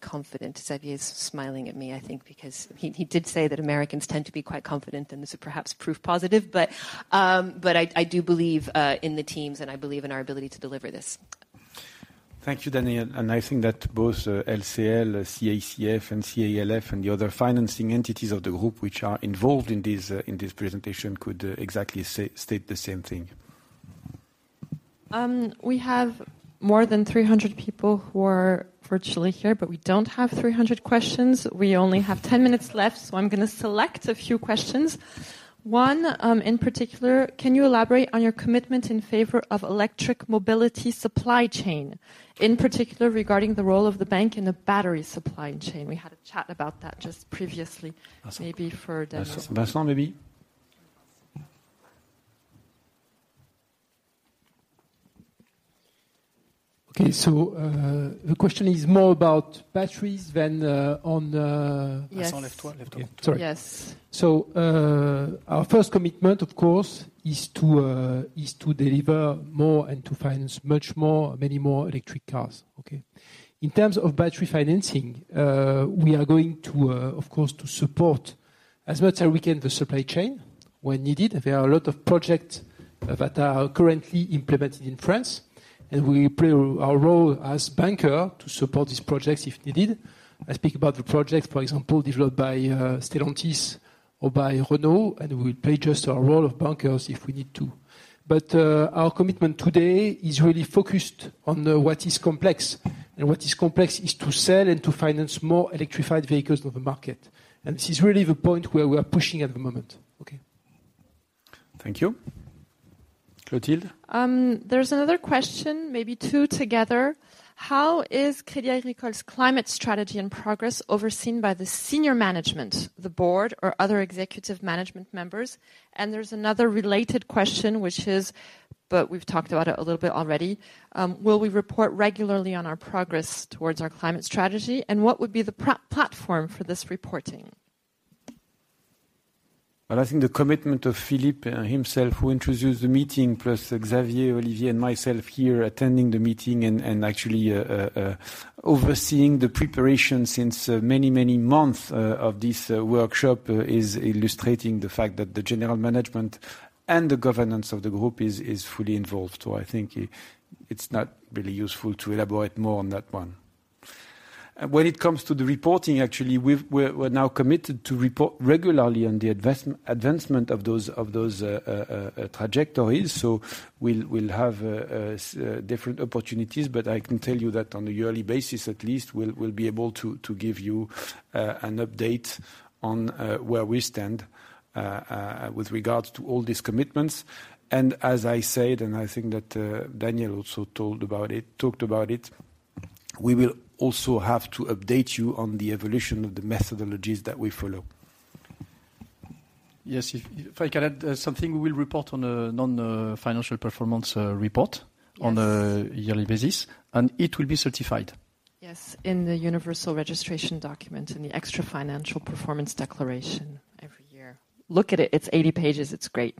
S5: confident. Xavier's smiling at me, I think because he did say that Americans tend to be quite confident, and this is perhaps proof positive. I do believe, in the teams, and I believe in our ability to deliver this.
S6: Thank you, Danielle. I think that both LCL, CACF, and CAL&F and the other financing entities of the Group which are involved in this, in this presentation could exactly say, state the same thing.
S9: We have more than 300 people who are virtually here, but we don't have 300 questions. We only have 10 minutes left, so I'm gonna select a few questions. One, in particular, can you elaborate on your commitment in favor of electric mobility supply chain, in particular regarding the role of the bank in the battery supply chain? We had a chat about that just previously. Vincent. Maybe for Vincent.
S2: Vincent, maybe.
S7: The question is more about batteries than, on-
S5: Yes.
S2: Vincent, left to-.
S7: Okay. Sorry.
S5: Yes.
S7: Our first commitment, of course, is to deliver more and to finance much more, many more electric cars. Okay? In terms of battery financing, we are going to, of course, to support as much as we can the supply chain when needed. There are a lot of projects that are currently implemented in France, we play our role as banker to support these projects if needed. I speak about the projects, for example, developed by Stellantis or by Renault, we'll play just our role of bankers if we need to. Our commitment today is really focused on what is complex. What is complex is to sell and to finance more electrified vehicles on the market. This is really the point where we are pushing at the moment. Okay.
S2: Thank you. Clotilde.
S9: There's another question, maybe two together. How is Crédit Agricole's climate strategy and progress overseen by the senior management, the board or other executive management members? There's another related question which is, but we've talked about it a little bit already, will we report regularly on our progress towards our climate strategy? What would be the platform for this reporting?
S2: Well, I think the commitment of Philippe himself, who introduced the meeting, plus Xavier, Olivier, and myself here attending the meeting and actually overseeing the preparation since many months of this workshop is illustrating the fact that the general management and the governance of the group is fully involved. I think it's not really useful to elaborate more on that one. When it comes to the reporting, actually, we're now committed to report regularly on the advancement of those trajectories. We'll have different opportunities, but I can tell you that on a yearly basis at least, we'll be able to give you an update on where we stand with regards to all these commitments. As I said, and I think that Danielle also talked about it, we will also have to update you on the evolution of the methodologies that we follow.
S3: Yes, if I can add, something we will report on, non-financial performance.
S2: Yes.
S3: On a yearly basis, and it will be certified.
S5: Yes, in the universal registration document, in the extra financial performance declaration every year. Look at it's 80 pages, it's great.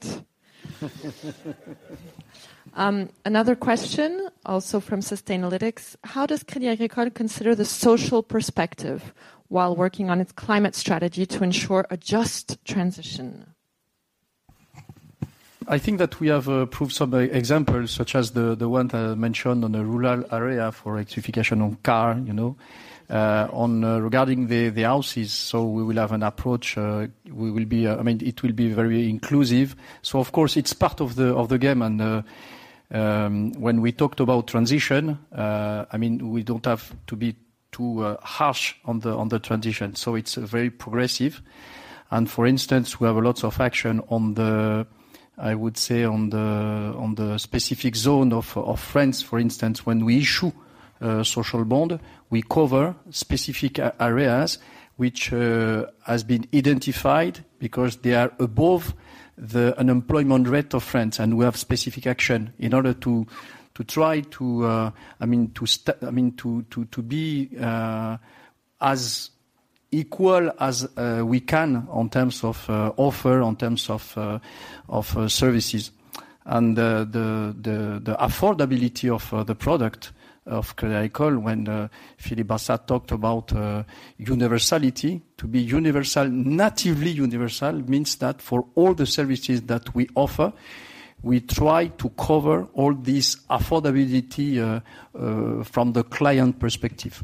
S5: Another question also from Sustainalytics, "How does Crédit Agricole consider the social perspective while working on its climate strategy to ensure a just transition?
S3: I think that we have proved some examples, such as the one that I mentioned on the rural area for electrification of car, you know. On, regarding the houses, we will have an approach, we will be, I mean, it will be very inclusive. Of course, it's part of the game and, when we talked about transition, I mean, we don't have to be too harsh on the transition, so it's very progressive. For instance, we have lots of action on the, I would say, on the, on the specific zone of France, for instance. When we issue a social bond, we cover specific areas which has been identified because they are above the unemployment rate of France, and we have specific action in order to try to, I mean, to be as equal as we can in terms of offer, in terms of services. The affordability of the product of Crédit Agricole, when Philippe Brassac talked about universality. To be universal, natively universal means that for all the services that we offer, we try to cover all this affordability from the client perspective.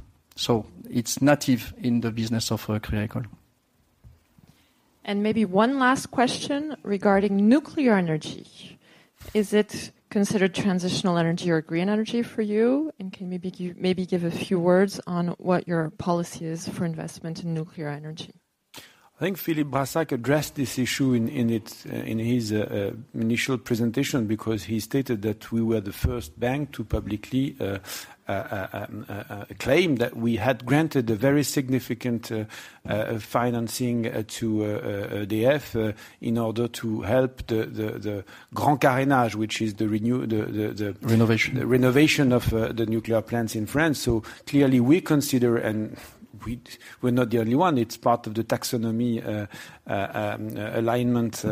S3: It's native in the business of Crédit Agricole.
S9: Maybe one last question regarding nuclear energy. Is it considered transitional energy or green energy for you? Can you maybe give a few words on what your policy is for investment in nuclear energy?
S2: I think Philippe Brassac addressed this issue in its, in his initial presentation, because he stated that we were the first bank to publicly claim that we had granted a very significant financing to EDF in order to help the Grand Carénage, which is the renew. Renovation... Renovation of the nuclear plants in France. Clearly we consider, and we're not the only one, it's part of the taxonomy alignment.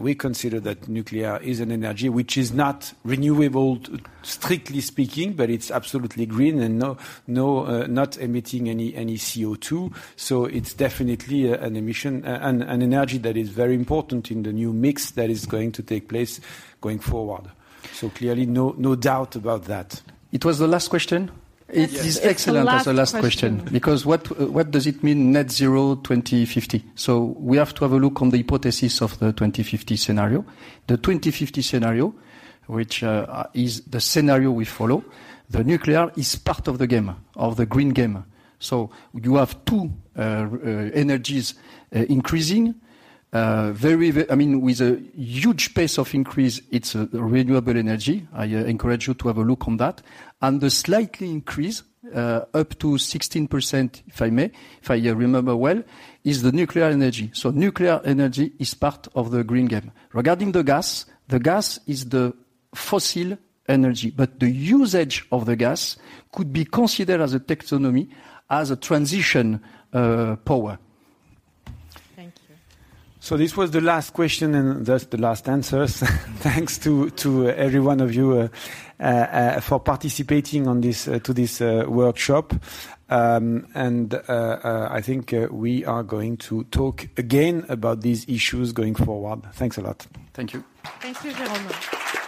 S2: We consider that nuclear is an energy which is not renewable, strictly speaking, but it's absolutely green and no, not emitting any CO2. It's definitely an energy that is very important in the new mix that is going to take place going forward. Clearly no doubt about that.
S3: It was the last question?
S9: That's the last question.
S3: It is excellent as the last question, because what does it mean, Net Zero 2050? We have to have a look on the hypothesis of the 2050 scenario. The 2050 scenario, which is the scenario we follow, the nuclear is part of the game, of the green game. You have two energies increasing very, I mean, with a huge pace of increase, it's renewable energy. I encourage you to have a look on that. The slightly increase up to 16%, if I may, if I remember well, is the nuclear energy. Nuclear energy is part of the green game. Regarding the gas, the gas is the fossil energy, but the usage of the gas could be considered as a taxonomy, as a transition power.
S9: Thank you.
S2: This was the last question, and thus the last answers. Thanks to every one of you for participating on this to this workshop. I think, we are going to talk again about these issues going forward. Thanks a lot.
S3: Thank you.
S9: Thank you, Jérôme.